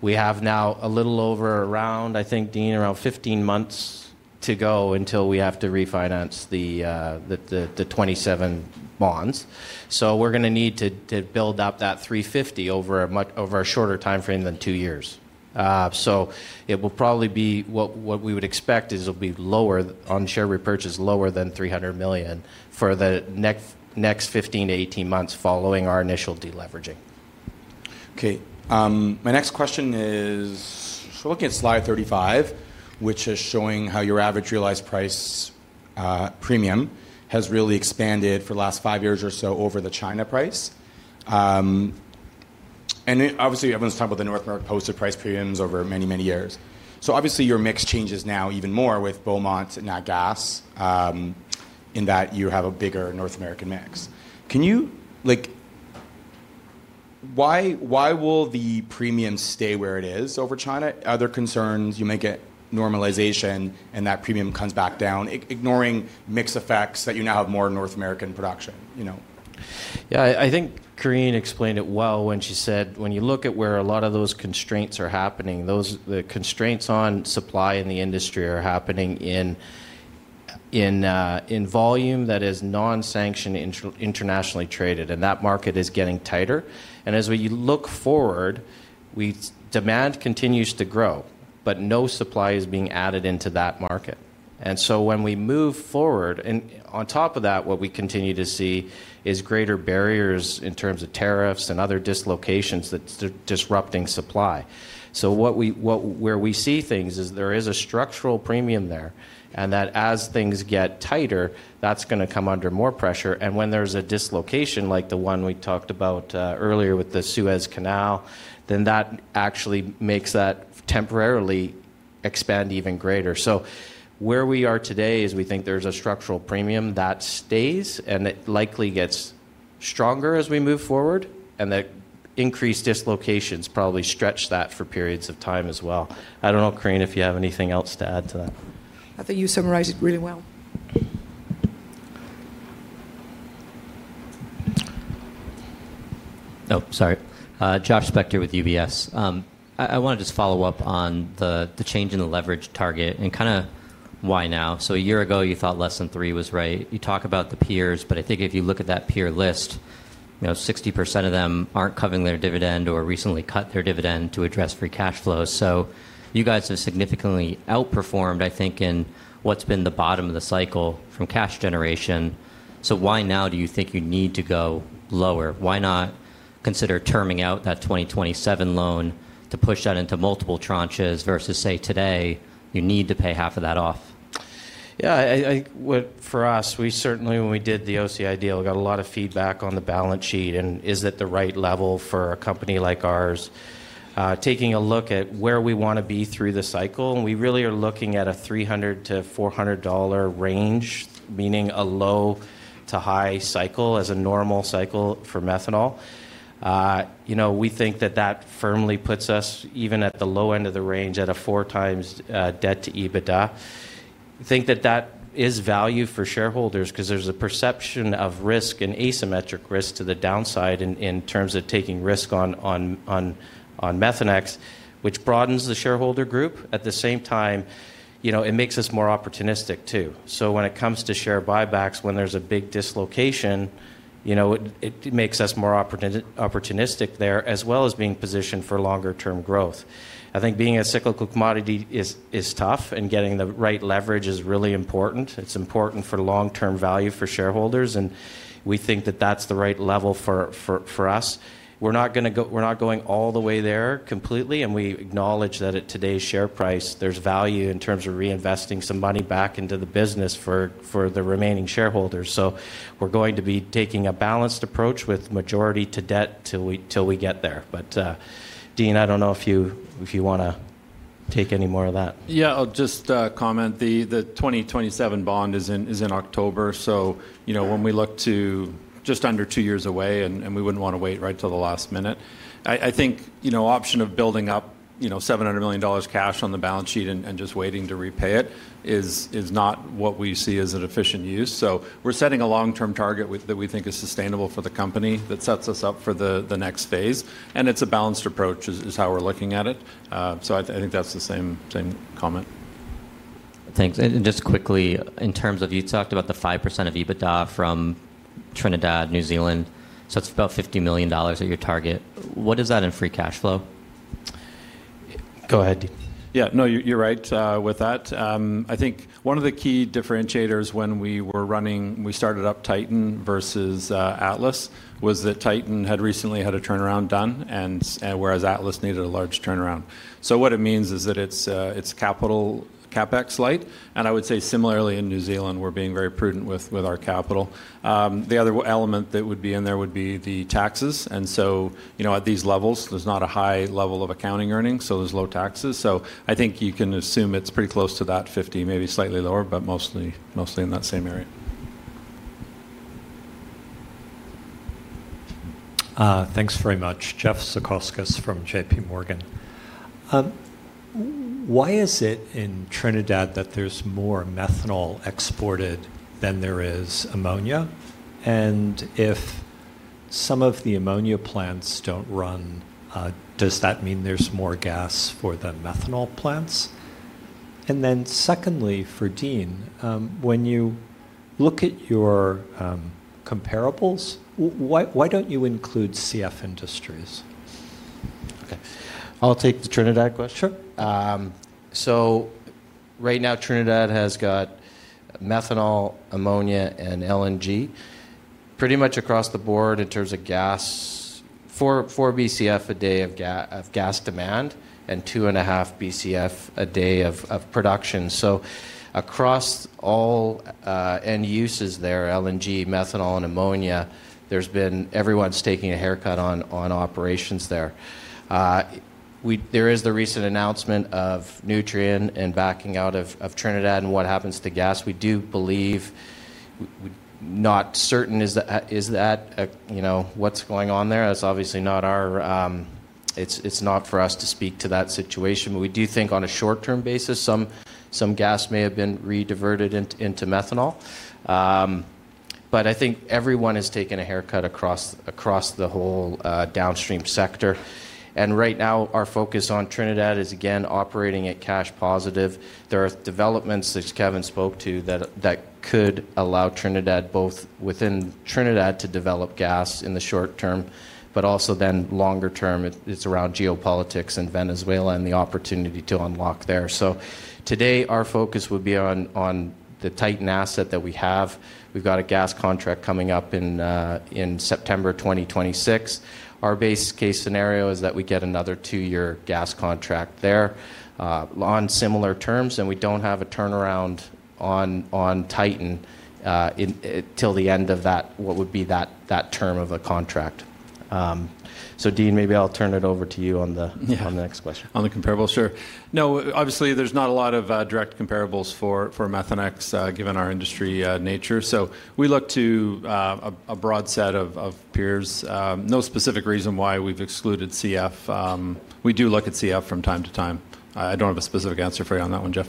We have now a little over around, I think, Dean, around 15 months to go until we have to refinance the 2027 bonds. We're going to need to build up that $350 over a shorter time frame than two years. It will probably be what we would expect is it'll be lower on share repurchase, lower than $300 million for the next 15-18 months following our initial deleveraging. Okay. My next question is, so looking at slide 35, which is showing how your average realized price premium has really expanded for the last five years or so over the China price. And obviously, everyone's talking about the North American posted price premiums over many, many years. So obviously, your mix changes now even more with Beaumont and Natgas in that you have a bigger North American mix. Why will the premium stay where it is over China? Are there concerns you make at normalization and that premium comes back down, ignoring mix effects that you now have more North American production? Yeah. I think Karine explained it well when she said, "When you look at where a lot of those constraints are happening, the constraints on supply in the industry are happening in volume that is non-sanctioned internationally traded." That market is getting tighter. As we look forward, demand continues to grow, but no supply is being added into that market. When we move forward, on top of that, what we continue to see is greater barriers in terms of tariffs and other dislocations that are disrupting supply. Where we see things is there is a structural premium there. As things get tighter, that is going to come under more pressure. When there is a dislocation like the one we talked about earlier with the Suez Canal, that actually makes that temporarily expand even greater. Where we are today is we think there's a structural premium that stays, and it likely gets stronger as we move forward. That increased dislocations probably stretch that for periods of time as well. I don't know, Karine, if you have anything else to add to that. I think you summarized it really well. Oh, sorry. Josh Spector with UBS. I want to just follow up on the change in the leverage target and kind of why now. A year ago, you thought less than three was right. You talk about the peers, but I think if you look at that peer list, 60% of them are not covering their dividend or recently cut their dividend to address free cash flow. You guys have significantly outperformed, I think, in what has been the bottom of the cycle from cash generation. Why now do you think you need to go lower? Why not consider terming out that 2027 loan to push that into multiple tranches versus, say, today, you need to pay half of that off? Yeah. For us, we certainly, when we did the OCI deal, we got a lot of feedback on the balance sheet. Is it the right level for a company like ours? Taking a look at where we want to be through the cycle, we really are looking at a $300-$400 range, meaning a low to high cycle as a normal cycle for methanol. We think that that firmly puts us even at the low end of the range at a 4 times debt to EBITDA. I think that that is value for shareholders because there's a perception of risk and asymmetric risk to the downside in terms of taking risk on Methanex, which broadens the shareholder group. At the same time, it makes us more opportunistic too. When it comes to share buybacks, when there is a big dislocation, it makes us more opportunistic there as well as being positioned for longer-term growth. I think being a cyclical commodity is tough, and getting the right leverage is really important. It is important for long-term value for shareholders. We think that is the right level for us. We are not going to go—we are not going all the way there completely. We acknowledge that at today's share price, there is value in terms of reinvesting some money back into the business for the remaining shareholders. We are going to be taking a balanced approach with majority to debt till we get there. Dean, I do not know if you want to take any more of that. Yeah. I'll just comment. The 2027 bond is in October. When we look to just under two years away, we wouldn't want to wait right till the last minute. I think the option of building up $700 million cash on the balance sheet and just waiting to repay it is not what we see as an efficient use. We're setting a long-term target that we think is sustainable for the company that sets us up for the next phase. It's a balanced approach is how we're looking at it. I think that's the same comment. Thanks. And just quickly, in terms of you talked about the 5% of EBITDA from Trinidad, New Zealand. So it's about $50 million at your target. What is that in free cash flow? Go ahead, Dean. Yeah. No, you're right with that. I think one of the key differentiators when we were running—we started up Titan versus Atlas—was that Titan had recently had a turnaround done, whereas Atlas needed a large turnaround. What it means is that it's capital CapEx light. I would say similarly in New Zealand, we're being very prudent with our capital. The other element that would be in there would be the taxes. At these levels, there's not a high level of accounting earning, so there's low taxes. I think you can assume it's pretty close to that 50, maybe slightly lower, but mostly in that same area. Thanks very much. Jeff Zekauskas from JPMorgan. Why is it in Trinidad that there's more methanol exported than there is ammonia? If some of the ammonia plants don't run, does that mean there's more gas for the methanol plants? Secondly, for Dean, when you look at your comparables, why don't you include CF Industries? Okay. I'll take the Trinidad question. Right now, Trinidad has got methanol, ammonia, and LNG pretty much across the board in terms of gas, 4 Bcf a day of gas demand and 2.5 Bcf a day of production. Across all end uses there, LNG, methanol, and ammonia, everyone's taking a haircut on operations there. There is the recent announcement of Nutrien and backing out of Trinidad and what happens to gas. We do believe—not certain—is that what's going on there. It's obviously not our—it is not for us to speak to that situation. We do think on a short-term basis, some gas may have been rediverted into methanol. I think everyone is taking a haircut across the whole downstream sector. Right now, our focus on Trinidad is, again, operating at cash positive. There are developments that Kevin spoke to that could allow Trinidad, both within Trinidad, to develop gas in the short term, but also then longer term, it's around geopolitics in Venezuela and the opportunity to unlock there. Today, our focus would be on the Titan asset that we have. We've got a gas contract coming up in September 2026. Our base case scenario is that we get another two-year gas contract there on similar terms. We don't have a turnaround on Titan till the end of what would be that term of a contract. Dean, maybe I'll turn it over to you on the next question. On the comparables, sure. No, obviously, there's not a lot of direct comparables for Methanex given our industry nature. So we look to a broad set of peers. No specific reason why we've excluded CF. We do look at CF from time to time. I don't have a specific answer for you on that one, Jeff.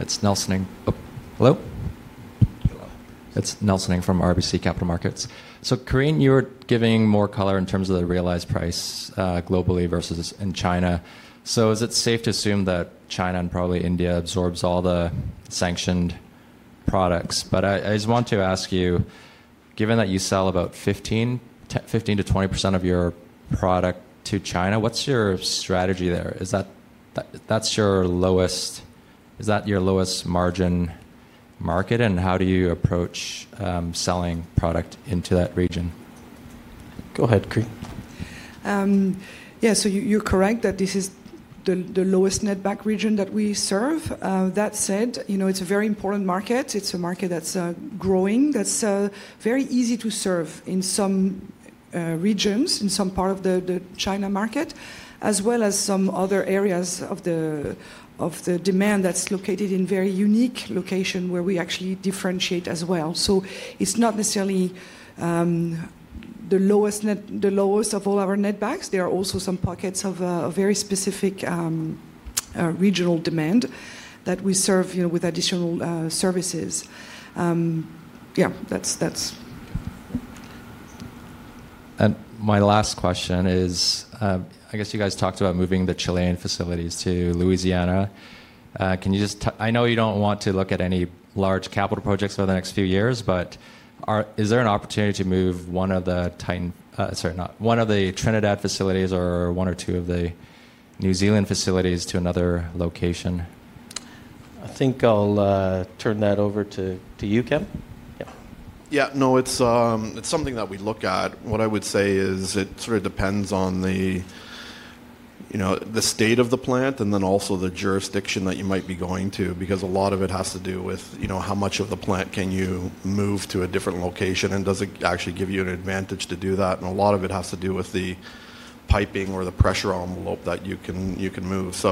It's Nelson Ng. Hello? Hello. It's Nelson Ng from RBC Capital Markets. Karine, you were giving more color in terms of the realized price globally versus in China. Is it safe to assume that China and probably India absorb all the sanctioned products? I just want to ask you, given that you sell about 15%-20% of your product to China, what's your strategy there? Is that your lowest margin market? How do you approach selling product into that region? Go ahead, Karine. Yeah. So you're correct that this is the lowest net back region that we serve. That said, it's a very important market. It's a market that's growing. That's very easy to serve in some regions, in some part of the China market, as well as some other areas of the demand that's located in very unique locations where we actually differentiate as well. It's not necessarily the lowest of all our net backs. There are also some pockets of very specific regional demand that we serve with additional services. Yeah. That's. My last question is, I guess you guys talked about moving the Chilean facilities to Louisiana. I know you do not want to look at any large capital projects over the next few years, but is there an opportunity to move one of the Trinidad facilities or one or two of the New Zealand facilities to another location? I think I'll turn that over to you, Kevin. Yeah. Yeah. No, it's something that we look at. What I would say is it sort of depends on the state of the plant and then also the jurisdiction that you might be going to because a lot of it has to do with how much of the plant can you move to a different location and does it actually give you an advantage to do that. A lot of it has to do with the piping or the pressure envelope that you can move.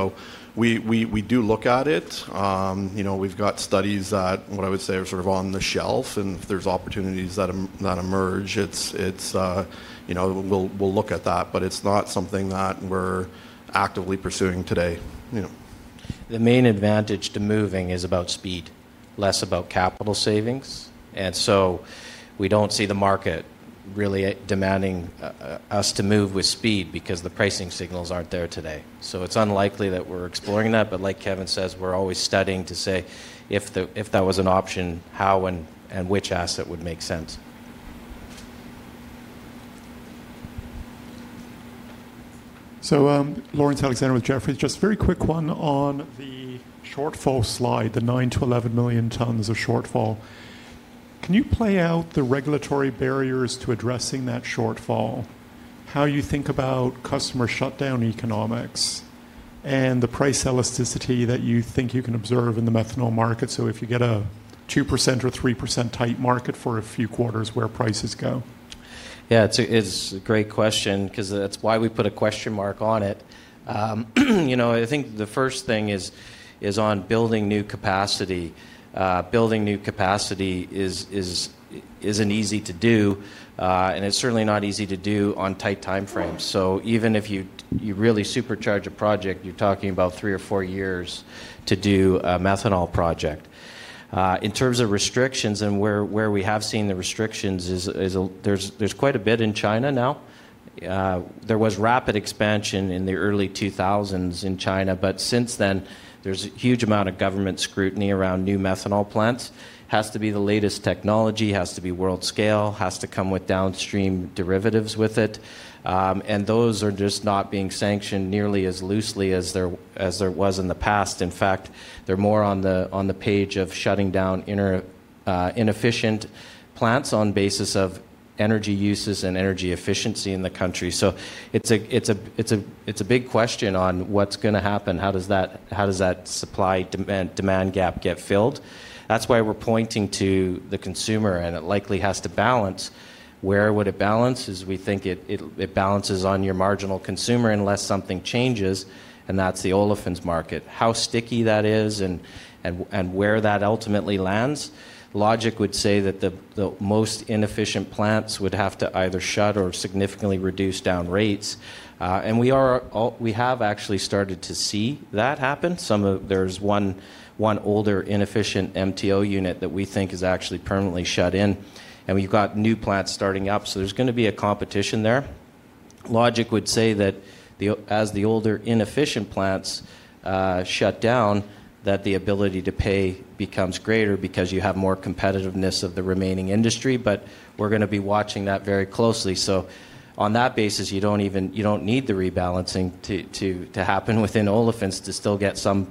We do look at it. We've got studies that, what I would say, are sort of on the shelf. If there's opportunities that emerge, we'll look at that. It's not something that we're actively pursuing today. The main advantage to moving is about speed, less about capital savings. We do not see the market really demanding us to move with speed because the pricing signals are not there today. It is unlikely that we are exploring that. Like Kevin says, we are always studying to say, if that was an option, how and which asset would make sense. Laurence Alexander with Jefferies. Just a very quick one on the shortfall slide, the 9 million tons-11 million tons of shortfall. Can you play out the regulatory barriers to addressing that shortfall, how you think about customer shutdown economics, and the price elasticity that you think you can observe in the methanol market? If you get a 2% or 3% tight market for a few quarters, where do prices go? Yeah. It's a great question because that's why we put a question mark on it. I think the first thing is on building new capacity. Building new capacity isn't easy to do. It's certainly not easy to do on tight timeframes. Even if you really supercharge a project, you're talking about three or four years to do a methanol project. In terms of restrictions, and where we have seen the restrictions, there's quite a bit in China now. There was rapid expansion in the early 2000s in China. Since then, there's a huge amount of government scrutiny around new methanol plants. It has to be the latest technology. It has to be world scale. It has to come with downstream derivatives with it. Those are just not being sanctioned nearly as loosely as there was in the past. In fact, they're more on the page of shutting down inefficient plants on basis of energy uses and energy efficiency in the country. It's a big question on what's going to happen. How does that supply-demand gap get filled? That's why we're pointing to the consumer. It likely has to balance. Where would it balance? We think it balances on your marginal consumer unless something changes. That's the olefins market. How sticky that is and where that ultimately lands. Logic would say that the most inefficient plants would have to either shut or significantly reduce down rates. We have actually started to see that happen. There's one older inefficient MTO unit that we think is actually permanently shut in. We've got new plants starting up. There's going to be a competition there. Logic would say that as the older inefficient plants shut down, that the ability to pay becomes greater because you have more competitiveness of the remaining industry. We are going to be watching that very closely. On that basis, you do not need the rebalancing to happen within olefins to still get some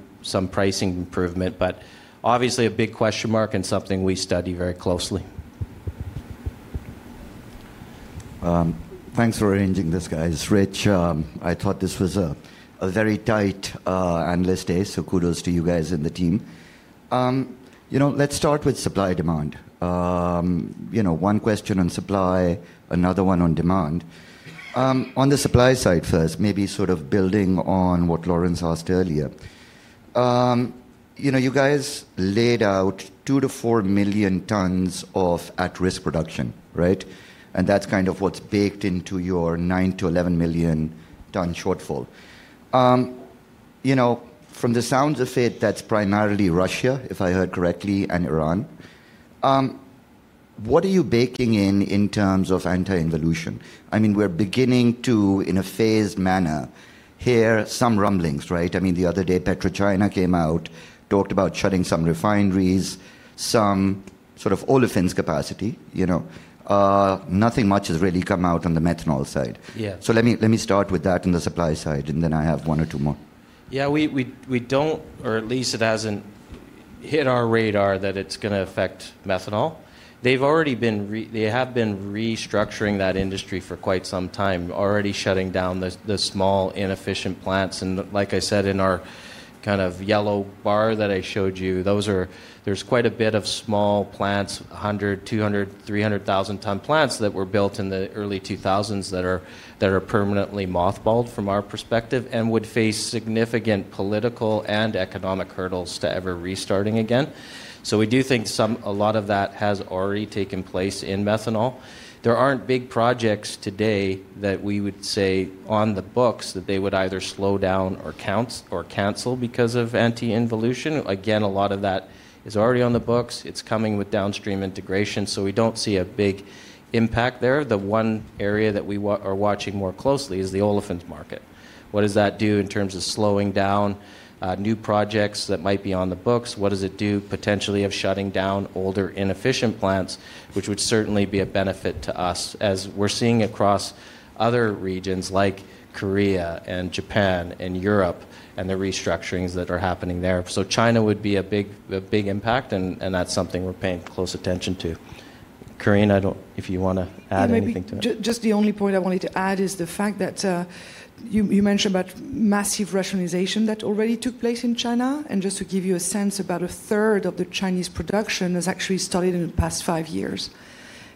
pricing improvement. Obviously, a big question mark and something we study very closely. Thanks for arranging this, guys. Rich, I thought this was a very tight analyst day. Kudos to you guys and the team. Let's start with supply-demand. One question on supply, another one on demand. On the supply side first, maybe sort of building on what Lawrence asked earlier. You guys laid out 2 million tons-4 million tons of at-risk production, right? And that's kind of what's baked into your 9 million tons-11 million ton shortfall. From the sounds of it, that's primarily Russia, if I heard correctly, and Iran. What are you baking in in terms of anti-involution? I mean, we're beginning to, in a phased manner, hear some rumblings, right? I mean, the other day, PetroChina came out, talked about shutting some refineries, some sort of olefins capacity. Nothing much has really come out on the methanol side. Let me start with that on the supply side. I have one or two more. Yeah. We do not, or at least it has not hit our radar that it is going to affect methanol. They have been restructuring that industry for quite some time, already shutting down the small inefficient plants. Like I said, in our kind of yellow bar that I showed you, there is quite a bit of small plants, 100,000, 200,000, 300,000-ton plants that were built in the early 2000s that are permanently mothballed from our perspective and would face significant political and economic hurdles to ever restarting again. We do think a lot of that has already taken place in methanol. There are not big projects today that we would say are on the books that they would either slow down or cancel because of anti-involution. Again, a lot of that is already on the books. It is coming with downstream integration. We do not see a big impact there. The one area that we are watching more closely is the olefins market. What does that do in terms of slowing down new projects that might be on the books? What does it do potentially of shutting down older inefficient plants, which would certainly be a benefit to us as we are seeing across other regions like Korea and Japan and Europe and the restructurings that are happening there? China would be a big impact. That is something we are paying close attention to. Karine, if you want to add anything to it. Just the only point I wanted to add is the fact that you mentioned about massive rationalization that already took place in China. Just to give you a sense, about a third of the Chinese production has actually started in the past five years.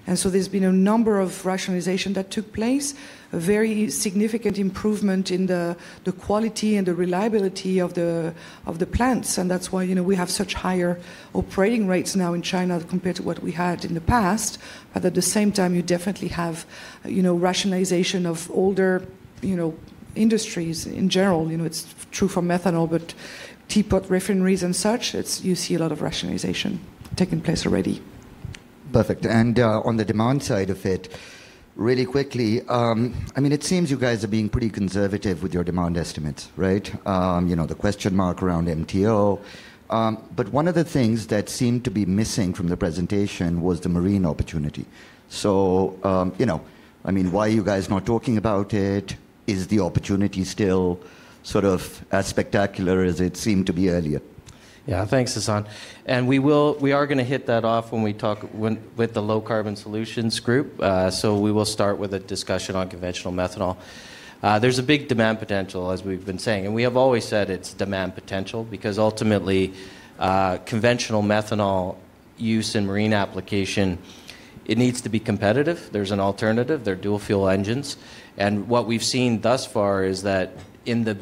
There has been a number of rationalization that took place, a very significant improvement in the quality and the reliability of the plants. That is why we have such higher operating rates now in China compared to what we had in the past. At the same time, you definitely have rationalization of older industries in general. It is true for methanol, but teapot refineries and such, you see a lot of rationalization taking place already. Perfect. On the demand side of it, really quickly, I mean, it seems you guys are being pretty conservative with your demand estimates, right? The question mark around MTO. One of the things that seemed to be missing from the presentation was the marine opportunity. I mean, why are you guys not talking about it? Is the opportunity still sort of as spectacular as it seemed to be earlier? Yeah. Thanks, Hassan. We are going to hit that off when we talk with the Low Carbon Solutions Group. We will start with a discussion on conventional methanol. There is a big demand potential, as we have been saying. We have always said it is demand potential because ultimately, conventional methanol use in marine application, it needs to be competitive. There is an alternative. There are dual-fuel engines. What we have seen thus far is that in the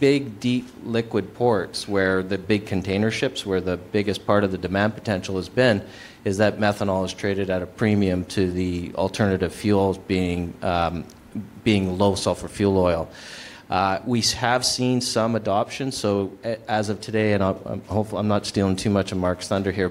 big, deep liquid ports where the big container ships, where the biggest part of the demand potential has been, is that methanol is traded at a premium to the alternative fuels being low sulfur fuel oil. We have seen some adoption. As of today, and I am hopeful I am not stealing too much of Mark's thunder here,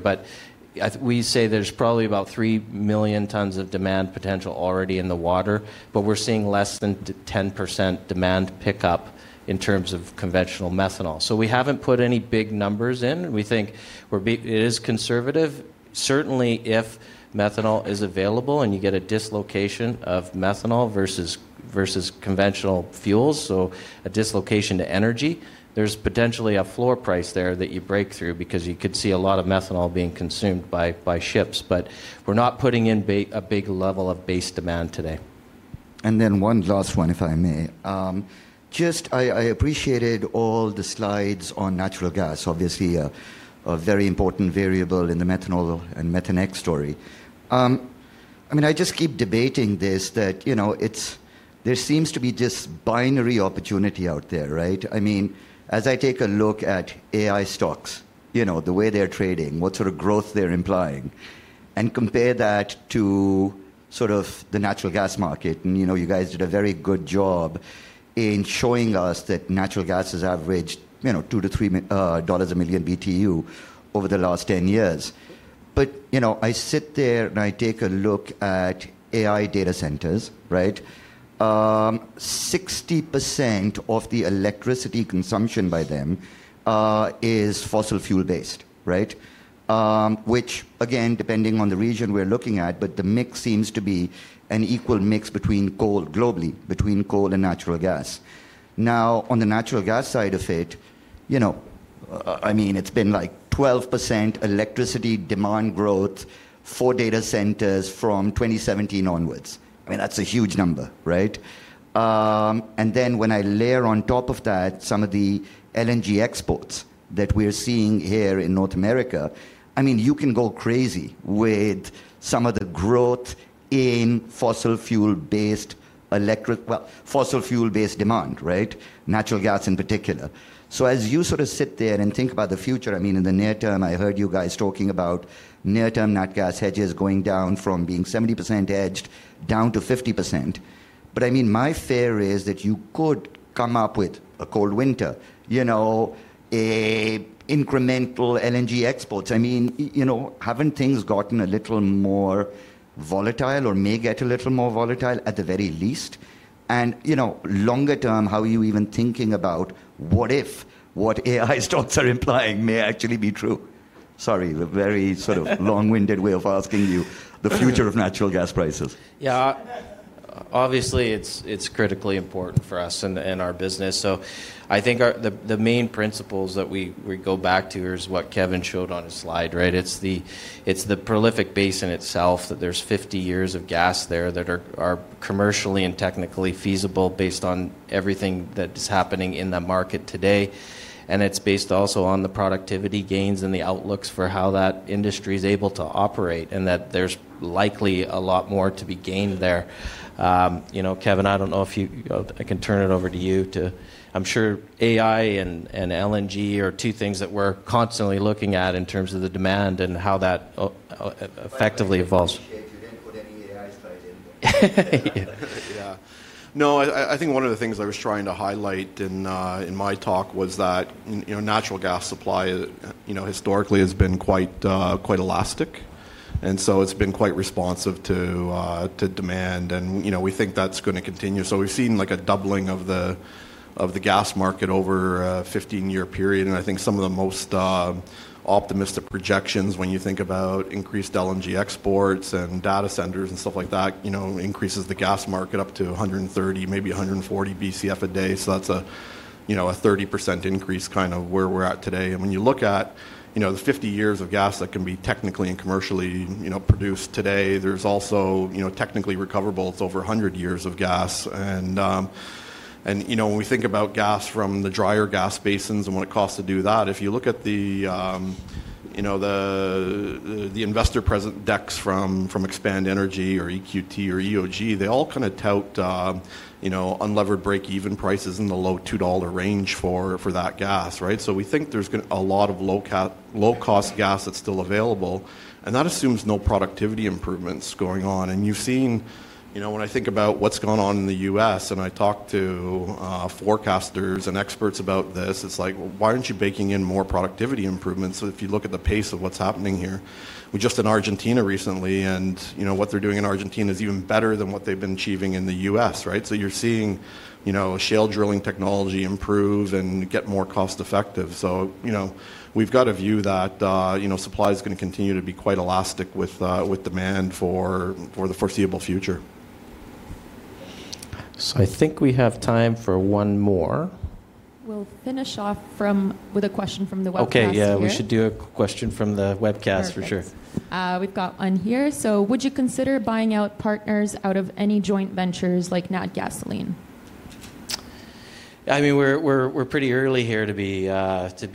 but we say there is probably about 3 million tons of demand potential already in the water. We're seeing less than 10% demand pickup in terms of conventional methanol. We haven't put any big numbers in. We think it is conservative. Certainly, if methanol is available and you get a dislocation of methanol versus conventional fuels, so a dislocation to energy, there's potentially a floor price there that you break through because you could see a lot of methanol being consumed by ships. We're not putting in a big level of base demand today. One last one, if I may. I appreciated all the slides on natural gas, obviously a very important variable in the methanol and Methanex story. I mean, I just keep debating this, that there seems to be this binary opportunity out there, right? I mean, as I take a look at AI stocks, the way they're trading, what sort of growth they're implying, and compare that to sort of the natural gas market, and you guys did a very good job in showing us that natural gas has averaged $2-$3 a million BTU over the last 10 years. I sit there and I take a look at AI data centers, right? 60% of the electricity consumption by them is fossil fuel-based, right? Which, again, depending on the region we're looking at, but the mix seems to be an equal mix globally between coal and natural gas. Now, on the natural gas side of it, I mean, it's been like 12% electricity demand growth for data centers from 2017 onwards. I mean, that's a huge number, right? I mean, when I layer on top of that some of the LNG exports that we're seeing here in North America, you can go crazy with some of the growth in fossil fuel-based demand, right? Natural gas in particular. As you sort of sit there and think about the future, I mean, in the near term, I heard you guys talking about near-term natural gas hedges going down from being 70% hedged down to 50%. I mean, my fear is that you could come up with a cold winter, incremental LNG exports. I mean, have not things gotten a little more volatile or may get a little more volatile, at the very least? Longer term, how are you even thinking about what if what AI stocks are implying may actually be true? Sorry, a very sort of long-winded way of asking you the future of natural gas prices. Yeah. Obviously, it's critically important for us and our business. I think the main principles that we go back to is what Kevin showed on his slide, right? It's the prolific base in itself that there's 50 years of gas there that are commercially and technically feasible based on everything that is happening in the market today. It's based also on the productivity gains and the outlooks for how that industry is able to operate and that there's likely a lot more to be gained there. Kevin, I don't know if I can turn it over to you to—I'm sure AI and LNG are two things that we're constantly looking at in terms of the demand and how that effectively evolves. Yeah. No, I think one of the things I was trying to highlight in my talk was that natural gas supply historically has been quite elastic. It has been quite responsive to demand. We think that's going to continue. We have seen a doubling of the gas market over a 15-year period. I think some of the most optimistic projections, when you think about increased LNG exports and data centers and stuff like that, increases the gas market up to 130, maybe 140 Bcf a day. That is a 30% increase kind of where we're at today. When you look at the 50 years of gas that can be technically and commercially produced today, there are also technically recoverables over 100 years of gas. When we think about gas from the drier gas basins and what it costs to do that, if you look at the investor present decks from Expand Energy or EQT or EOG, they all kind of tout unlevered break-even prices in the low $2 range for that gas, right? We think there's a lot of low-cost gas that's still available. That assumes no productivity improvements going on. You've seen when I think about what's gone on in the U.S., and I talk to forecasters and experts about this, it's like, why aren't you baking in more productivity improvements? If you look at the pace of what's happening here, we just in Argentina recently, and what they're doing in Argentina is even better than what they've been achieving in the U.S., right? You're seeing shale drilling technology improve and get more cost-effective. We've got to view that supply is going to continue to be quite elastic with demand for the foreseeable future. I think we have time for one more. We'll finish off with a question from the webcast. Okay. Yeah. We should do a question from the webcast for sure. We've got one here. Would you consider buying out partners out of any joint ventures like Natgasoline? I mean, we're pretty early here to be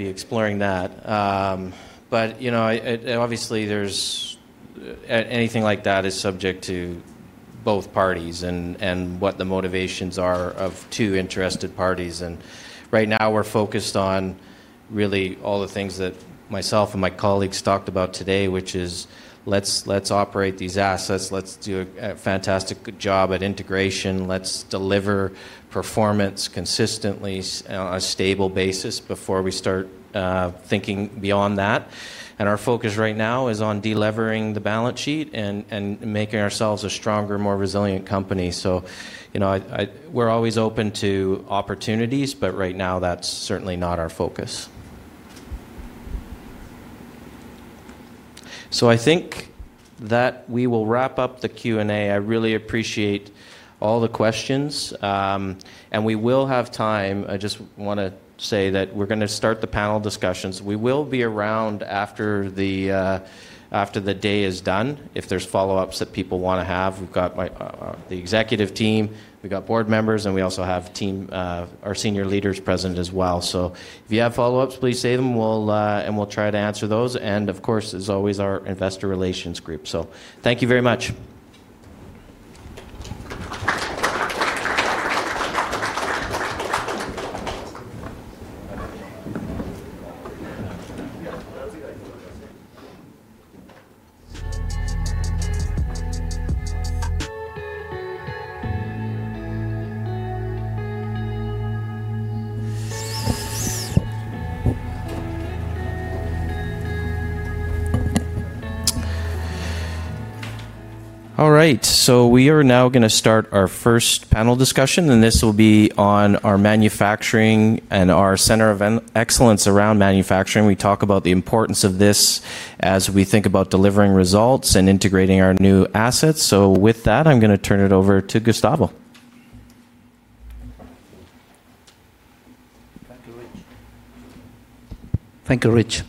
exploring that. Obviously, anything like that is subject to both parties and what the motivations are of two interested parties. Right now, we're focused on really all the things that myself and my colleagues talked about today, which is let's operate these assets. Let's do a fantastic job at integration. Let's deliver performance consistently on a stable basis before we start thinking beyond that. Our focus right now is on delivering the balance sheet and making ourselves a stronger, more resilient company. We're always open to opportunities, but right now, that's certainly not our focus. I think that we will wrap up the Q&A. I really appreciate all the questions. We will have time. I just want to say that we're going to start the panel discussions. We will be around after the day is done if there are follow-ups that people want to have. We have the executive team. We have board members. We also have our senior leaders present as well. If you have follow-ups, please say them, and we will try to answer those. Of course, as always, our investor relations group. Thank you very much. All right. We are now going to start our first panel discussion. This will be on our manufacturing and our center of excellence around manufacturing. We talk about the importance of this as we think about delivering results and integrating our new assets. With that, I'm going to turn it over to Gustavo. Thank you, Rich.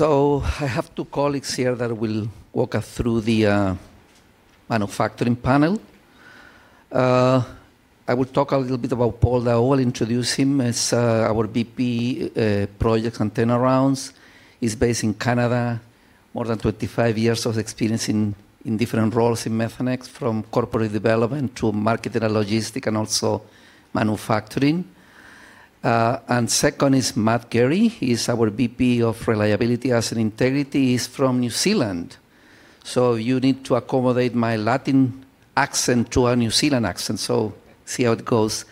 I have two colleagues here that will walk us through the manufacturing panel. I will talk a little bit about Paul Daoust. I'll introduce him as our VP Projects and Turnarounds. He's based in Canada, more than 25 years of experience in different roles in Methanex, from corporate development to marketing and logistics and also manufacturing. Second is Matt Geary. He's our VP of Reliability and Asset Integrity. He's from New Zealand. You need to accommodate my Latin accent to a New Zealand accent, so see how it goes.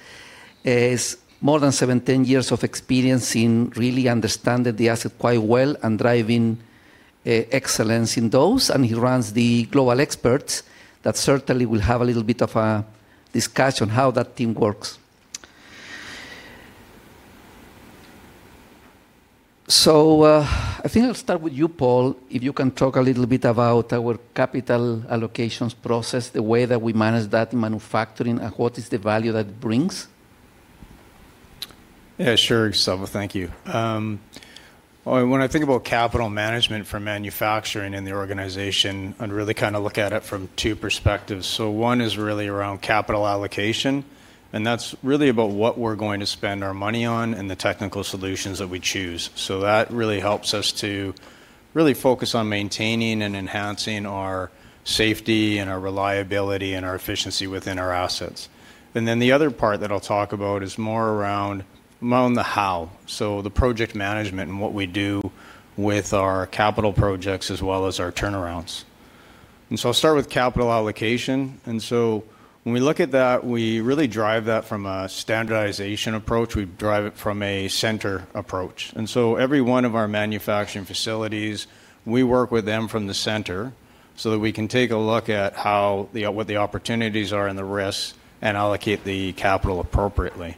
He has more than 17 years of experience in really understanding the asset quite well and driving excellence in those. He runs the global experts. That certainly will have a little bit of a discussion on how that team works. I think I'll start with you, Paul, if you can talk a little bit about our capital allocations process, the way that we manage that in manufacturing, and what is the value that it brings. Yeah. Sure, Gustavo. Thank you. When I think about capital management for manufacturing in the organization, I'd really kind of look at it from two perspectives. One is really around capital allocation. That's really about what we're going to spend our money on and the technical solutions that we choose. That really helps us to focus on maintaining and enhancing our safety and our reliability and our efficiency within our assets. The other part that I'll talk about is more around the how, the project management and what we do with our capital projects as well as our turnarounds. I'll start with capital allocation. When we look at that, we really drive that from a standardization approach. We drive it from a center approach. Every one of our manufacturing facilities, we work with them from the center so that we can take a look at what the opportunities are and the risks and allocate the capital appropriately.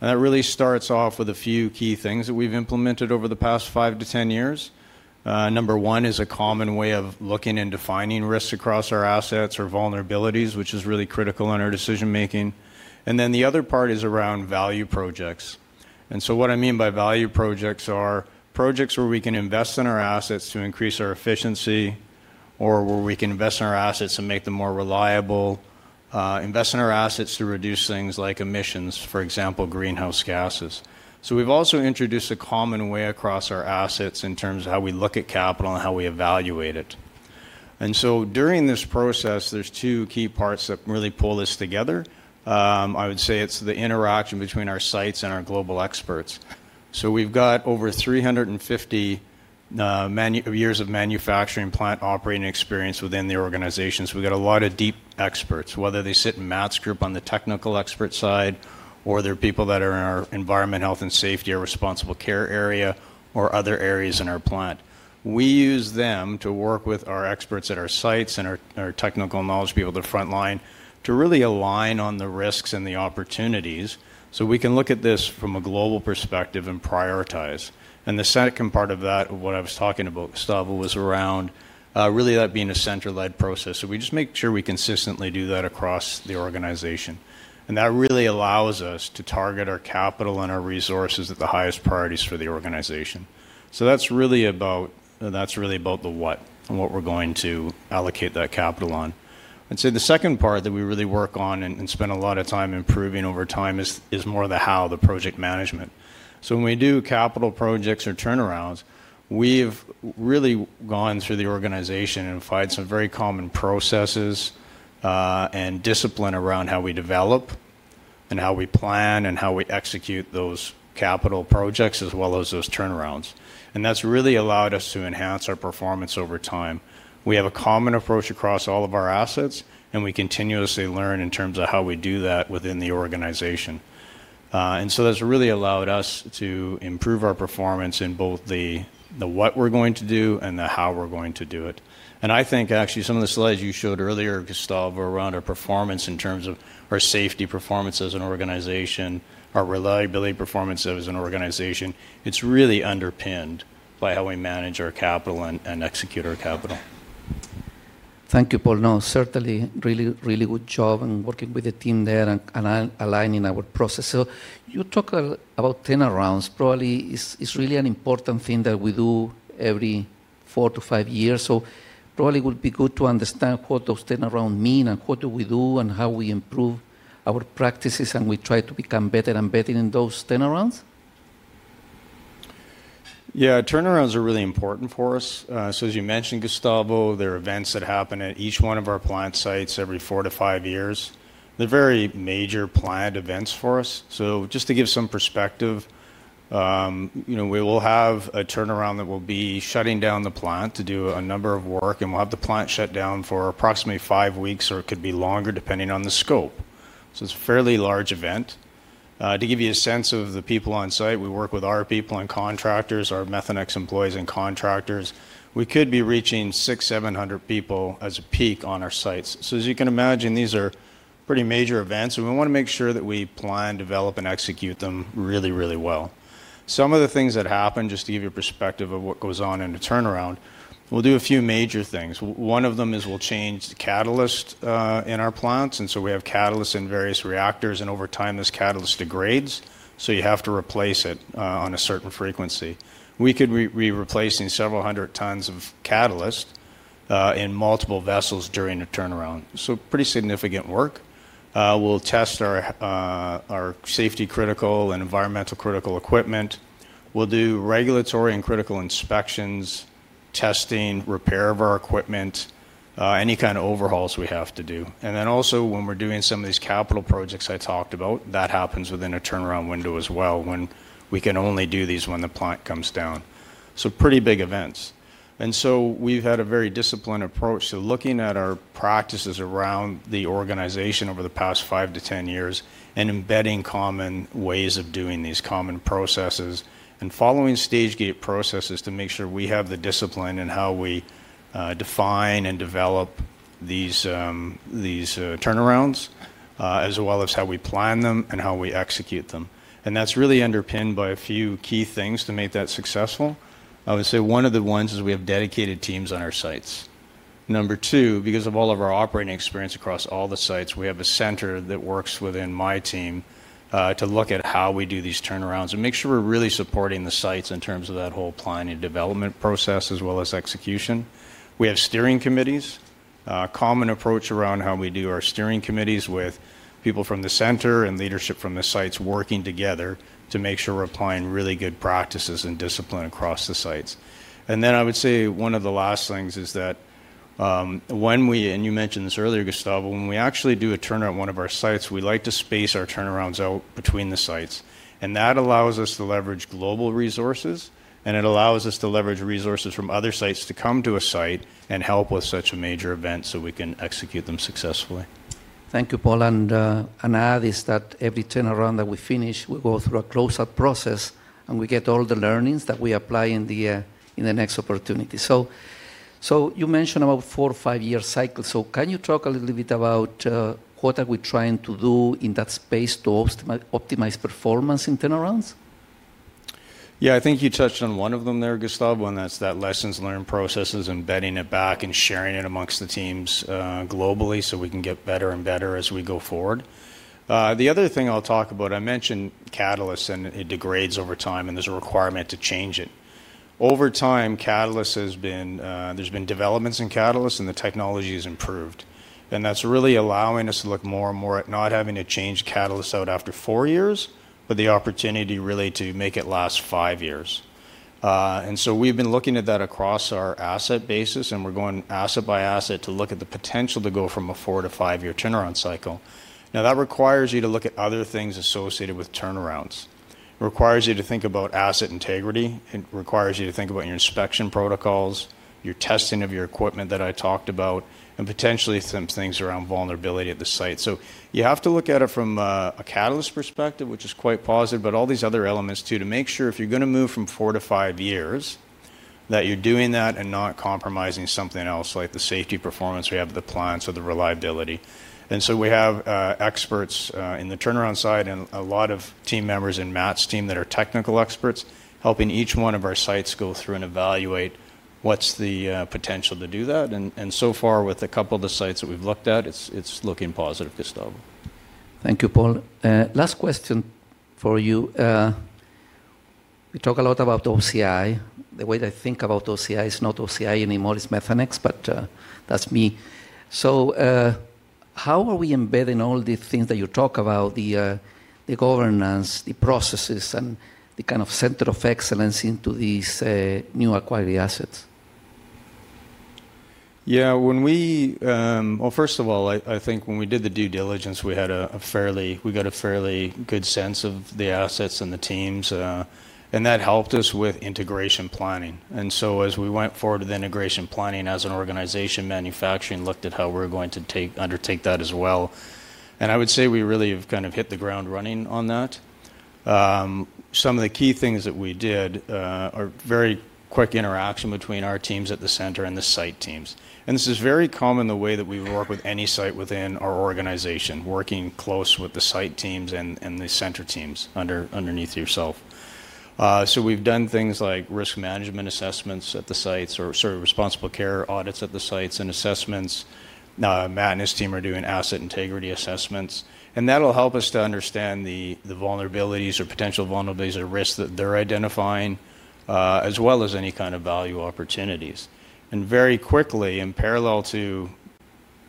That really starts off with a few key things that we've implemented over the past 5-10 years. Number one is a common way of looking and defining risks across our assets or vulnerabilities, which is really critical in our decision-making. The other part is around value projects. What I mean by value projects are projects where we can invest in our assets to increase our efficiency or where we can invest in our assets and make them more reliable, invest in our assets to reduce things like emissions, for example, Greenhouse Gases. We've also introduced a common way across our assets in terms of how we look at capital and how we evaluate it. During this process, there are two key parts that really pull this together. I would say it's the interaction between our sites and our global experts. We've got over 350 years of manufacturing plant operating experience within the organization. We've got a lot of deep experts, whether they sit in Matt's group on the technical expert side or they're people that are in our environment, health, and safety, our responsible care area, or other areas in our plant. We use them to work with our experts at our sites and our technical knowledge people at the front line to really align on the risks and the opportunities so we can look at this from a global perspective and prioritize. The second part of that, what I was talking about, Gustavo, was around really that being a center-led process. We just make sure we consistently do that across the organization. That really allows us to target our capital and our resources at the highest priorities for the organization. That is really about the what and what we are going to allocate that capital on. I would say the second part that we really work on and spend a lot of time improving over time is more the how, the project management. When we do capital projects or turnarounds, we have really gone through the organization and applied some very common processes and discipline around how we develop and how we plan and how we execute those capital projects as well as those turnarounds. That has really allowed us to enhance our performance over time. We have a common approach across all of our assets, and we continuously learn in terms of how we do that within the organization. That has really allowed us to improve our performance in both the what we're going to do and the how we're going to do it. I think actually some of the slides you showed earlier, Gustavo, around our performance in terms of our safety performance as an organization, our reliability performance as an organization, it's really underpinned by how we manage our capital and execute our capital. Thank you, Paul. No, certainly really, really good job in working with the team there and aligning our process. You talk about turnarounds. Probably it is really an important thing that we do every four to five years. It would be good to understand what those turnarounds mean and what we do and how we improve our practices and we try to become better and better in those turnarounds? Yeah. Turnarounds are really important for us. As you mentioned, Gustavo, there are events that happen at each one of our plant sites every four to five years. They are very major plant events for us. Just to give some perspective, we will have a turnaround that will be shutting down the plant to do a number of work. We will have the plant shut down for approximately five weeks or it could be longer depending on the scope. It is a fairly large event. To give you a sense of the people on site, we work with our people and contractors, our Methanex employees and contractors. We could be reaching 600-700 people as a peak on our sites. As you can imagine, these are pretty major events. We want to make sure that we plan, develop, and execute them really, really well. Some of the things that happen, just to give you a perspective of what goes on in a turnaround, we'll do a few major things. One of them is we'll change the catalyst in our plants. We have catalysts in various reactors. Over time, this catalyst degrades, so you have to replace it on a certain frequency. We could be replacing several hundred tons of catalyst in multiple vessels during a turnaround. Pretty significant work. We'll test our safety-critical and environmental-critical equipment. We'll do regulatory and critical inspections, testing, repair of our equipment, any kind of overhauls we have to do. Also, when we're doing some of these capital projects I talked about, that happens within a turnaround window as well when we can only do these when the plant comes down. Pretty big events. We have had a very disciplined approach to looking at our practices around the organization over the past 5 to 10 years and embedding common ways of doing these common processes and following stage gate processes to make sure we have the discipline in how we define and develop these turnarounds as well as how we plan them and how we execute them. That is really underpinned by a few key things to make that successful. I would say one of the ones is we have dedicated teams on our sites. Number two, because of all of our operating experience across all the sites, we have a center that works within my team to look at how we do these turnarounds and make sure we are really supporting the sites in terms of that whole planning and development process as well as execution. We have steering committees, a common approach around how we do our steering committees with people from the center and leadership from the sites working together to make sure we are applying really good practices and discipline across the sites. I would say one of the last things is that when we—and you mentioned this earlier, Gustavo—when we actually do a turnaround at one of our sites, we like to space our turnarounds out between the sites. That allows us to leverage global resources. It allows us to leverage resources from other sites to come to a site and help with such a major event so we can execute them successfully. Thank you, Paul. An add is that every turnaround that we finish, we go through a close-up process, and we get all the learnings that we apply in the next opportunity. You mentioned about a four or five-year cycle. Can you talk a little bit about what are we trying to do in that space to optimize performance in turnarounds? Yeah. I think you touched on one of them there, Gustavo, and that's that lessons learned processes, embedding it back and sharing it amongst the teams globally so we can get better and better as we go forward. The other thing I'll talk about, I mentioned catalysts, and it degrades over time, and there's a requirement to change it. Over time, there's been developments in catalysts, and the technology has improved. That's really allowing us to look more and more at not having to change catalysts out after four years, but the opportunity really to make it last five years. We've been looking at that across our asset basis. We're going asset by asset to look at the potential to go from a four to five-year turnaround cycle. That requires you to look at other things associated with turnarounds. It requires you to think about asset integrity. It requires you to think about your inspection protocols, your testing of your equipment that I talked about, and potentially some things around vulnerability at the site. You have to look at it from a catalyst perspective, which is quite positive, but all these other elements too to make sure if you're going to move from four to five years that you're doing that and not compromising something else like the safety performance we have at the plant or the reliability. We have experts in the turnaround side and a lot of team members in Matt's team that are technical experts helping each one of our sites go through and evaluate what's the potential to do that. So far, with a couple of the sites that we've looked at, it's looking positive, Gustavo. Thank you, Paul. Last question for you. We talk a lot about OCI. The way I think about OCI is not OCI anymore. It's Methanex, but that's me. How are we embedding all these things that you talk about, the governance, the processes, and the kind of center of excellence into these new acquired assets? Yeah. First of all, I think when we did the due diligence, we had a fairly—we got a fairly good sense of the assets and the teams. That helped us with integration planning. As we went forward with integration planning as an organization, manufacturing looked at how we're going to undertake that as well. I would say we really have kind of hit the ground running on that. Some of the key things that we did are very quick interaction between our teams at the center and the site teams. This is very common, the way that we work with any site within our organization, working close with the site teams and the center teams underneath yourself. We've done things like risk management assessments at the sites or sort of responsible care audits at the sites and assessments. Matt and his team are doing asset integrity assessments. That'll help us to understand the vulnerabilities or potential vulnerabilities or risks that they're identifying as well as any kind of value opportunities. Very quickly, in parallel to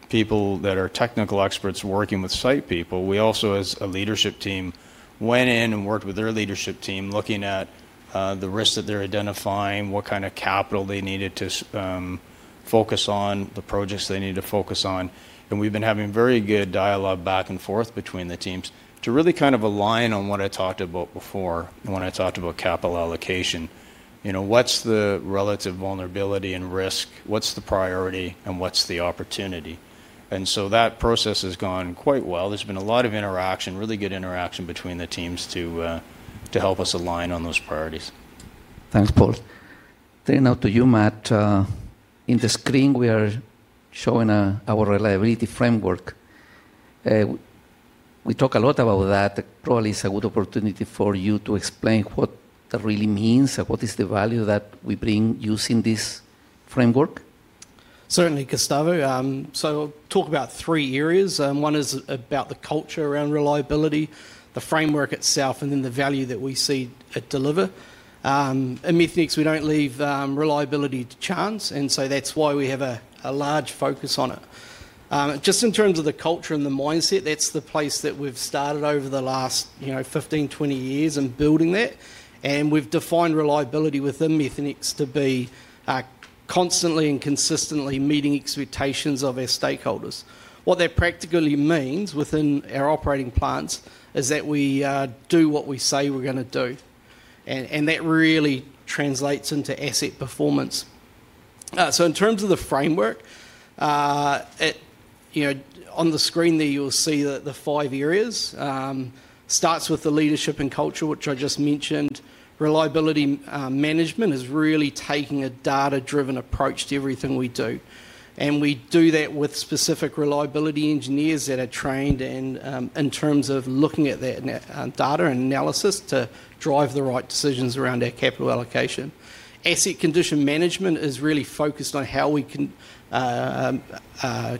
people that are technical experts working with site people, we also, as a leadership team, went in and worked with their leadership team looking at the risks that they're identifying, what kind of capital they needed to focus on, the projects they needed to focus on. We've been having very good dialogue back and forth between the teams to really kind of align on what I talked about before when I talked about capital allocation. What's the relative vulnerability and risk? What's the priority? What's the opportunity? That process has gone quite well. There's been a lot of interaction, really good interaction between the teams to help us align on those priorities. Thanks, Paul. Now to you, Matt. In the screen, we are showing our reliability framework. We talk a lot about that. Probably it's a good opportunity for you to explain what that really means and what is the value that we bring using this framework. Certainly, Gustavo. I'll talk about three areas. One is about the culture around reliability, the framework itself, and then the value that we see it deliver. At Methanex, we don't leave reliability to chance. That's why we have a large focus on it. Just in terms of the culture and the mindset, that's the place that we've started over the last 15-20 years in building that. We've defined reliability within Methanex to be constantly and consistently meeting expectations of our stakeholders. What that practically means within our operating plants is that we do what we say we're going to do. That really translates into asset performance. In terms of the framework, on the screen there, you'll see the five areas. It starts with the leadership and culture, which I just mentioned. Reliability management is really taking a data-driven approach to everything we do. We do that with specific reliability engineers that are trained in terms of looking at that data and analysis to drive the right decisions around our capital allocation. Asset condition management is really focused on how we can assess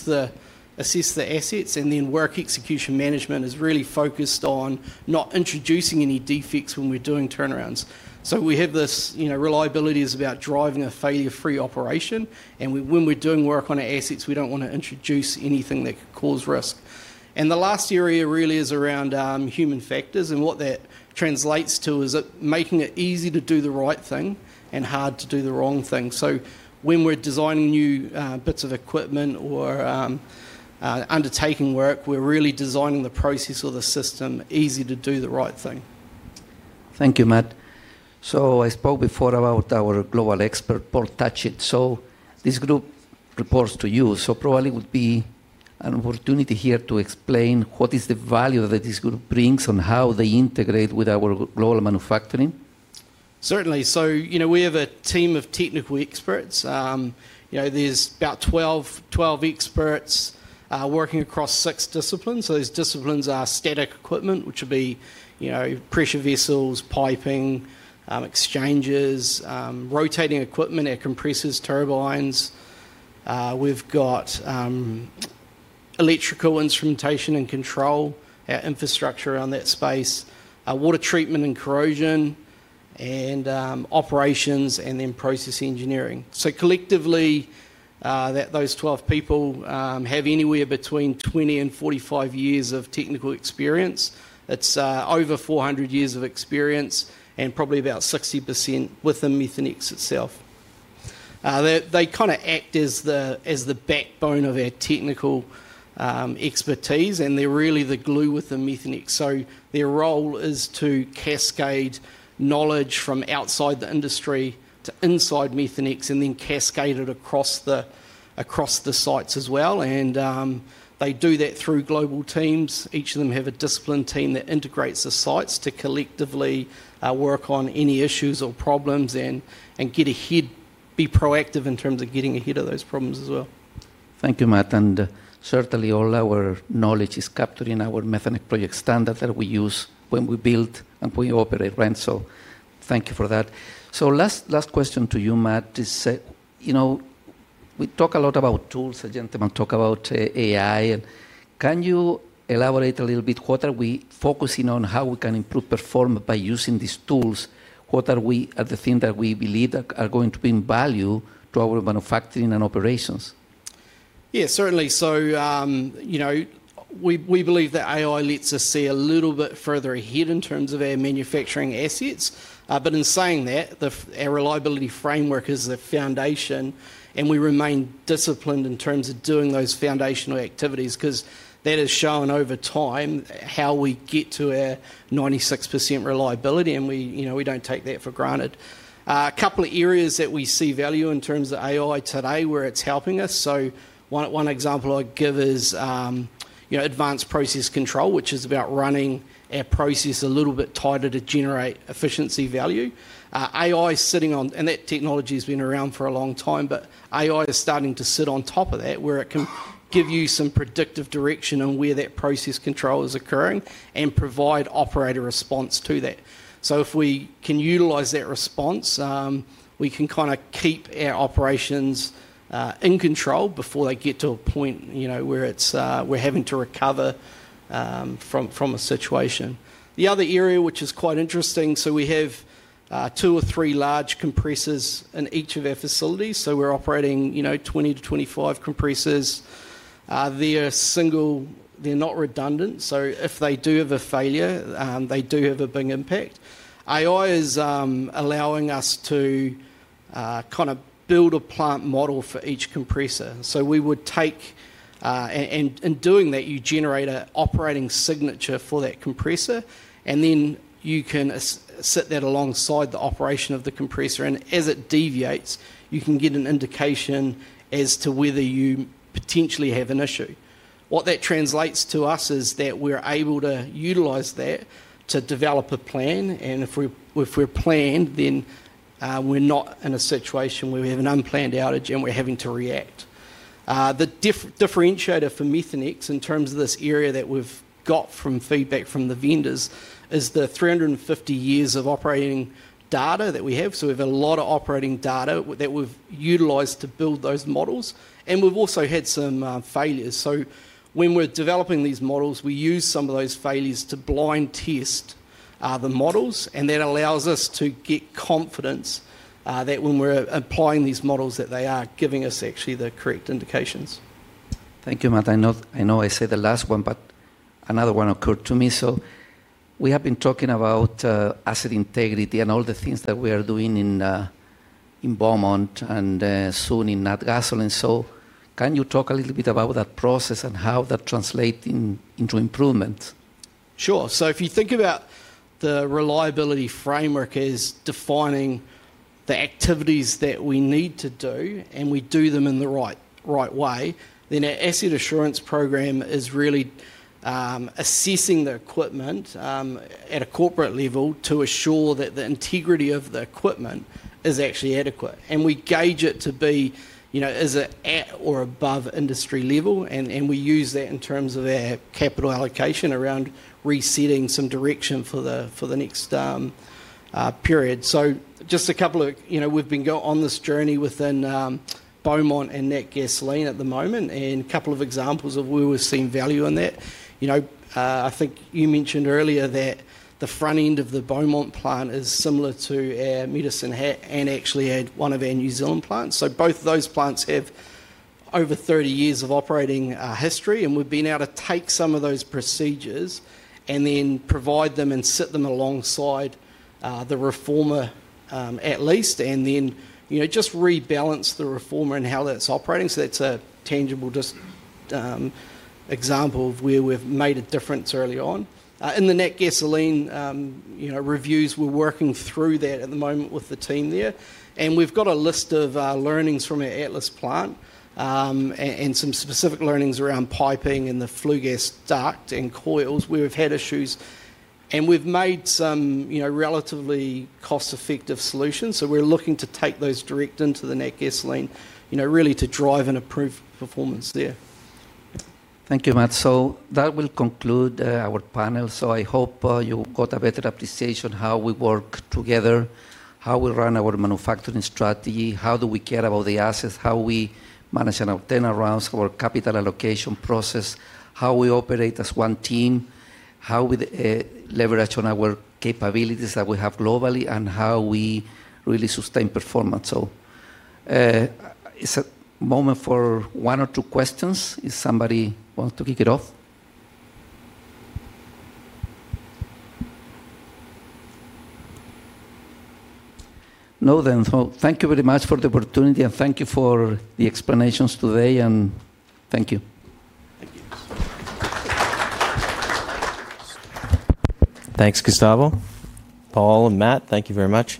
the assets. Work execution management is really focused on not introducing any defects when we're doing turnarounds. Reliability is about driving a failure-free operation. When we're doing work on our assets, we do not want to introduce anything that could cause risk. The last area really is around human factors. What that translates to is making it easy to do the right thing and hard to do the wrong thing. When we're designing new bits of equipment or undertaking work, we're really designing the process or the system easy to do the right thing. Thank you, Matt. I spoke before about our global expert, Paul Tatchet. This group reports to you. Probably it would be an opportunity here to explain what is the value that this group brings and how they integrate with our global manufacturing. Certainly. We have a team of technical experts. There are about 12 experts working across six disciplines. Those disciplines are static equipment, which would be pressure vessels, piping, exchangers, rotating equipment, our compressors, turbines. We have electrical instrumentation and control, our infrastructure around that space, water treatment and corrosion, and operations, and then process engineering. Collectively, those 12 people have anywhere between 20 and 45 years of technical experience. It is over 400 years of experience and probably about 60% within Methanex itself. They kind of act as the backbone of our technical expertise. They are really the glue within Methanex. Their role is to cascade knowledge from outside the industry to inside Methanex and then cascade it across the sites as well. They do that through global teams. Each of them have a discipline team that integrates the sites to collectively work on any issues or problems and get ahead, be proactive in terms of getting ahead of those problems as well. Thank you, Matt. Certainly, all our knowledge is captured in our Methanex project standard that we use when we build and when we operate, right? Thank you for that. Last question to you, Matt. We talk a lot about tools. A gentleman talked about AI. Can you elaborate a little bit? What are we focusing on? How can we improve performance by using these tools? What are the things that we believe are going to bring value to our manufacturing and operations? Yeah, certainly. We believe that AI lets us see a little bit further ahead in terms of our manufacturing assets. In saying that, our reliability framework is the foundation. We remain disciplined in terms of doing those foundational activities because that has shown over time how we get to our 96% reliability. We do not take that for granted. A couple of areas that we see value in terms of AI today where it is helping us. One example I would give is advanced process control, which is about running our process a little bit tighter to generate efficiency value. AI is sitting on—and that technology has been around for a long time—but AI is starting to sit on top of that where it can give you some predictive direction on where that process control is occurring and provide operator response to that. If we can utilize that response, we can kind of keep our operations in control before they get to a point where we're having to recover from a situation. The other area, which is quite interesting—so we have two or three large compressors in each of our facilities. We're operating 20-25 compressors. They're not redundant. If they do have a failure, they do have a big impact. AI is allowing us to kind of build a plant model for each compressor. We would take—and doing that, you generate an operating signature for that compressor. Then you can set that alongside the operation of the compressor. As it deviates, you can get an indication as to whether you potentially have an issue. What that translates to us is that we're able to utilize that to develop a plan. If we're planned, then we're not in a situation where we have an unplanned outage and we're having to react. The differentiator for Methanex in terms of this area that we've got from feedback from the vendors is the 350 years of operating data that we have. We have a lot of operating data that we've utilized to build those models. We've also had some failures. When we're developing these models, we use some of those failures to blind test the models. That allows us to get confidence that when we're applying these models, they are giving us actually the correct indications. Thank you, Matt. I know I said the last one, but another one occurred to me. We have been talking about asset integrity and all the things that we are doing in Beaumont and soon in Natgasoline. Can you talk a little bit about that process and how that translates into improvements? Sure. If you think about the reliability framework as defining the activities that we need to do and we do them in the right way, then our asset assurance program is really assessing the equipment at a corporate level to assure that the integrity of the equipment is actually adequate. We gauge it to be at or above industry level. We use that in terms of our capital allocation around resetting some direction for the next period. Just a couple of—we have been on this journey within Beaumont and Natgasoline at the moment. A couple of examples of where we have seen value in that. I think you mentioned earlier that the front end of the Beaumont plant is similar to our Medicine Hat and actually one of our New Zealand plants. Both of those plants have over 30 years of operating history. We have been able to take some of those procedures and then provide them and set them alongside the reformer at least and then just rebalance the reformer and how that is operating. That is a tangible example of where we have made a difference early on. In the Natgasoline reviews, we are working through that at the moment with the team there. We have a list of learnings from our Atlas plant and some specific learnings around piping and the flue gas duct and coils where we have had issues. We have made some relatively cost-effective solutions. We are looking to take those direct into the Natgasoline really to drive and improve performance there. Thank you, Matt. That will conclude our panel. I hope you got a better appreciation of how we work together, how we run our manufacturing strategy, how we care about the assets, how we manage and obtain around our capital allocation process, how we operate as one team, how we leverage on our capabilities that we have globally, and how we really sustain performance. It is a moment for one or two questions if somebody wants to kick it off. No then. Thank you very much for the opportunity. Thank you for the explanations today. Thank you. Thanks, Gustavo, Paul, and Matt. Thank you very much.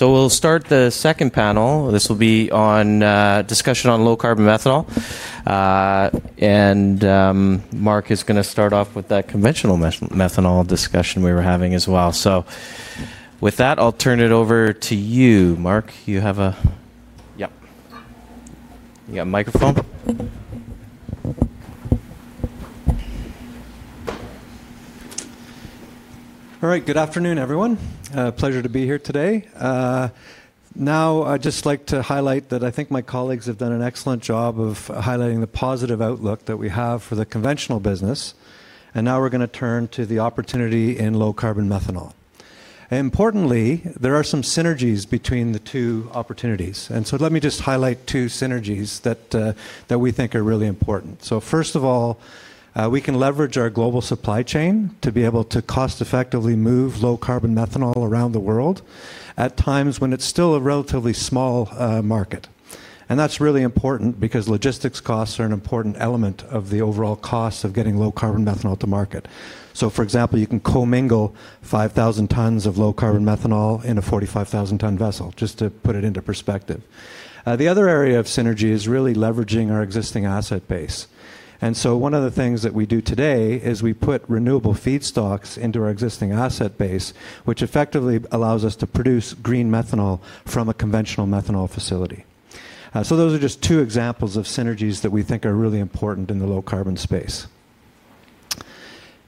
We will start the second panel. This will be on discussion on Low Carbon Methanol. Mark is going to start off with that conventional methanol discussion we were having as well. With that, I will turn it over to you. Mark, you have a—yep. You got a microphone. All right. Good afternoon, everyone. Pleasure to be here today. Now, I'd just like to highlight that I think my colleagues have done an excellent job of highlighting the positive outlook that we have for the conventional business. Now we're going to turn to the opportunity in Low Carbon Methanol. Importantly, there are some synergies between the two opportunities. Let me just highlight two synergies that we think are really important. First of all, we can leverage our global supply chain to be able to cost-effectively move Low Carbon Methanol around the world at times when it's still a relatively small market. That's really important because logistics costs are an important element of the overall cost of getting Low Carbon Methanol to market. For example, you can co-mingle 5,000 tons of Low Carbon Methanol in a 45,000-ton vessel just to put it into perspective. The other area of synergy is really leveraging our existing asset base. One of the things that we do today is we put renewable feedstocks into our existing asset base, which effectively allows us to produce green methanol from a conventional methanol facility. Those are just two examples of synergies that we think are really important in the low-carbon space.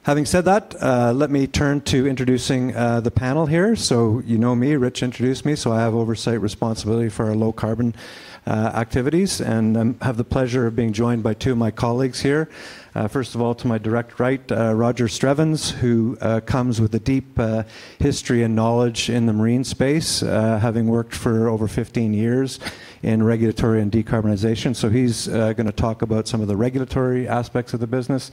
Having said that, let me turn to introducing the panel here. You know me. Rich introduced me. I have oversight responsibility for our low-carbon activities. I have the pleasure of being joined by two of my colleagues here. First of all, to my direct right, Roger Strevens, who comes with a deep history and knowledge in the marine space, having worked for over 15 years in regulatory and decarbonization. He is going to talk about some of the regulatory aspects of the business.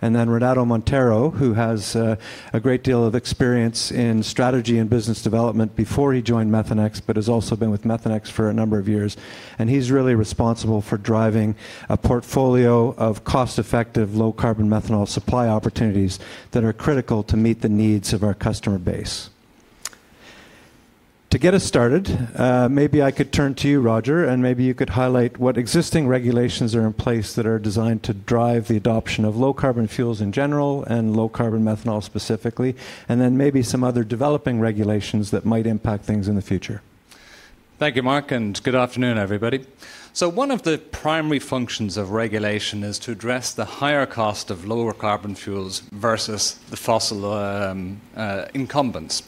Then Renato Montero, who has a great deal of experience in strategy and business development before he joined Methanex, but has also been with Methanex for a number of years. He is really responsible for driving a portfolio of cost-effective Low Carbon Methanol supply opportunities that are critical to meet the needs of our customer base. To get us started, maybe I could turn to you, Roger. Maybe you could highlight what existing regulations are in place that are designed to drive the adoption of low-carbon fuels in general and Low Carbon Methanol specifically, and then maybe some other developing regulations that might impact things in the future. Thank you, Mark. Good afternoon, everybody. One of the primary functions of regulation is to address the higher cost of lower-carbon fuels versus the fossil incumbents.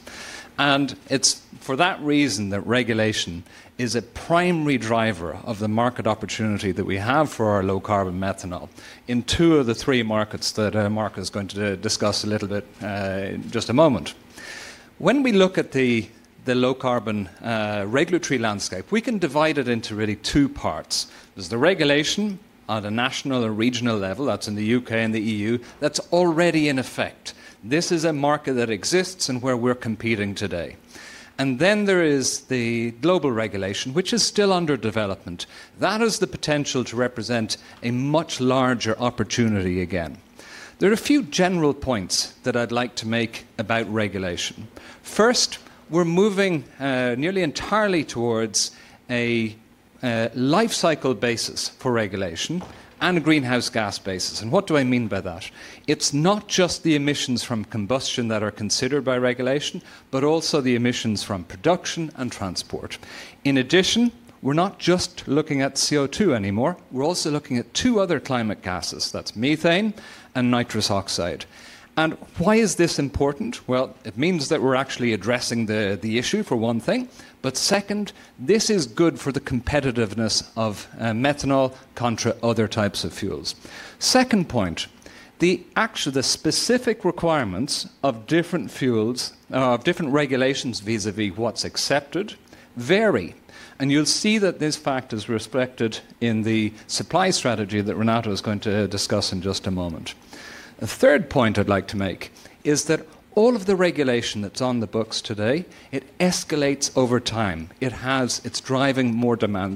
It is for that reason that regulation is a primary driver of the market opportunity that we have for our Low Carbon Methanol in two of the three markets that Mark is going to discuss a little bit in just a moment. When we look at the low-carbon regulatory landscape, we can divide it into really two parts. There is the regulation at a national and regional level. That is in the U.K. and the E.U.. That is already in effect. This is a market that exists and where we are competing today. Then there is the global regulation, which is still under development. That has the potential to represent a much larger opportunity again. There are a few general points that I'd like to make about regulation. First, we're moving nearly entirely towards a life cycle basis for regulation and a Greenhouse Gas basis. What do I mean by that? It's not just the emissions from combustion that are considered by regulation, but also the emissions from production and transport. In addition, we're not just looking at CO2 anymore. We're also looking at two other climate gases. That's methane and nitrous oxide. Why is this important? It means that we're actually addressing the issue for one thing. Second, this is good for the competitiveness of methanol contra other types of fuels. Second point, the specific requirements of different fuels, of different regulations vis-a-vis what's accepted, vary. You'll see that these factors are reflected in the supply strategy that Renato is going to discuss in just a moment. A third point I'd like to make is that all of the regulation that's on the books today, it escalates over time. It's driving more demand.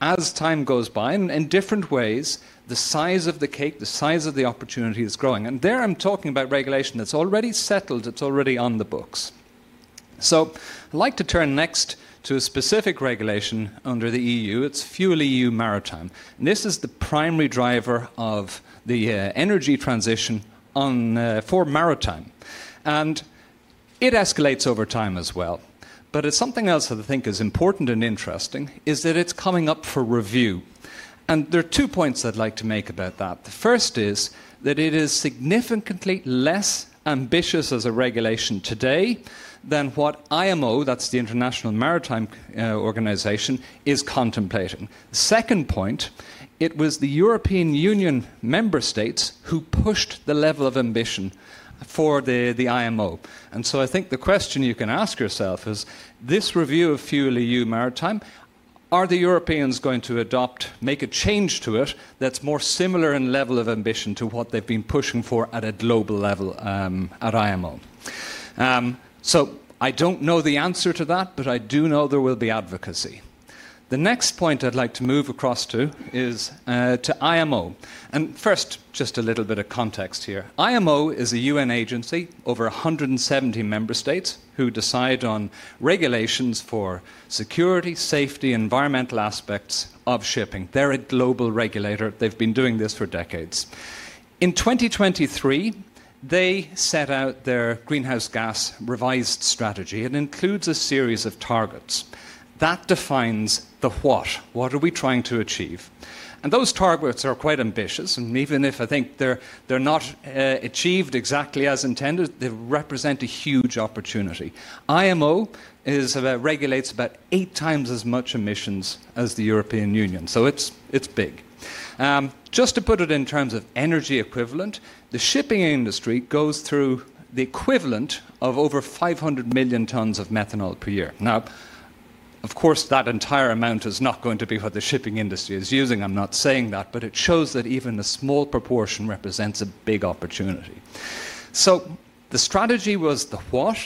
As time goes by, in different ways, the size of the cake, the size of the opportunity is growing. There I'm talking about regulation that's already settled. It's already on the books. I'd like to turn next to a specific regulation under the E.U.. It's fuel E.U. maritime. This is the primary driver of the energy transition for maritime. It escalates over time as well. Something else that I think is important and interesting is that it's coming up for review. There are two points I'd like to make about that. The first is that it is significantly less ambitious as a regulation today than what IMO, that's the International Maritime Organization, is contemplating. Second point, it was the European Union member states who pushed the level of ambition for the IMO. I think the question you can ask yourself is, this review of fuel E.U. maritime, are the Europeans going to adopt, make a change to it that's more similar in level of ambition to what they've been pushing for at a global level at IMO? I don't know the answer to that, but I do know there will be advocacy. The next point I'd like to move across to is to IMO. First, just a little bit of context here. IMO is a UN agency, over 170 member states who decide on regulations for security, safety, environmental aspects of shipping. They're a global regulator. They've been doing this for decades. In 2023, they set out their Greenhouse Gas revised strategy. It includes a series of targets. That defines the what. What are we trying to achieve? Those targets are quite ambitious. Even if I think they're not achieved exactly as intended, they represent a huge opportunity. IMO regulates about eight times as much emissions as the European Union. It is big. Just to put it in terms of energy equivalent, the shipping industry goes through the equivalent of over 500 million tons of methanol per year. Now, of course, that entire amount is not going to be what the shipping industry is using. I'm not saying that. It shows that even a small proportion represents a big opportunity. The strategy was the what.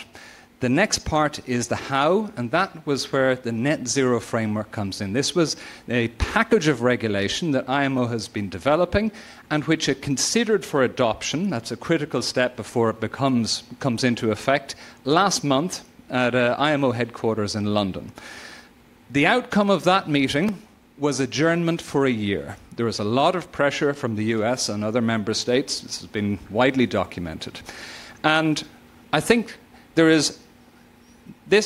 The next part is the how. That was where the net zero framework comes in. This was a package of regulation that IMO has been developing and which are considered for adoption. That's a critical step before it comes into effect last month at IMO headquarters in London. The outcome of that meeting was adjournment for a year. There was a lot of pressure from the U.S. and other member states. This has been widely documented. I think this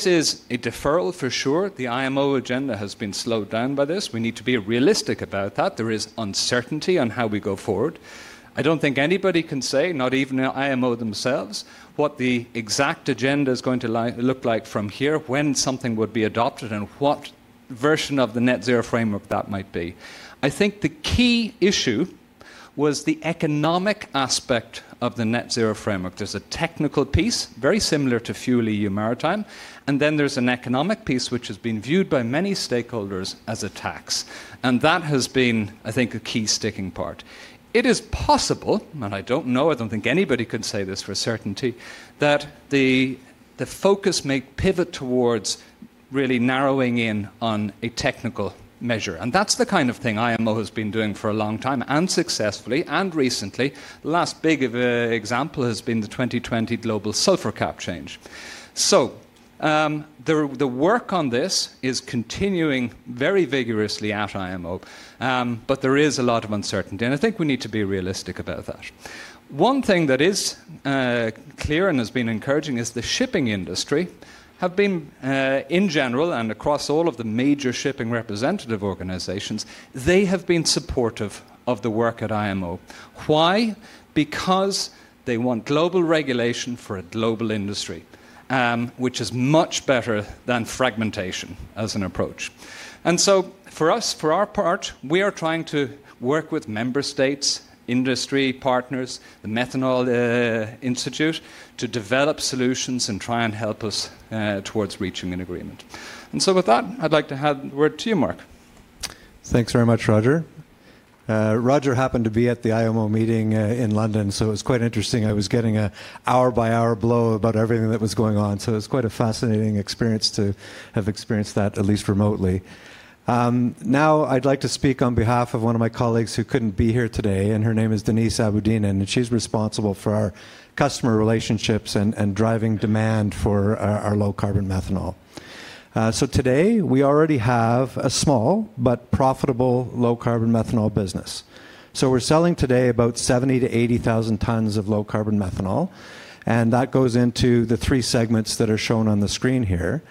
is a deferral for sure. The IMO agenda has been slowed down by this. We need to be realistic about that. There is uncertainty on how we go forward. I don't think anybody can say, not even IMO themselves, what the exact agenda is going to look like from here, when something would be adopted, and what version of the net zero framework that might be. I think the key issue was the economic aspect of the net zero framework. There's a technical piece very similar to fuel E.U. maritime. There is an economic piece which has been viewed by many stakeholders as a tax. That has been, I think, a key sticking part. It is possible, and I do not know, I do not think anybody can say this for certainty, that the focus may pivot towards really narrowing in on a technical measure. That is the kind of thing IMO has been doing for a long time and successfully and recently. The last big example has been the 2020 global sulfur cap change. The work on this is continuing very vigorously at IMO. There is a lot of uncertainty. I think we need to be realistic about that. One thing that is clear and has been encouraging is the shipping industry have been, in general and across all of the major shipping representative organizations, supportive of the work at IMO. Why? Because they want global regulation for a global industry, which is much better than fragmentation as an approach. For us, for our part, we are trying to work with member states, industry partners, the Methanol Institute to develop solutions and try and help us towards reaching an agreement. With that, I'd like to hand the word to you, Mark. Thanks very much, Roger. Roger happened to be at the IMO meeting in London. It was quite interesting. I was getting an hour-by-hour blow about everything that was going on. It was quite a fascinating experience to have experienced that at least remotely. Now, I'd like to speak on behalf of one of my colleagues who could not be here today. Her name is Denise Aberdeen. She is responsible for our customer relationships and driving demand for our Low Carbon Methanol. Today, we already have a small but profitable Low Carbon Methanol business. We are selling today about 70,000 tons-80,000 tons of Low Carbon Methanol. That goes into the three segments that are shown on the screen here.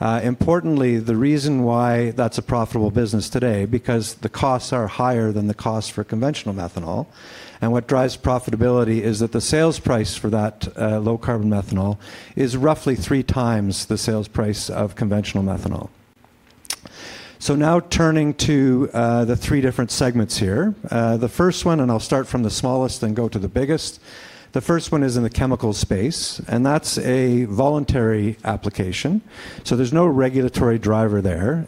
Importantly, the reason why that is a profitable business today is because the costs are higher than the cost for conventional methanol. What drives profitability is that the sales price for that Low Carbon Methanol is roughly three times the sales price of conventional methanol. Now turning to the three different segments here. The first one, and I'll start from the smallest and go to the biggest. The first one is in the chemical space. That is a voluntary application. There is no regulatory driver there.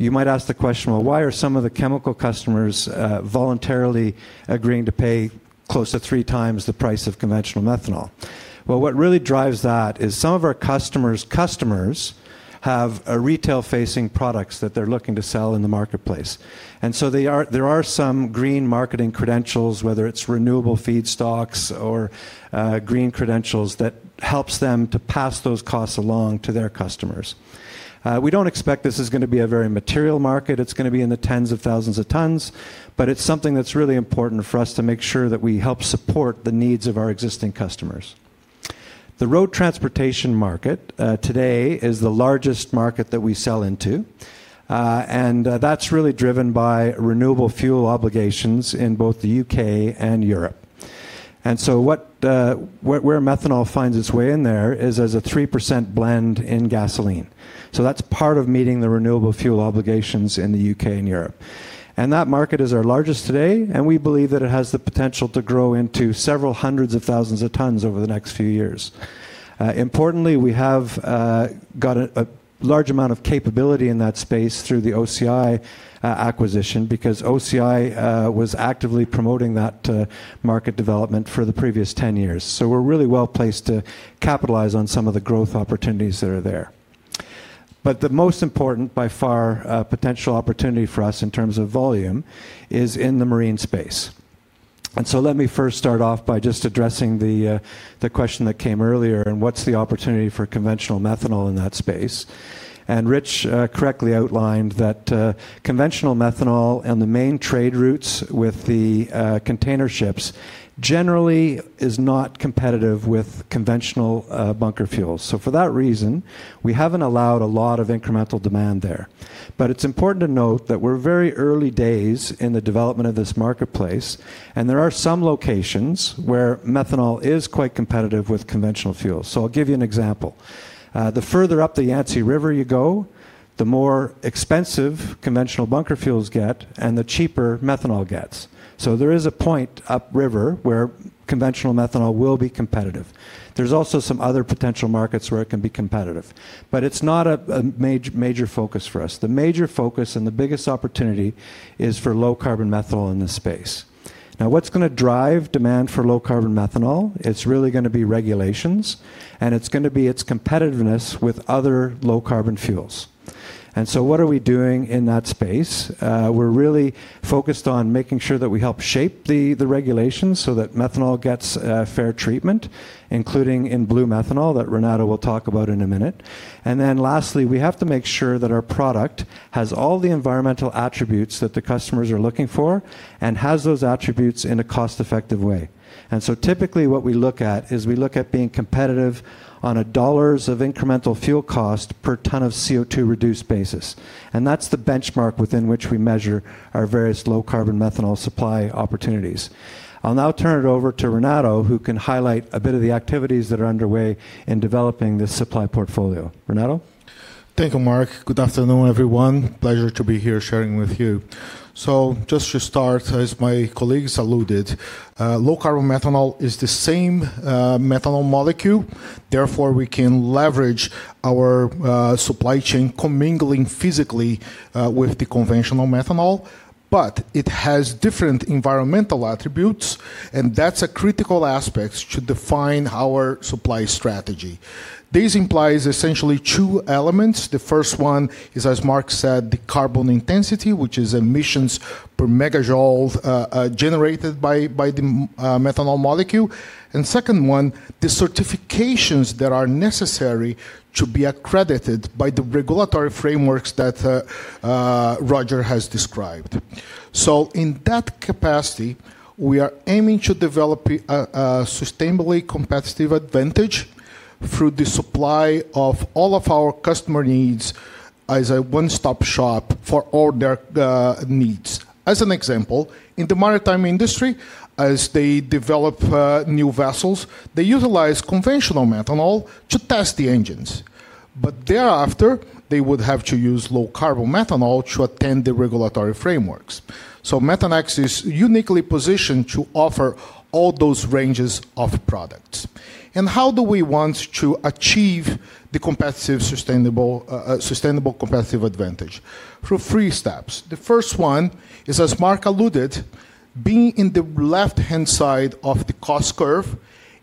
You might ask the question, why are some of the chemical customers voluntarily agreeing to pay close to three times the price of conventional methanol? What really drives that is some of our customers' customers have retail-facing products that they are looking to sell in the marketplace. There are some green marketing credentials, whether it is renewable feedstocks or green credentials, that helps them to pass those costs along to their customers. We do not expect this is going to be a very material market. It is going to be in the tens of thousands of tons. It is something that is really important for us to make sure that we help support the needs of our existing customers. The road transportation market today is the largest market that we sell into. That is really driven by renewable fuel obligations in both the U.K. and Europe. Where methanol finds its way in there is as a 3% blend in gasoline. That is part of meeting the renewable fuel obligations in the U.K. and Europe. That market is our largest today. We believe that it has the potential to grow into several hundreds of thousands of tons over the next few years. Importantly, we have got a large amount of capability in that space through the OCI acquisition because OCI was actively promoting that market development for the previous 10 years. We are really well placed to capitalize on some of the growth opportunities that are there. The most important by far potential opportunity for us in terms of volume is in the marine space. Let me first start off by just addressing the question that came earlier on what's the opportunity for conventional methanol in that space. Rich correctly outlined that conventional methanol and the main trade routes with the container ships generally is not competitive with conventional bunker fuels. For that reason, we have not allowed a lot of incremental demand there. It is important to note that we are very early days in the development of this marketplace. There are some locations where methanol is quite competitive with conventional fuels. I'll give you an example. The further up the Yangtze River you go, the more expensive conventional bunker fuels get and the cheaper methanol gets. There is a point upriver where conventional methanol will be competitive. There are also some other potential markets where it can be competitive. It is not a major focus for us. The major focus and the biggest opportunity is for Low Carbon Methanol in this space. Now, what is going to drive demand for Low Carbon Methanol? It is really going to be regulations. It is going to be its competitiveness with other low-carbon fuels. What are we doing in that space? We are really focused on making sure that we help shape the regulations so that methanol gets fair treatment, including in blue methanol that Renato will talk about in a minute. Lastly, we have to make sure that our product has all the environmental attributes that the customers are looking for and has those attributes in a cost-effective way. Typically what we look at is we look at being competitive on a dollars of incremental fuel cost per ton of CO2 reduced basis. That is the benchmark within which we measure our various low-carbon methanol supply opportunities. I'll now turn it over to Renato, who can highlight a bit of the activities that are underway in developing this supply portfolio. Renato? Thank you, Mark. Good afternoon, everyone. Pleasure to be here sharing with you. Just to start, as my colleagues alluded, low-carbon methanol is the same methanol molecule. Therefore, we can leverage our supply chain commingling physically with the conventional methanol. It has different environmental attributes. That is a critical aspect to define our supply strategy. This implies essentially two elements. The first one is, as Mark said, the carbon intensity, which is emissions per megajoule generated by the methanol molecule. The second one, the certifications that are necessary to be accredited by the regulatory frameworks that Roger has described. In that capacity, we are aiming to develop a sustainably competitive advantage through the supply of all of our customer needs as a one-stop shop for all their needs. As an example, in the maritime industry, as they develop new vessels, they utilize conventional methanol to test the engines. Thereafter, they would have to use low-carbon methanol to attend the regulatory frameworks. Methanex is uniquely positioned to offer all those ranges of products. How do we want to achieve the competitive sustainable competitive advantage? Through three steps. The first one is, as Mark alluded, being in the left-hand side of the cost curve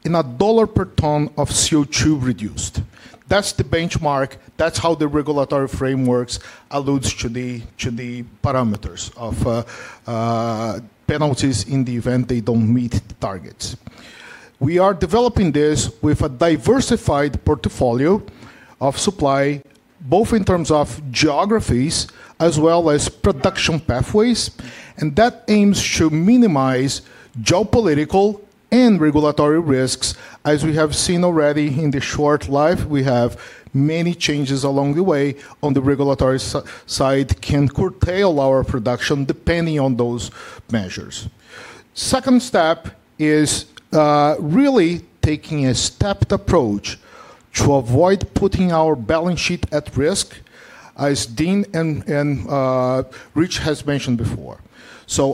in a dollar per ton of CO2 reduced. That is the benchmark. That is how the regulatory frameworks allude to the parameters of penalties in the event they do not meet targets. We are developing this with a diversified portfolio of supply, both in terms of geographies as well as production pathways. That aims to minimize geopolitical and regulatory risks. As we have seen already in the short life, we have many changes along the way on the regulatory side that can curtail our production depending on those measures. The second step is really taking a stepped approach to avoid putting our balance sheet at risk, as Dean and Rich have mentioned before.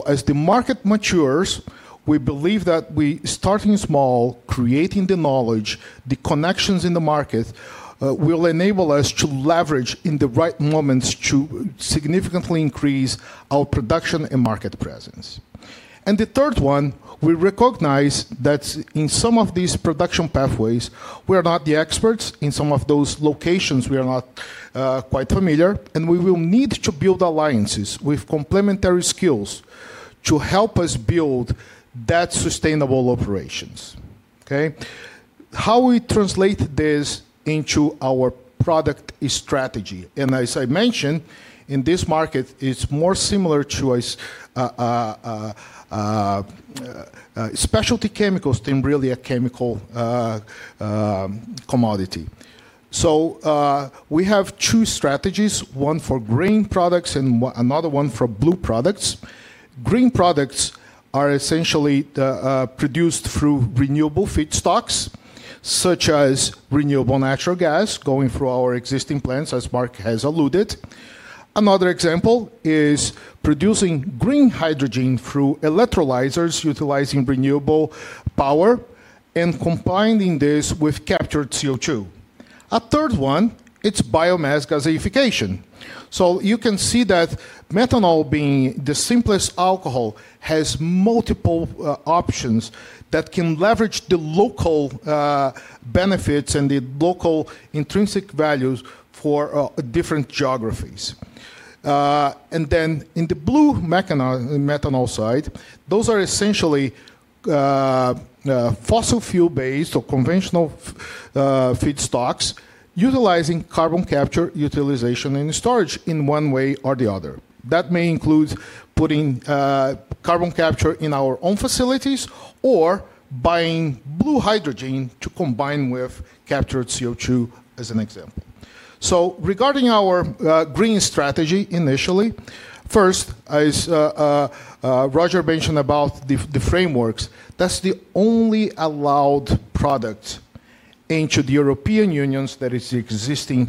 As the market matures, we believe that starting small, creating the knowledge, the connections in the market will enable us to leverage in the right moments to significantly increase our production and market presence. The third one, we recognize that in some of these production pathways, we are not the experts. In some of those locations, we are not quite familiar. We will need to build alliances with complementary skills to help us build that sustainable operations. How do we translate this into our product strategy? As I mentioned, in this market, it's more similar to specialty chemicals than really a chemical commodity. We have two strategies, one for green products and another one for blue products. Green products are essentially produced through renewable feedstocks, such as renewable natural gas going through our existing plants, as Mark has alluded. Another example is producing green hydrogen through electrolyzers utilizing renewable power and combining this with captured CO2. A third one is biomass gasification. You can see that methanol, being the simplest alcohol, has multiple options that can leverage the local benefits and the local intrinsic values for different geographies. On the blue methanol side, those are essentially fossil fuel-based or conventional feedstocks utilizing carbon capture, utilization, and storage in one way or the other. That may include putting carbon capture in our own facilities or buying blue hydrogen to combine with captured CO2, as an example. Regarding our green strategy initially, first, as Roger mentioned about the frameworks, that's the only allowed product into the European Union that is the existing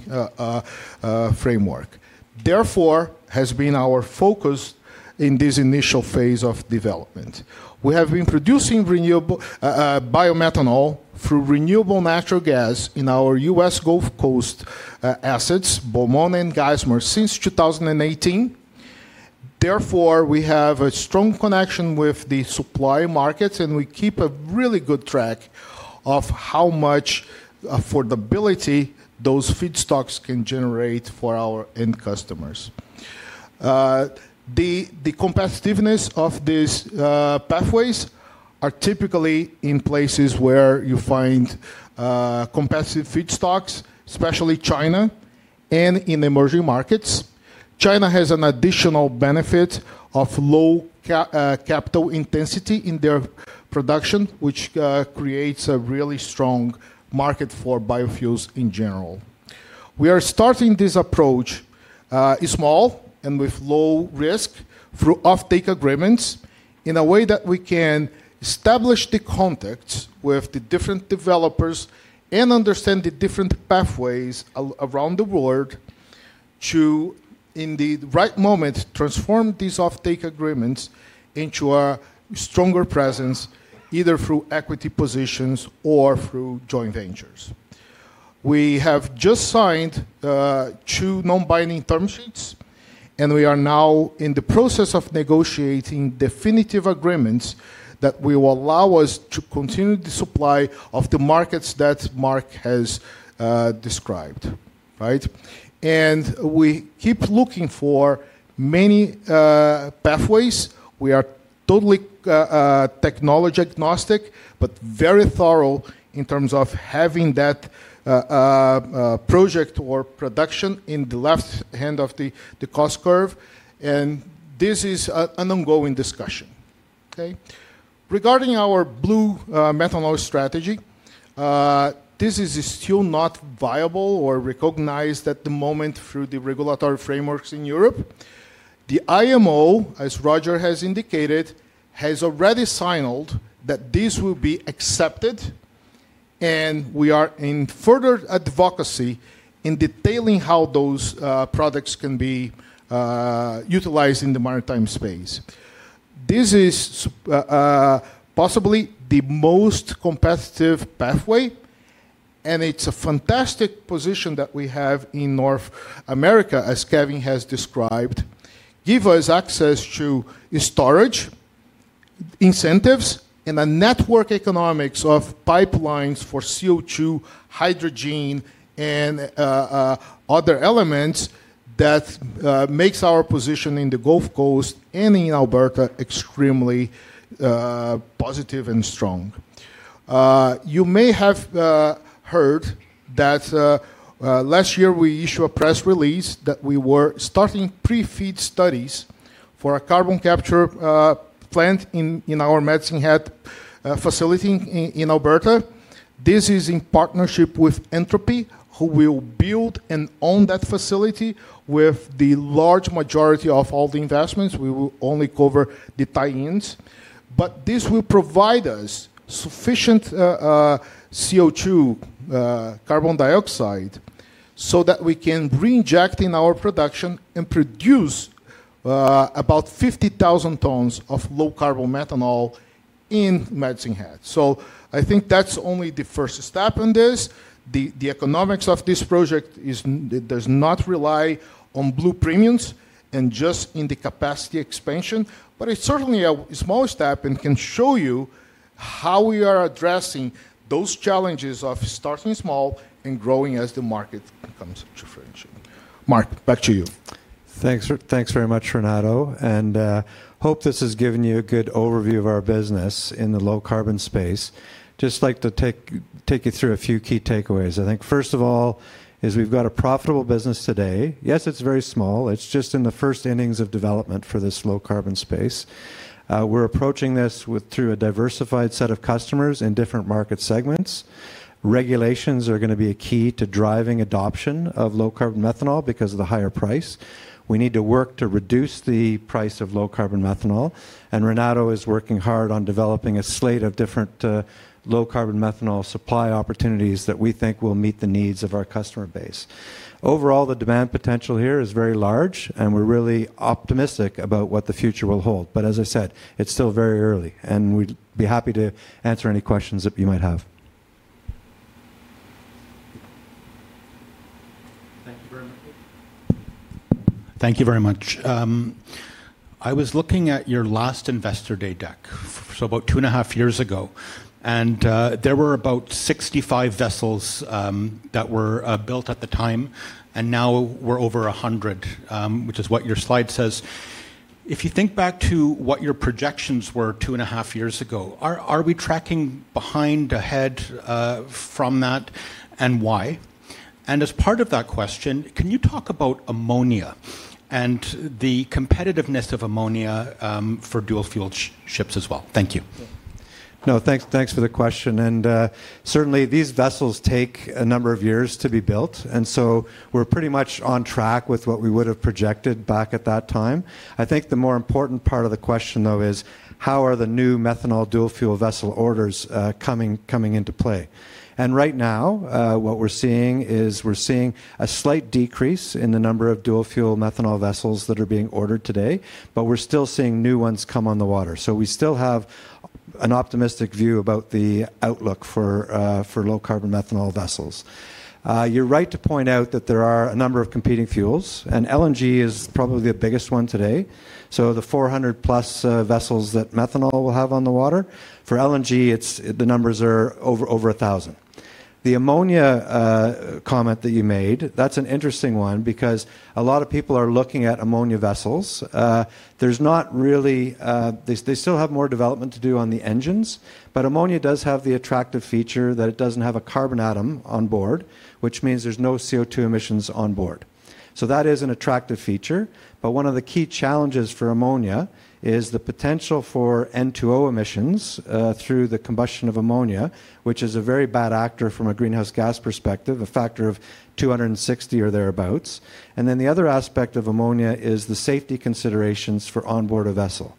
framework. Therefore, it has been our focus in this initial phase of development. We have been producing biomethanol through renewable natural gas in our U.S. Gulf Coast assets, Beaumont and Geismar, since 2018. Therefore, we have a strong connection with the supply markets. We keep a really good track of how much affordability those feedstocks can generate for our end customers. The competitiveness of these pathways is typically in places where you find competitive feedstocks, especially China and in emerging markets. China has an additional benefit of low capital intensity in their production, which creates a really strong market for biofuels in general. We are starting this approach small and with low risk through offtake agreements in a way that we can establish the context with the different developers and understand the different pathways around the world to, in the right moment, transform these offtake agreements into a stronger presence either through equity positions or through joint ventures. We have just signed two non-binding term sheets. We are now in the process of negotiating definitive agreements that will allow us to continue the supply of the markets that Mark has described. We keep looking for many pathways. We are totally technology agnostic but very thorough in terms of having that project or production in the left-hand of the cost curve. This is an ongoing discussion. Regarding our blue methanol strategy, this is still not viable or recognized at the moment through the regulatory frameworks in Europe. The IMO, as Roger has indicated, has already signaled that this will be accepted. We are in further advocacy in detailing how those products can be utilized in the maritime space. This is possibly the most competitive pathway. It is a fantastic position that we have in North America, as Kevin has described, giving us access to storage incentives and a network economics of pipelines for CO2, hydrogen, and other elements that makes our position in the Gulf Coast and in Alberta extremely positive and strong. You may have heard that last year, we issued a press release that we were starting pre-feed studies for a carbon capture plant in our Methanex facility in Alberta. This is in partnership with Entropy, who will build and own that facility with the large majority of all the investments. We will only cover the tie-ins. This will provide us sufficient CO2, carbon dioxide, so that we can reinject in our production and produce about 50,000 tons of low-carbon methanol in Methanex. I think that's only the first step in this. The economics of this project does not rely on blue premiums and just in the capacity expansion. It is certainly a small step and can show you how we are addressing those challenges of starting small and growing as the market becomes differential. Mark, back to you. Thanks very much, Renato. I hope this has given you a good overview of our business in the low-carbon space. I just like to take you through a few key takeaways. I think, first of all, is we've got a profitable business today. Yes, it's very small. It's just in the first innings of development for this low-carbon space. We're approaching this through a diversified set of customers in different market segments. Regulations are going to be a key to driving adoption of low-carbon methanol because of the higher price. We need to work to reduce the price of low-carbon methanol. Renato is working hard on developing a slate of different low-carbon methanol supply opportunities that we think will meet the needs of our customer base. Overall, the demand potential here is very large. We're really optimistic about what the future will hold. As I said, it's still very early. We'd be happy to answer any questions that you might have. Thank you very much. Thank you very much. I was looking at your last Investor Day deck, so about two and a half years ago. There were about 65 vessels that were built at the time. Now, we're over 100, which is what your slide says. If you think back to what your projections were two and a half years ago, are we tracking behind, ahead from that, and why? As part of that question, can you talk about ammonia and the competitiveness of ammonia for dual-fuel ships as well? Thank you. No, thanks for the question. Certainly, these vessels take a number of years to be built. We're pretty much on track with what we would have projected back at that time. I think the more important part of the question, though, is how are the new methanol dual-fuel vessel orders coming into play? Right now, what we're seeing is a slight decrease in the number of dual-fuel methanol vessels that are being ordered today. We're still seeing new ones come on the water. We still have an optimistic view about the outlook for low-carbon methanol vessels. You're right to point out that there are a number of competing fuels. LNG is probably the biggest one today, so the 400-plus vessels that methanol will have on the water. For LNG, the numbers are over 1,000. The ammonia comment that you made, that's an interesting one because a lot of people are looking at ammonia vessels. They still have more development to do on the engines. Ammonia does have the attractive feature that it doesn't have a carbon atom on board, which means there's no CO2 emissions on board. That is an attractive feature. One of the key challenges for ammonia is the potential for N2O emissions through the combustion of ammonia, which is a very bad actor from a Greenhouse Gas perspective, a factor of 260 or thereabouts. The other aspect of ammonia is the safety considerations for onboard a vessel.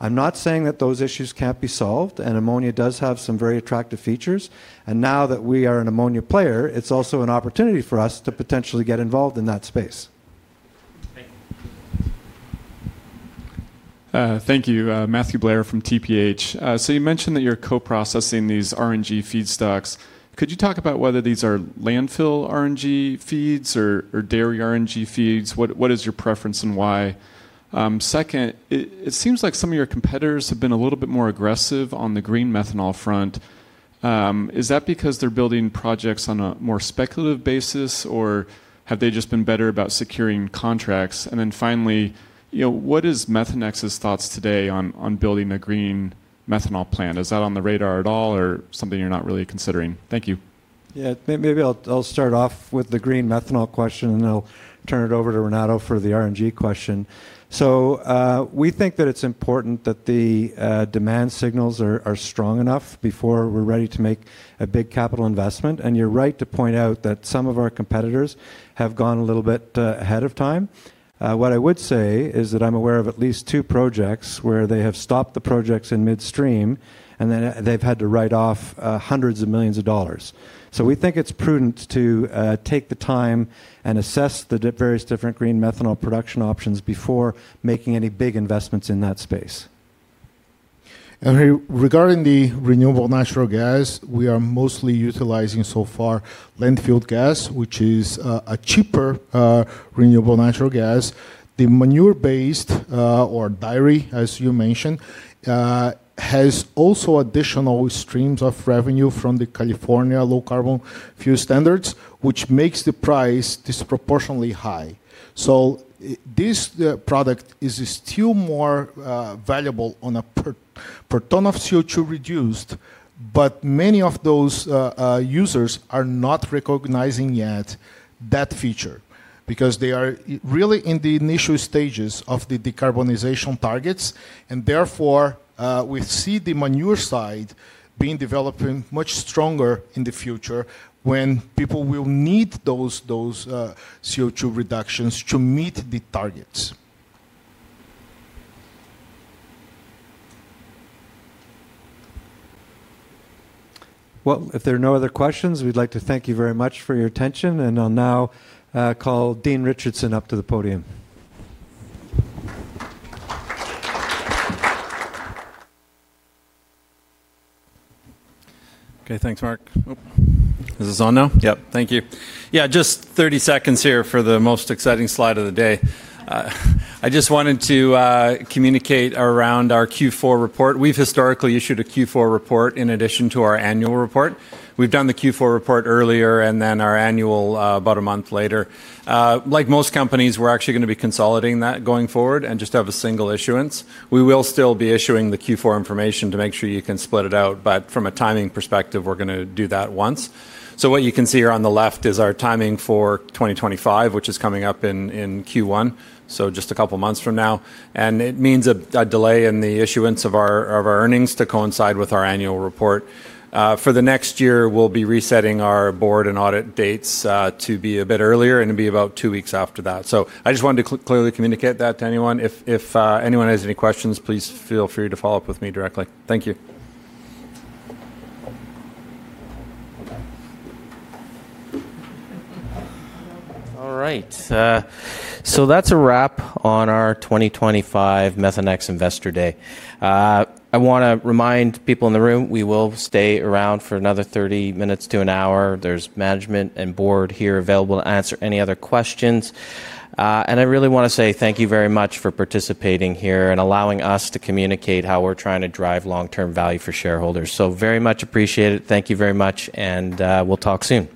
I'm not saying that those issues can't be solved. Ammonia does have some very attractive features. Now that we are an ammonia player, it's also an opportunity for us to potentially get involved in that space. Thank you. Matthew Blair from TPH. You mentioned that you're co-processing these RNG feedstocks. Could you talk about whether these are landfill RNG feeds or dairy RNG feeds? What is your preference and why? Second, it seems like some of your competitors have been a little bit more aggressive on the green methanol front. Is that because they're building projects on a more speculative basis, or have they just been better about securing contracts? Finally, what is Methanex's thoughts today on building a green methanol plant? Is that on the radar at all or something you're not really considering? Thank you. Yeah, maybe I'll start off with the green methanol question. Then I'll turn it over to Renato for the RNG question. We think that it's important that the demand signals are strong enough before we're ready to make a big capital investment. You're right to point out that some of our competitors have gone a little bit ahead of time. What I would say is that I'm aware of at least two projects where they have stopped the projects in midstream. They have had to write off hundreds of millions of dollars. We think it's prudent to take the time and assess the various different green methanol production options before making any big investments in that space. Regarding the renewable natural gas, we are mostly utilizing so far landfill gas, which is a cheaper renewable natural gas. The manure-based or dairy, as you mentioned, has also additional streams of revenue from the California low-carbon fuel standards, which makes the price disproportionately high. This product is still more valuable on a per ton of CO2 reduced. Many of those users are not recognizing yet that feature because they are really in the initial stages of the decarbonization targets. Therefore, we see the manure side being developed much stronger in the future when people will need those CO2 reductions to meet the targets. If there are no other questions, we'd like to thank you very much for your attention. I'll now call Dean Richardson up to the podium. OK, thanks, Mark. Is this on now? Yep. Thank you. Yeah, just 30 seconds here for the most exciting slide of the day. I just wanted to communicate around our Q4 report. We've historically issued a Q4 report in addition to our annual report. We've done the Q4 report earlier and then our annual about a month later. Like most companies, we're actually going to be consolidating that going forward and just have a single issuance. We will still be issuing the Q4 information to make sure you can split it out. From a timing perspective, we're going to do that once. What you can see here on the left is our timing for 2025, which is coming up in Q1, just a couple of months from now. It means a delay in the issuance of our earnings to coincide with our annual report. For the next year, we will be resetting our board and audit dates to be a bit earlier and to be about two weeks after that. I just wanted to clearly communicate that to anyone. If anyone has any questions, please feel free to follow up with me directly. Thank you. All right. So that's a wrap on our 2025 Methanex Investor Day. I want to remind people in the room, we will stay around for another 30 minutes to an hour. There's management and board here available to answer any other questions. I really want to say thank you very much for participating here and allowing us to communicate how we're trying to drive long-term value for shareholders. Very much appreciate it. Thank you very much. We'll talk soon.